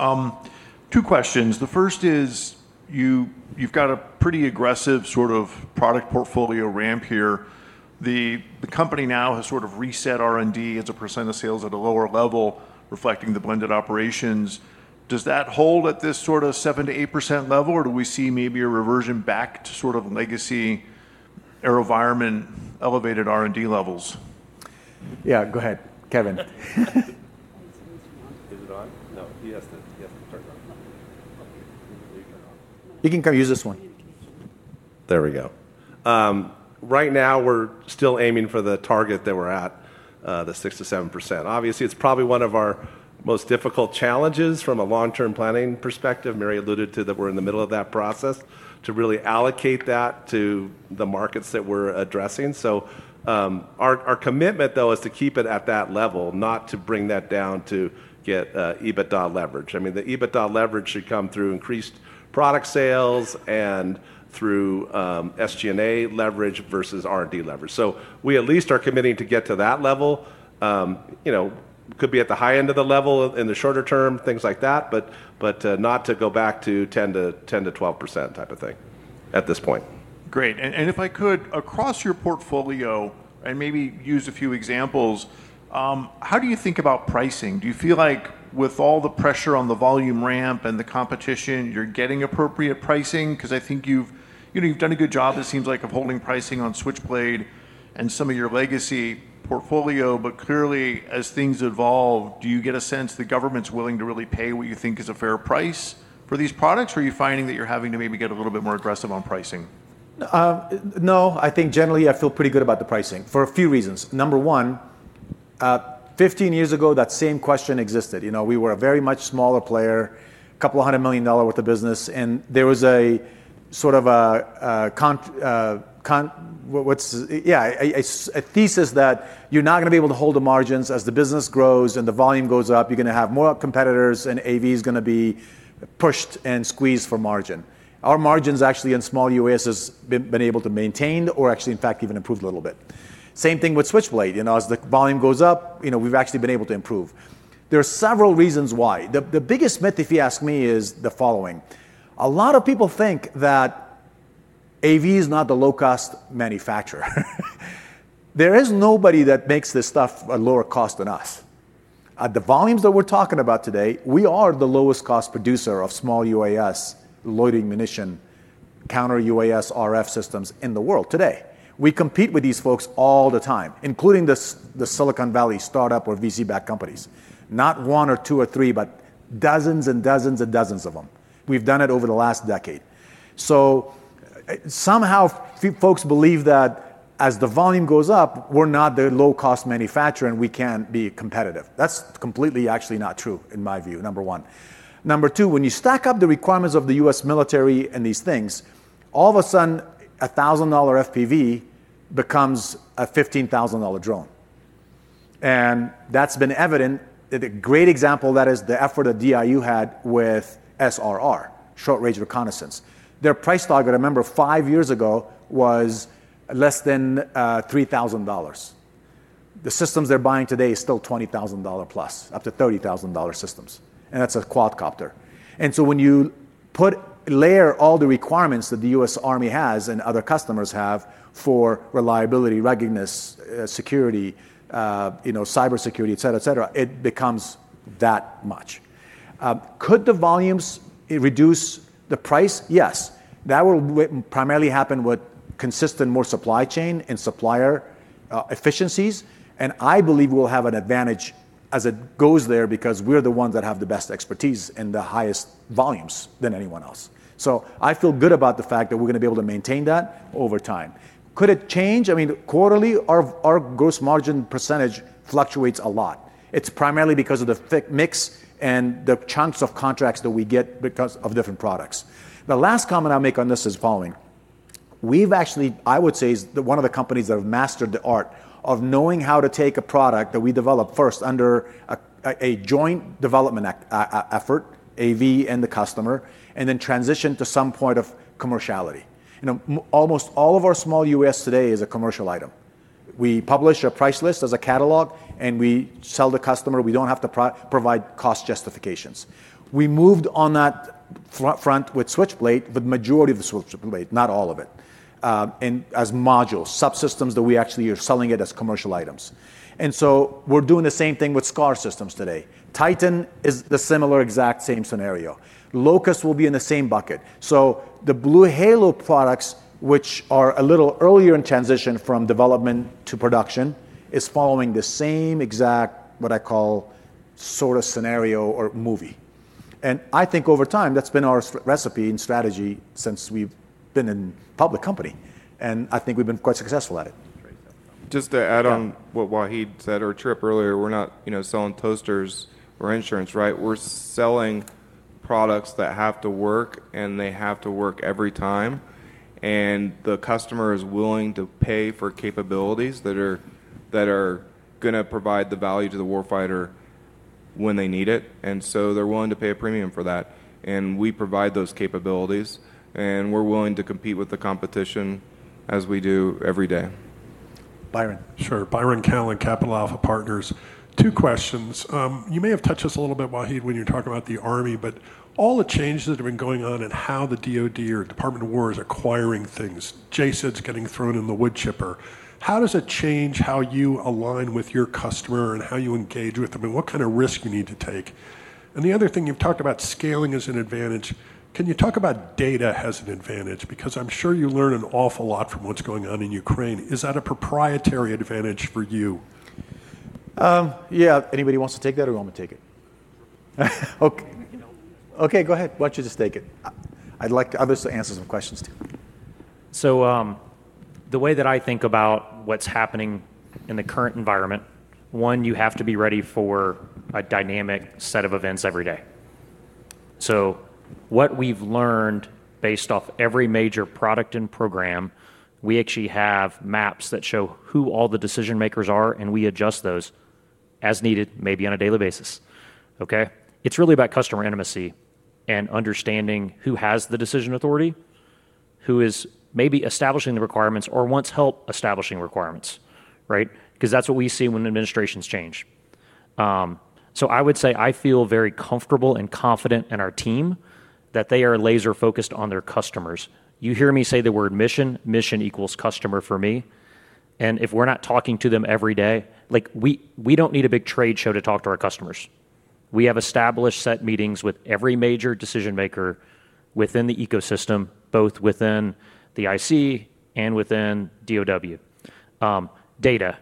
[SPEAKER 12] Two questions. The first is you've got a pretty aggressive sort of product portfolio ramp here. The company now has sort of reset R&D. It's a % of sales at a lower level, reflecting the blended operations. Does that hold at this sort of 7 to 8% level, or do we see maybe a reversion back to sort of legacy AeroVironment elevated R&D levels?
[SPEAKER 2] Yeah, go ahead, Kevin. He can use this one.
[SPEAKER 13] There we go. Right now, we're still aiming for the target that we're at, the 6%-7%. Obviously, it's probably one of our most difficult challenges from a long-term planning perspective. Mary alluded to that we're in the middle of that process to really allocate that to the markets that we're addressing. Our commitment, though, is to keep it at that level, not to bring that down to get EBITDA leverage. The EBITDA leverage should come through increased product sales and through SG&A leverage versus R&D leverage. We at least are committing to get to that level. You know, could be at the high end of the level in the shorter term, things like that, but not to go back to 10%-12% type of thing at this point.
[SPEAKER 12] Great. If I could, across your portfolio, and maybe use a few examples, how do you think about pricing? Do you feel like with all the pressure on the volume ramp and the competition, you're getting appropriate pricing? I think you've done a good job, it seems like, of holding pricing on Switchblade and some of your legacy portfolio, but clearly, as things evolve, do you get a sense that government's willing to really pay what you think is a fair price for these products? Are you finding that you're having to maybe get a little bit more aggressive on pricing?
[SPEAKER 2] No, I think generally I feel pretty good about the pricing for a few reasons. Number one, 15 years ago, that same question existed. We were a much smaller player, a couple hundred million dollars worth of business, and there was a sort of a thesis that you're not going to be able to hold the margins as the business grows and the volume goes up. You're going to have more competitors and AV is going to be pushed and squeezed for margin. Our margins actually in small UAS have been able to maintain or actually, in fact, even improve a little bit. Same thing with Switchblade. As the volume goes up, we've actually been able to improve. There are several reasons why. The biggest myth, if you ask me, is the following. A lot of people think that AV is not the low-cost manufacturer. There is nobody that makes this stuff at a lower cost than us. At the volumes that we're talking about today, we are the lowest cost producer of small UAS, loitering munition, counter-UAS RF systems in the world today. We compete with these folks all the time, including the Silicon Valley startup or VC-backed companies. Not one or two or three, but dozens and dozens and dozens of them. We've done it over the last decade. Somehow, folks believe that as the volume goes up, we're not the low-cost manufacturer and we can't be competitive. That's completely actually not true, in my view, number one. Number two, when you stack up the requirements of the U.S. military and these things, all of a sudden, a $1,000 FPV becomes a $15,000 drone. That's been evident. A great example of that is the effort that DIU had with SRR, Short Range Reconnaissance. Their price target, I remember five years ago, was less than $3,000. The systems they're buying today are still $20,000+, up to $30,000 systems. That's a quadcopter. When you layer all the requirements that the U.S. Army has and other customers have for reliability, ruggedness, security, cybersecurity, et cetera, et cetera, it becomes that much. Could the volumes reduce the price? Yes. That will primarily happen with consistent, more supply chain and supplier efficiencies. I believe we'll have an advantage as it goes there because we're the ones that have the best expertise and the highest volumes than anyone else. I feel good about the fact that we're going to be able to maintain that over time. Could it change? I mean, quarterly, our gross margin % fluctuates a lot. It's primarily because of the thick mix and the chunks of contracts that we get because of different products. The last comment I'll make on this is the following. We've actually, I would say, are one of the companies that have mastered the art of knowing how to take a product that we developed first under a joint development effort, AV and the customer, and then transition to some point of commerciality. Almost all of our small UAS today is a commercial item. We publish a price list as a catalog, and we sell the customer. We don't have to provide cost justifications. We moved on that front with Switchblade, but the majority of the Switchblade, not all of it, and as modules, subsystems that we actually are selling as commercial items. We're doing the same thing with SCAR systems today. Titan is the similar exact same scenario. Locust will be in the same bucket. The BlueHalo products, which are a little earlier in transition from development to production, are following the same exact, what I call, sort of scenario or movie. I think over time, that's been our recipe and strategy since we've been a public company. I think we've been quite successful at it.
[SPEAKER 13] Just to add on what Wahid said or Trip earlier, we're not selling toasters or insurance, right? We're selling products that have to work, and they have to work every time. The customer is willing to pay for capabilities that are going to provide the value to the warfighter when they need it. They're willing to pay a premium for that. We provide those capabilities, and we're willing to compete with the competition as we do every day.
[SPEAKER 14] Sure. Byron Cowan, Capital Alpha Partners. Two questions. You may have touched this a little bit, Wahid, when you were talking about the Army, but all the changes that have been going on and how the DOD is acquiring things, JSIDs getting thrown in the wood chipper. How does it change how you align with your customer and how you engage with them and what kind of risk you need to take? The other thing you've talked about, scaling is an advantage. Can you talk about data as an advantage? Because I'm sure you learn an awful lot from what's going on in Ukraine. Is that a proprietary advantage for you?
[SPEAKER 2] Yeah, anybody wants to take that or you want me to take it? Okay, go ahead. Why don't you just take it? I'd like to obviously answer some questions too.
[SPEAKER 5] The way that I think about what's happening in the current environment, one, you have to be ready for a dynamic set of events every day. What we've learned based off every major product and program, we actually have maps that show who all the decision makers are, and we adjust those as needed, maybe on a daily basis. It's really about customer intimacy and understanding who has the decision authority, who is maybe establishing the requirements or wants help establishing requirements, right? That's what we see when administrations change. I would say I feel very comfortable and confident in our team that they are laser-focused on their customers. You hear me say the word mission, mission equals customer for me. If we're not talking to them every day, we don't need a big trade show to talk to our customers. We have established set meetings with every major decision maker within the ecosystem, both within the IC and within DOD. Data.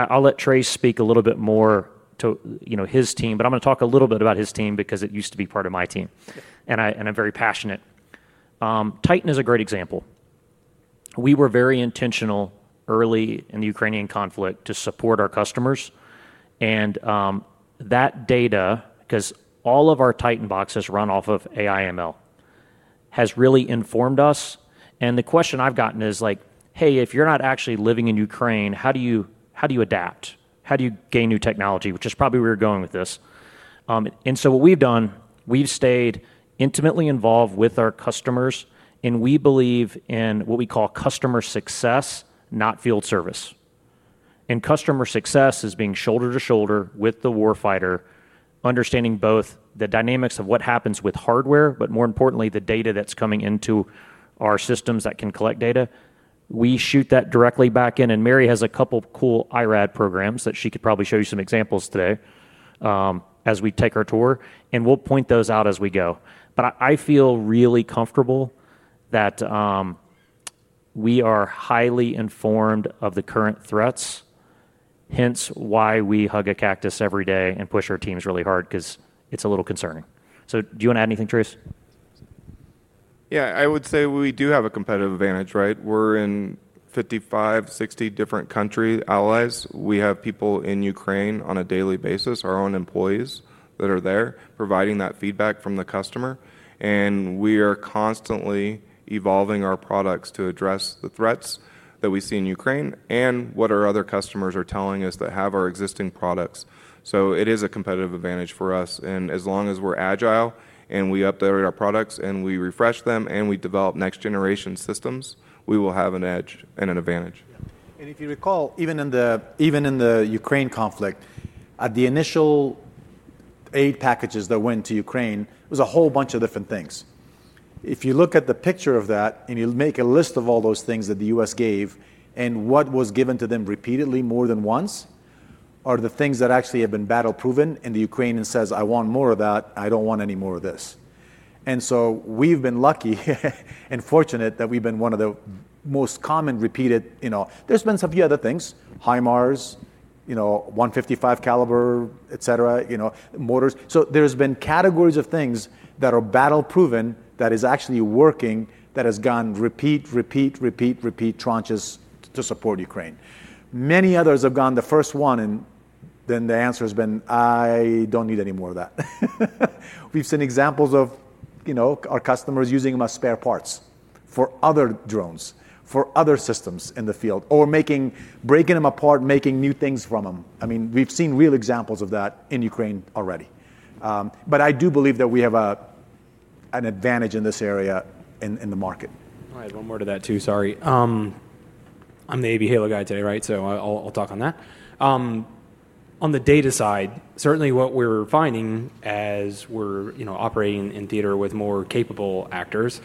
[SPEAKER 5] I'll let Trace speak a little bit more to his team, but I'm going to talk a little bit about his team because it used to be part of my team. I'm very passionate. Titan is a great example. We were very intentional early in the Ukrainian conflict to support our customers. That data, because all of our Titan boxes run off of AI/ML, has really informed us. The question I've gotten is like, hey, if you're not actually living in Ukraine, how do you adapt? How do you gain new technology, which is probably where you're going with this? What we've done, we've stayed intimately involved with our customers, and we believe in what we call customer success, not field service. Customer success is being shoulder to shoulder with the warfighter, understanding both the dynamics of what happens with hardware, but more importantly, the data that's coming into our systems that can collect data. We shoot that directly back in. Mary has a couple of cool IRAD programs that she could probably show you some examples today as we take our tour. We'll point those out as we go. I feel really comfortable that we are highly informed of the current threats, hence why we hug a cactus every day and push our teams really hard because it's a little concerning. Do you want to add anything, Trace?
[SPEAKER 4] Yeah, I would say we do have a competitive advantage, right? We're in 55, 60 different country allies. We have people in Ukraine on a daily basis, our own employees that are there, providing that feedback from the customer. We are constantly evolving our products to address the threats that we see in Ukraine and what our other customers are telling us that have our existing products. It is a competitive advantage for us. As long as we're agile and we update our products and we refresh them and we develop next-generation systems, we will have an edge and an advantage.
[SPEAKER 2] If you recall, even in the Ukraine conflict, at the initial aid packages that went to Ukraine, it was a whole bunch of different things. If you look at the picture of that and you make a list of all those things that the U.S. gave and what was given to them repeatedly more than once are the things that actually have been battle-proven and the Ukrainian says, "I want more of that. I don't want any more of this." We've been lucky and fortunate that we've been one of the most common repeated, you know, there's been a few other things, HIMARS, 155 caliber, mortars. There have been categories of things that are battle-proven that are actually working that have gone repeat, repeat, repeat, repeat tranches to support Ukraine. Many others have gone the first one and then the answer has been, "I don't need any more of that." We've seen examples of our customers using them as spare parts for other drones, for other systems in the field, or breaking them apart, making new things from them. We've seen real examples of that in Ukraine already. I do believe that we have an advantage in this area in the market.
[SPEAKER 7] All right, one more to that too, sorry. I'm the AV Halo guy today, right? I'll talk on that. On the data side, certainly what we're finding as we're operating in theater with more capable actors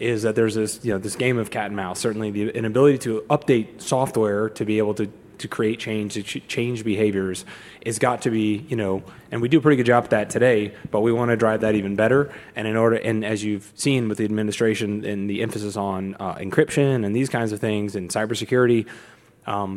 [SPEAKER 7] is that there's this game of cat and mouse. Certainly, the inability to update software to be able to create change, to change behaviors has got to be, you know, and we do a pretty good job of that today, but we want to drive that even better. In order, as you've seen with the administration and the emphasis on encryption and these kinds of things and cybersecurity, a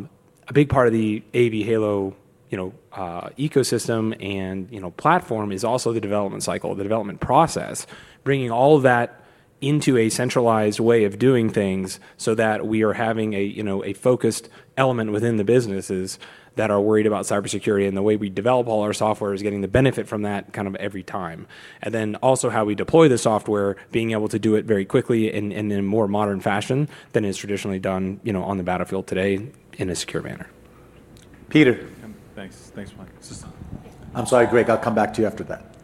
[SPEAKER 7] big part of the AV Halo ecosystem and platform is also the development cycle, the development process, bringing all of that into a centralized way of doing things so that we are having a focused element within the businesses that are worried about cybersecurity and the way we develop all our software is getting the benefit from that kind of every time. Also, how we deploy the software, being able to do it very quickly and in a more modern fashion than is traditionally done on the battlefield today in a secure manner. Peter.
[SPEAKER 14] Thanks, thanks, Mike.
[SPEAKER 2] I'm sorry, Gregory Konrad, I'll come back to you after that.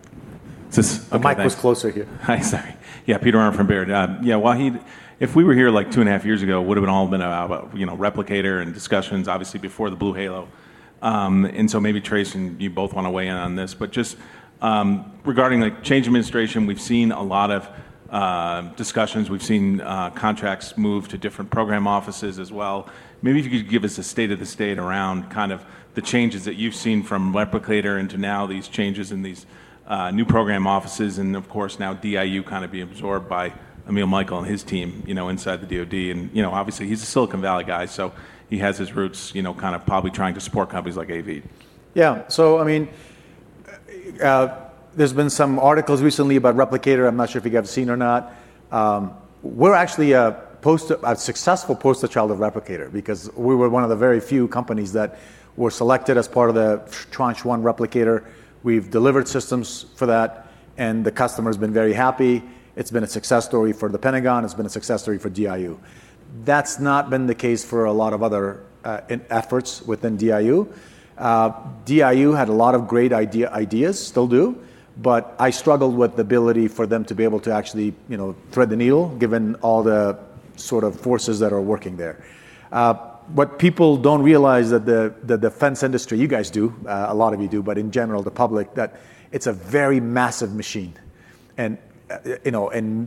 [SPEAKER 2] Michael Louie D DiPalma was closer here.
[SPEAKER 15] Hi, sorry. Yeah, Peter Arment from Baird. Yeah, Wahid, if we were here like two and a half years ago, it would have all been about, you know, replicator and discussions, obviously before the BlueHalo. Maybe Trace and you both want to weigh in on this, but just regarding change administration, we've seen a lot of discussions, we've seen contracts move to different program offices as well. Maybe if you could give us a state of the state around kind of the changes that you've seen from replicator into now these changes in these new program offices and of course now DIU kind of being absorbed by Emil Michael and his team, you know, inside the DOD. You know, obviously he's a Silicon Valley guy, so he has his roots, you know, kind of probably trying to support companies like AV.
[SPEAKER 2] Yeah, so I mean, there's been some articles recently about Replicator. I'm not sure if you guys have seen or not. We're actually a successful poster child of Replicator because we were one of the very few companies that were selected as part of the tranche one Replicator. We've delivered systems for that, and the customer's been very happy. It's been a success story for the Pentagon. It's been a success story for DIU. That's not been the case for a lot of other efforts within DIU. DIU had a lot of great ideas, still do, but I struggled with the ability for them to be able to actually thread the needle given all the sort of forces that are working there. What people don't realize is that the defense industry, you guys do, a lot of you do, but in general, the public, that it's a very massive machine.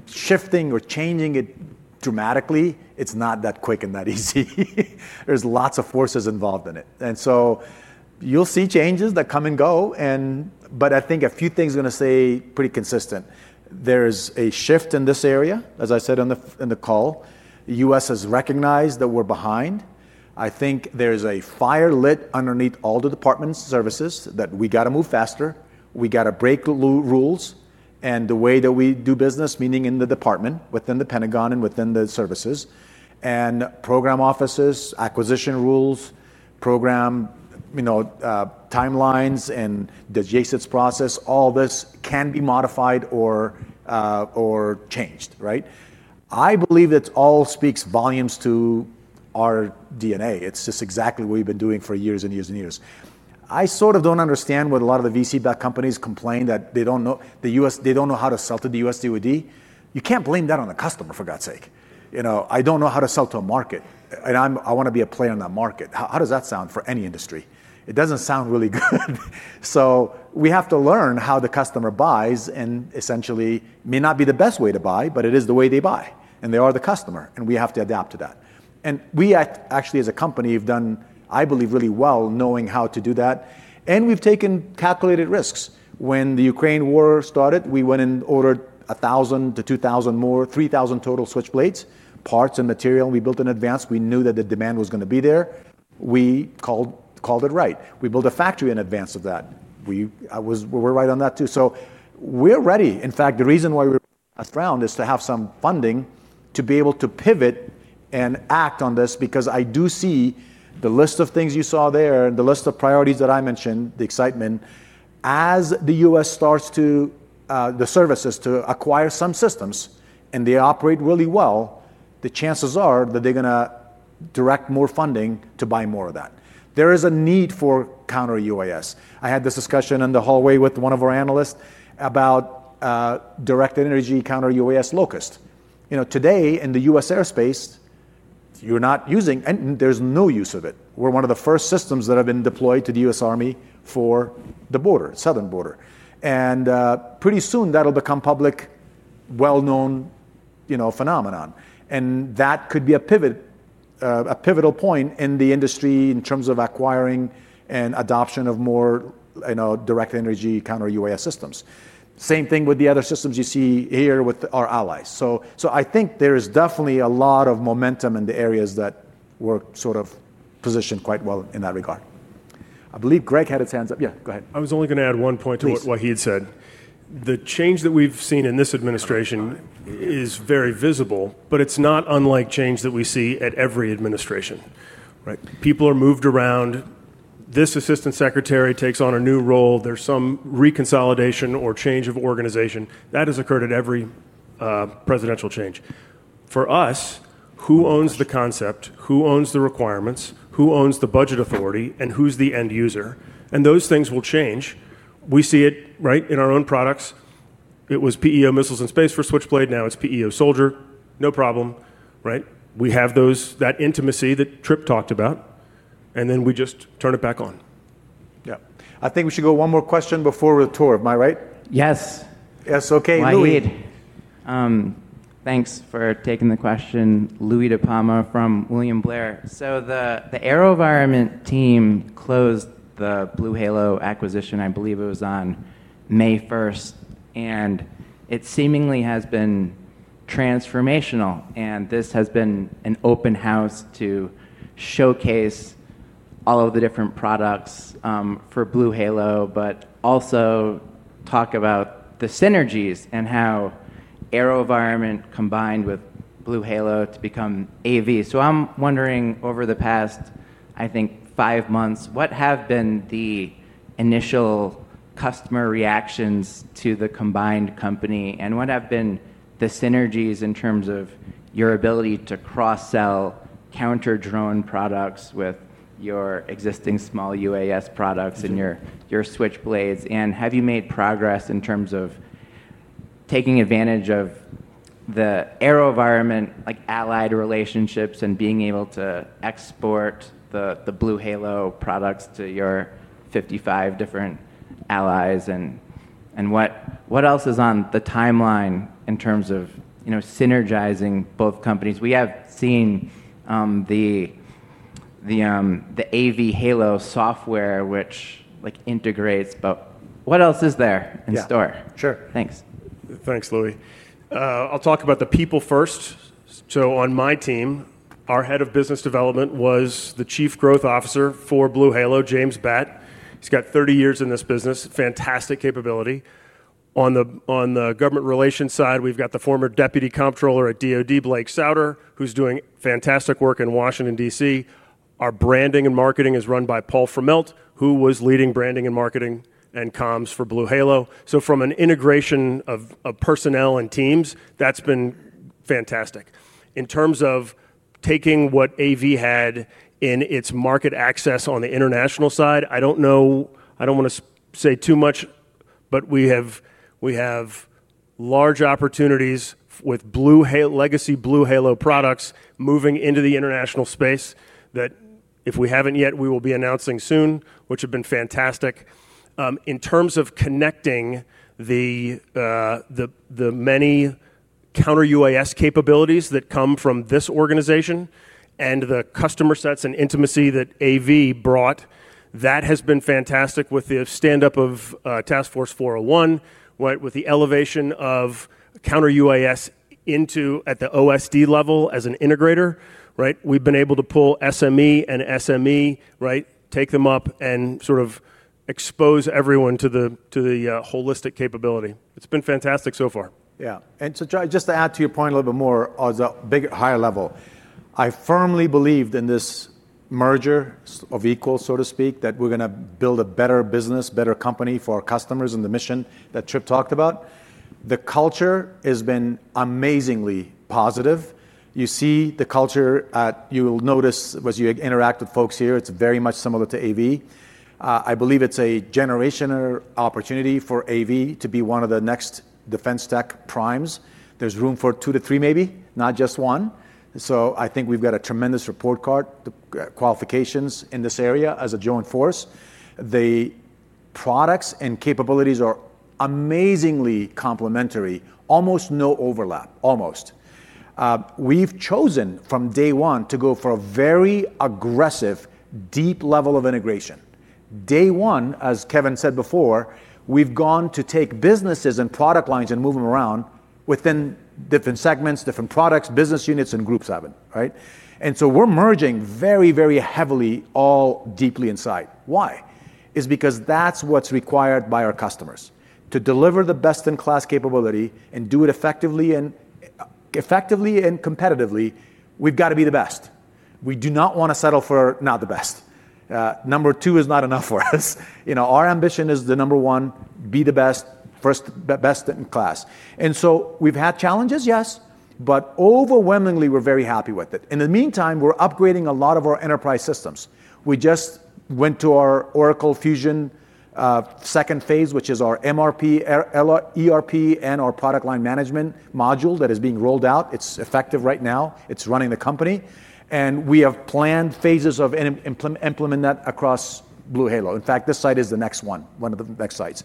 [SPEAKER 2] Shifting or changing it dramatically, it's not that quick and that easy. There's lots of forces involved in it. You'll see changes that come and go, but I think a few things are going to stay pretty consistent. There's a shift in this area, as I said in the call. The U.S. has recognized that we're behind. I think there's a fire lit underneath all the departments, services, that we got to move faster. We got to break the rules and the way that we do business, meaning in the department, within the Pentagon and within the services. Program offices, acquisition rules, program timelines and the JSIDs process, all this can be modified or changed, right? I believe it all speaks volumes to our DNA. It's just exactly what we've been doing for years and years and years. I sort of don't understand what a lot of the VC-backed companies complain that they don't know the U.S., they don't know how to sell to the U.S. DOD. You can't blame that on the customer, for God's sake. I don't know how to sell to a market. I want to be a player in that market. How does that sound for any industry? It doesn't sound really good. We have to learn how the customer buys and essentially may not be the best way to buy, but it is the way they buy. They are the customer. We have to adapt to that. We actually, as a company, have done, I believe, really well knowing how to do that. We've taken calculated risks. When the Ukraine war started, we went and ordered 1,000 to 2,000 more, 3,000 total Switchblades, parts and material we built in advance. We knew that the demand was going to be there. We called it right. We built a factory in advance of that. We were right on that too. We're ready. In fact, the reason why I frowned is to have some funding to be able to pivot and act on this because I do see the list of things you saw there and the list of priorities that I mentioned, the excitement. As the U.S. starts to, the services to acquire some systems and they operate really well, the chances are that they're going to direct more funding to buy more of that. There is a need for counter-UAS. I had this discussion in the hallway with one of our analysts about directed energy counter-UAS Locust. Today in the U.S. airspace, you're not using, and there's no use of it. We're one of the first systems that have been deployed to the U.S. Army for the border, southern border. Pretty soon that'll become public, well-known phenomenon. That could be a pivotal point in the industry in terms of acquiring and adoption of more directed energy counter-UAS systems. Same thing with the other systems you see here with our allies. I think there is definitely a lot of momentum in the areas that we're sort of positioned quite well in that regard. I believe Greg had his hands up. Yeah, go ahead.
[SPEAKER 4] I was only going to add one point to what Wahid said. The change that we've seen in this administration is very visible, but it's not unlike change that we see at every administration. People are moved around. This Assistant Secretary takes on a new role. There's some reconsolidation or change of organization. That has occurred at every presidential change. For us, who owns the concept? Who owns the requirements? Who owns the budget authority? And who's the end user? Those things will change. We see it in our own products. It was PEO Missiles and Space for Switchblade. Now it's PEO Soldier. No problem. We have that intimacy that Trip talked about. We just turn it back on.
[SPEAKER 1] Yeah, I think we should go one more question before the tour. Am I right?
[SPEAKER 2] Yes.
[SPEAKER 1] Yes, okay.
[SPEAKER 16] My lead. Thanks for taking the question, Louie DiPalma from William Blair. The AeroVironment team closed the BlueHalo acquisition. I believe it was on May 1st. It seemingly has been transformational. This has been an open house to showcase all of the different products for BlueHalo, but also talk about the synergies and how AeroVironment combined with BlueHalo to become AV. I'm wondering over the past, I think, five months, what have been the initial customer reactions to the combined company? What have been the synergies in terms of your ability to cross-sell counter-UAS products with your existing small UAS products and your Switchblades? Have you made progress in terms of taking advantage of the AeroVironment allied relationships and being able to export the BlueHalo products to your 55 different allies? What else is on the timeline in terms of synergizing both companies? We have seen the AV Halo software, which integrates, but what else is there in store? Sure, thanks.
[SPEAKER 4] Thanks, Louie. I'll talk about the people first. On my team, our Head of Business Development was the Chief Growth Officer for BlueHalo, James Batt. He's got 30 years in this business, fantastic capability. On the Government Relations side, we've got the former Deputy Comptroller at the DOD, Blake Sowder, who's doing fantastic work in Washington, D.C. Our Branding and Marketing is run by Paul Vermilt, who was leading Branding and Marketing and comms for BlueHalo. From an integration of personnel and teams, that's been fantastic. In terms of taking what AV had in its market access on the international side, I don't know, I don't want to say too much, but we have large opportunities with legacy BlueHalo products moving into the international space that if we haven't yet, we will be announcing soon, which have been fantastic. In terms of connecting the many counter-UAS capabilities that come from this organization and the customer sets and intimacy that AV brought, that has been fantastic with the standup of Task Force 401, with the elevation of counter-UAS at the OSD level as an integrator. We've been able to pull SME and SME, take them up and sort of expose everyone to the holistic capability. It's been fantastic so far.
[SPEAKER 2] Yeah, and just to add to your point a little bit more on a bigger, higher level, I firmly believe in this merger of equals, so to speak, that we're going to build a better business, better company for our customers and the mission that Trip talked about. The culture has been amazingly positive. You see the culture at, you will notice as you interact with folks here, it's very much similar to AV. I believe it's a generational opportunity for AV to be one of the next defense tech primes. There's room for two to three, maybe, not just one. I think we've got a tremendous report card qualifications in this area as a joint force. The products and capabilities are amazingly complementary, almost no overlap, almost. We've chosen from day one to go for a very aggressive, deep level of integration. Day one, as Kevin said before, we've gone to take businesses and product lines and move them around within different segments, different products, business units, and groups, right? We're merging very, very heavily all deeply inside. Why? It's because that's what's required by our customers. To deliver the best-in-class capability and do it effectively and competitively, we've got to be the best. We do not want to settle for not the best. Number two is not enough for us. You know, our ambition is the number one, be the best, first best in class. We've had challenges, yes, but overwhelmingly, we're very happy with it. In the meantime, we're upgrading a lot of our enterprise systems. We just went to our Oracle Fusion second phase, which is our MRP, ERP, and our product line management module that is being rolled out. It's effective right now. It's running the company. We have planned phases of implementing that across BlueHalo. In fact, this site is the next one, one of the next sites.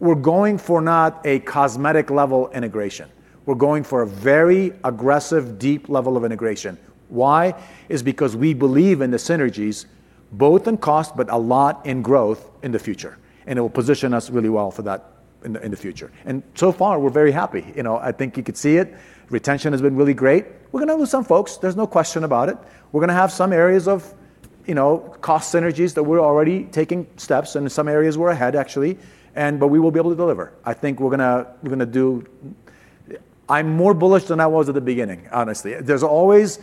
[SPEAKER 2] We're going for not a cosmetic level integration. We're going for a very aggressive, deep level of integration. Why? It's because we believe in the synergies, both in cost, but a lot in growth in the future. It will position us really well for that in the future. So far, we're very happy. You know, I think you could see it. Retention has been really great. We're going to lose some folks. There's no question about it. We're going to have some areas of, you know, cost synergies that we're already taking steps, and in some areas we're ahead, actually. We will be able to deliver. I think we're going to do, I'm more bullish than I was at the beginning, honestly. There's always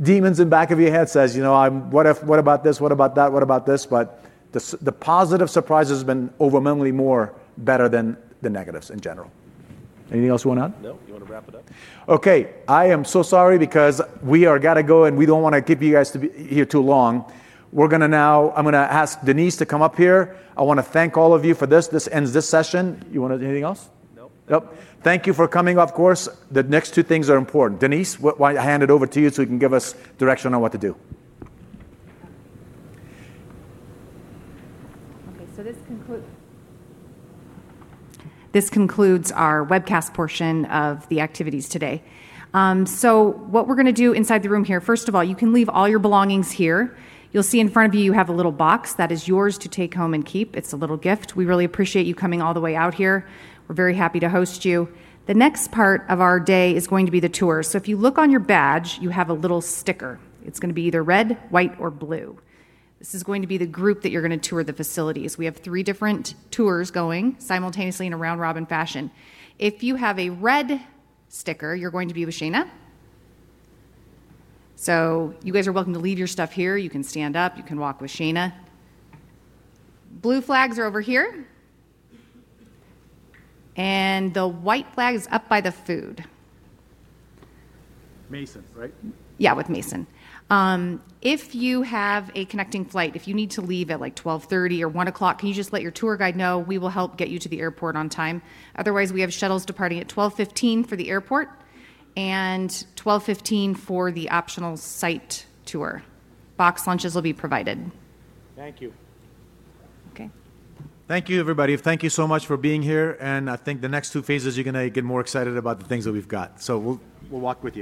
[SPEAKER 2] demons in the back of your head that say, you know, what about this? What about that? What about this? The positive surprise has been overwhelmingly more better than the negatives in general. Anything else you want to add?
[SPEAKER 13] No, you want to wrap it up?
[SPEAKER 2] Okay, I am so sorry because we have got to go, and we don't want to keep you guys her too long. We're going to now, I'm going to ask Denise to come up here. I want to thank all of you for this. This ends this session. You want to do anything else?
[SPEAKER 13] Nope.
[SPEAKER 2] Thank you for coming up. Of course, the next two things are important. Denise, why don't I hand it over to you so you can give us direction on what to do?
[SPEAKER 1] Okay, this concludes our webcast portion of the activities today. What we're going to do inside the room here, first of all, you can leave all your belongings here. You'll see in front of you, you have a little box that is yours to take home and keep. It's a little gift. We really appreciate you coming all the way out here. We're very happy to host you. The next part of our day is going to be the tour. If you look on your badge, you have a little sticker. It's going to be either red, white, or blue. This is going to be the group that you're going to tour the facilities with. We have three different tours going simultaneously in a round-robin fashion. If you have a red sticker, you're going to be with Shana. You guys are welcome to leave your stuff here. You can stand up. You can walk with Shana. Blue flags are over here, and the white flags are up by the food.
[SPEAKER 2] Mason, right?
[SPEAKER 1] Yeah, with Mason. If you have a connecting flight, if you need to leave at like 12:30 P.M. or 1:00 P.M., can you just let your tour guide know? We will help get you to the airport on time. Otherwise, we have shuttles departing at 12:15 P.M. for the airport and 12:15 P.M. for the optional site tour. Box lunches will be provided.
[SPEAKER 4] Thank you.
[SPEAKER 1] Okay.
[SPEAKER 2] Thank you, everybody. Thank you so much for being here. I think the next two phases, you're going to get more excited about the things that we've got. We'll walk with you.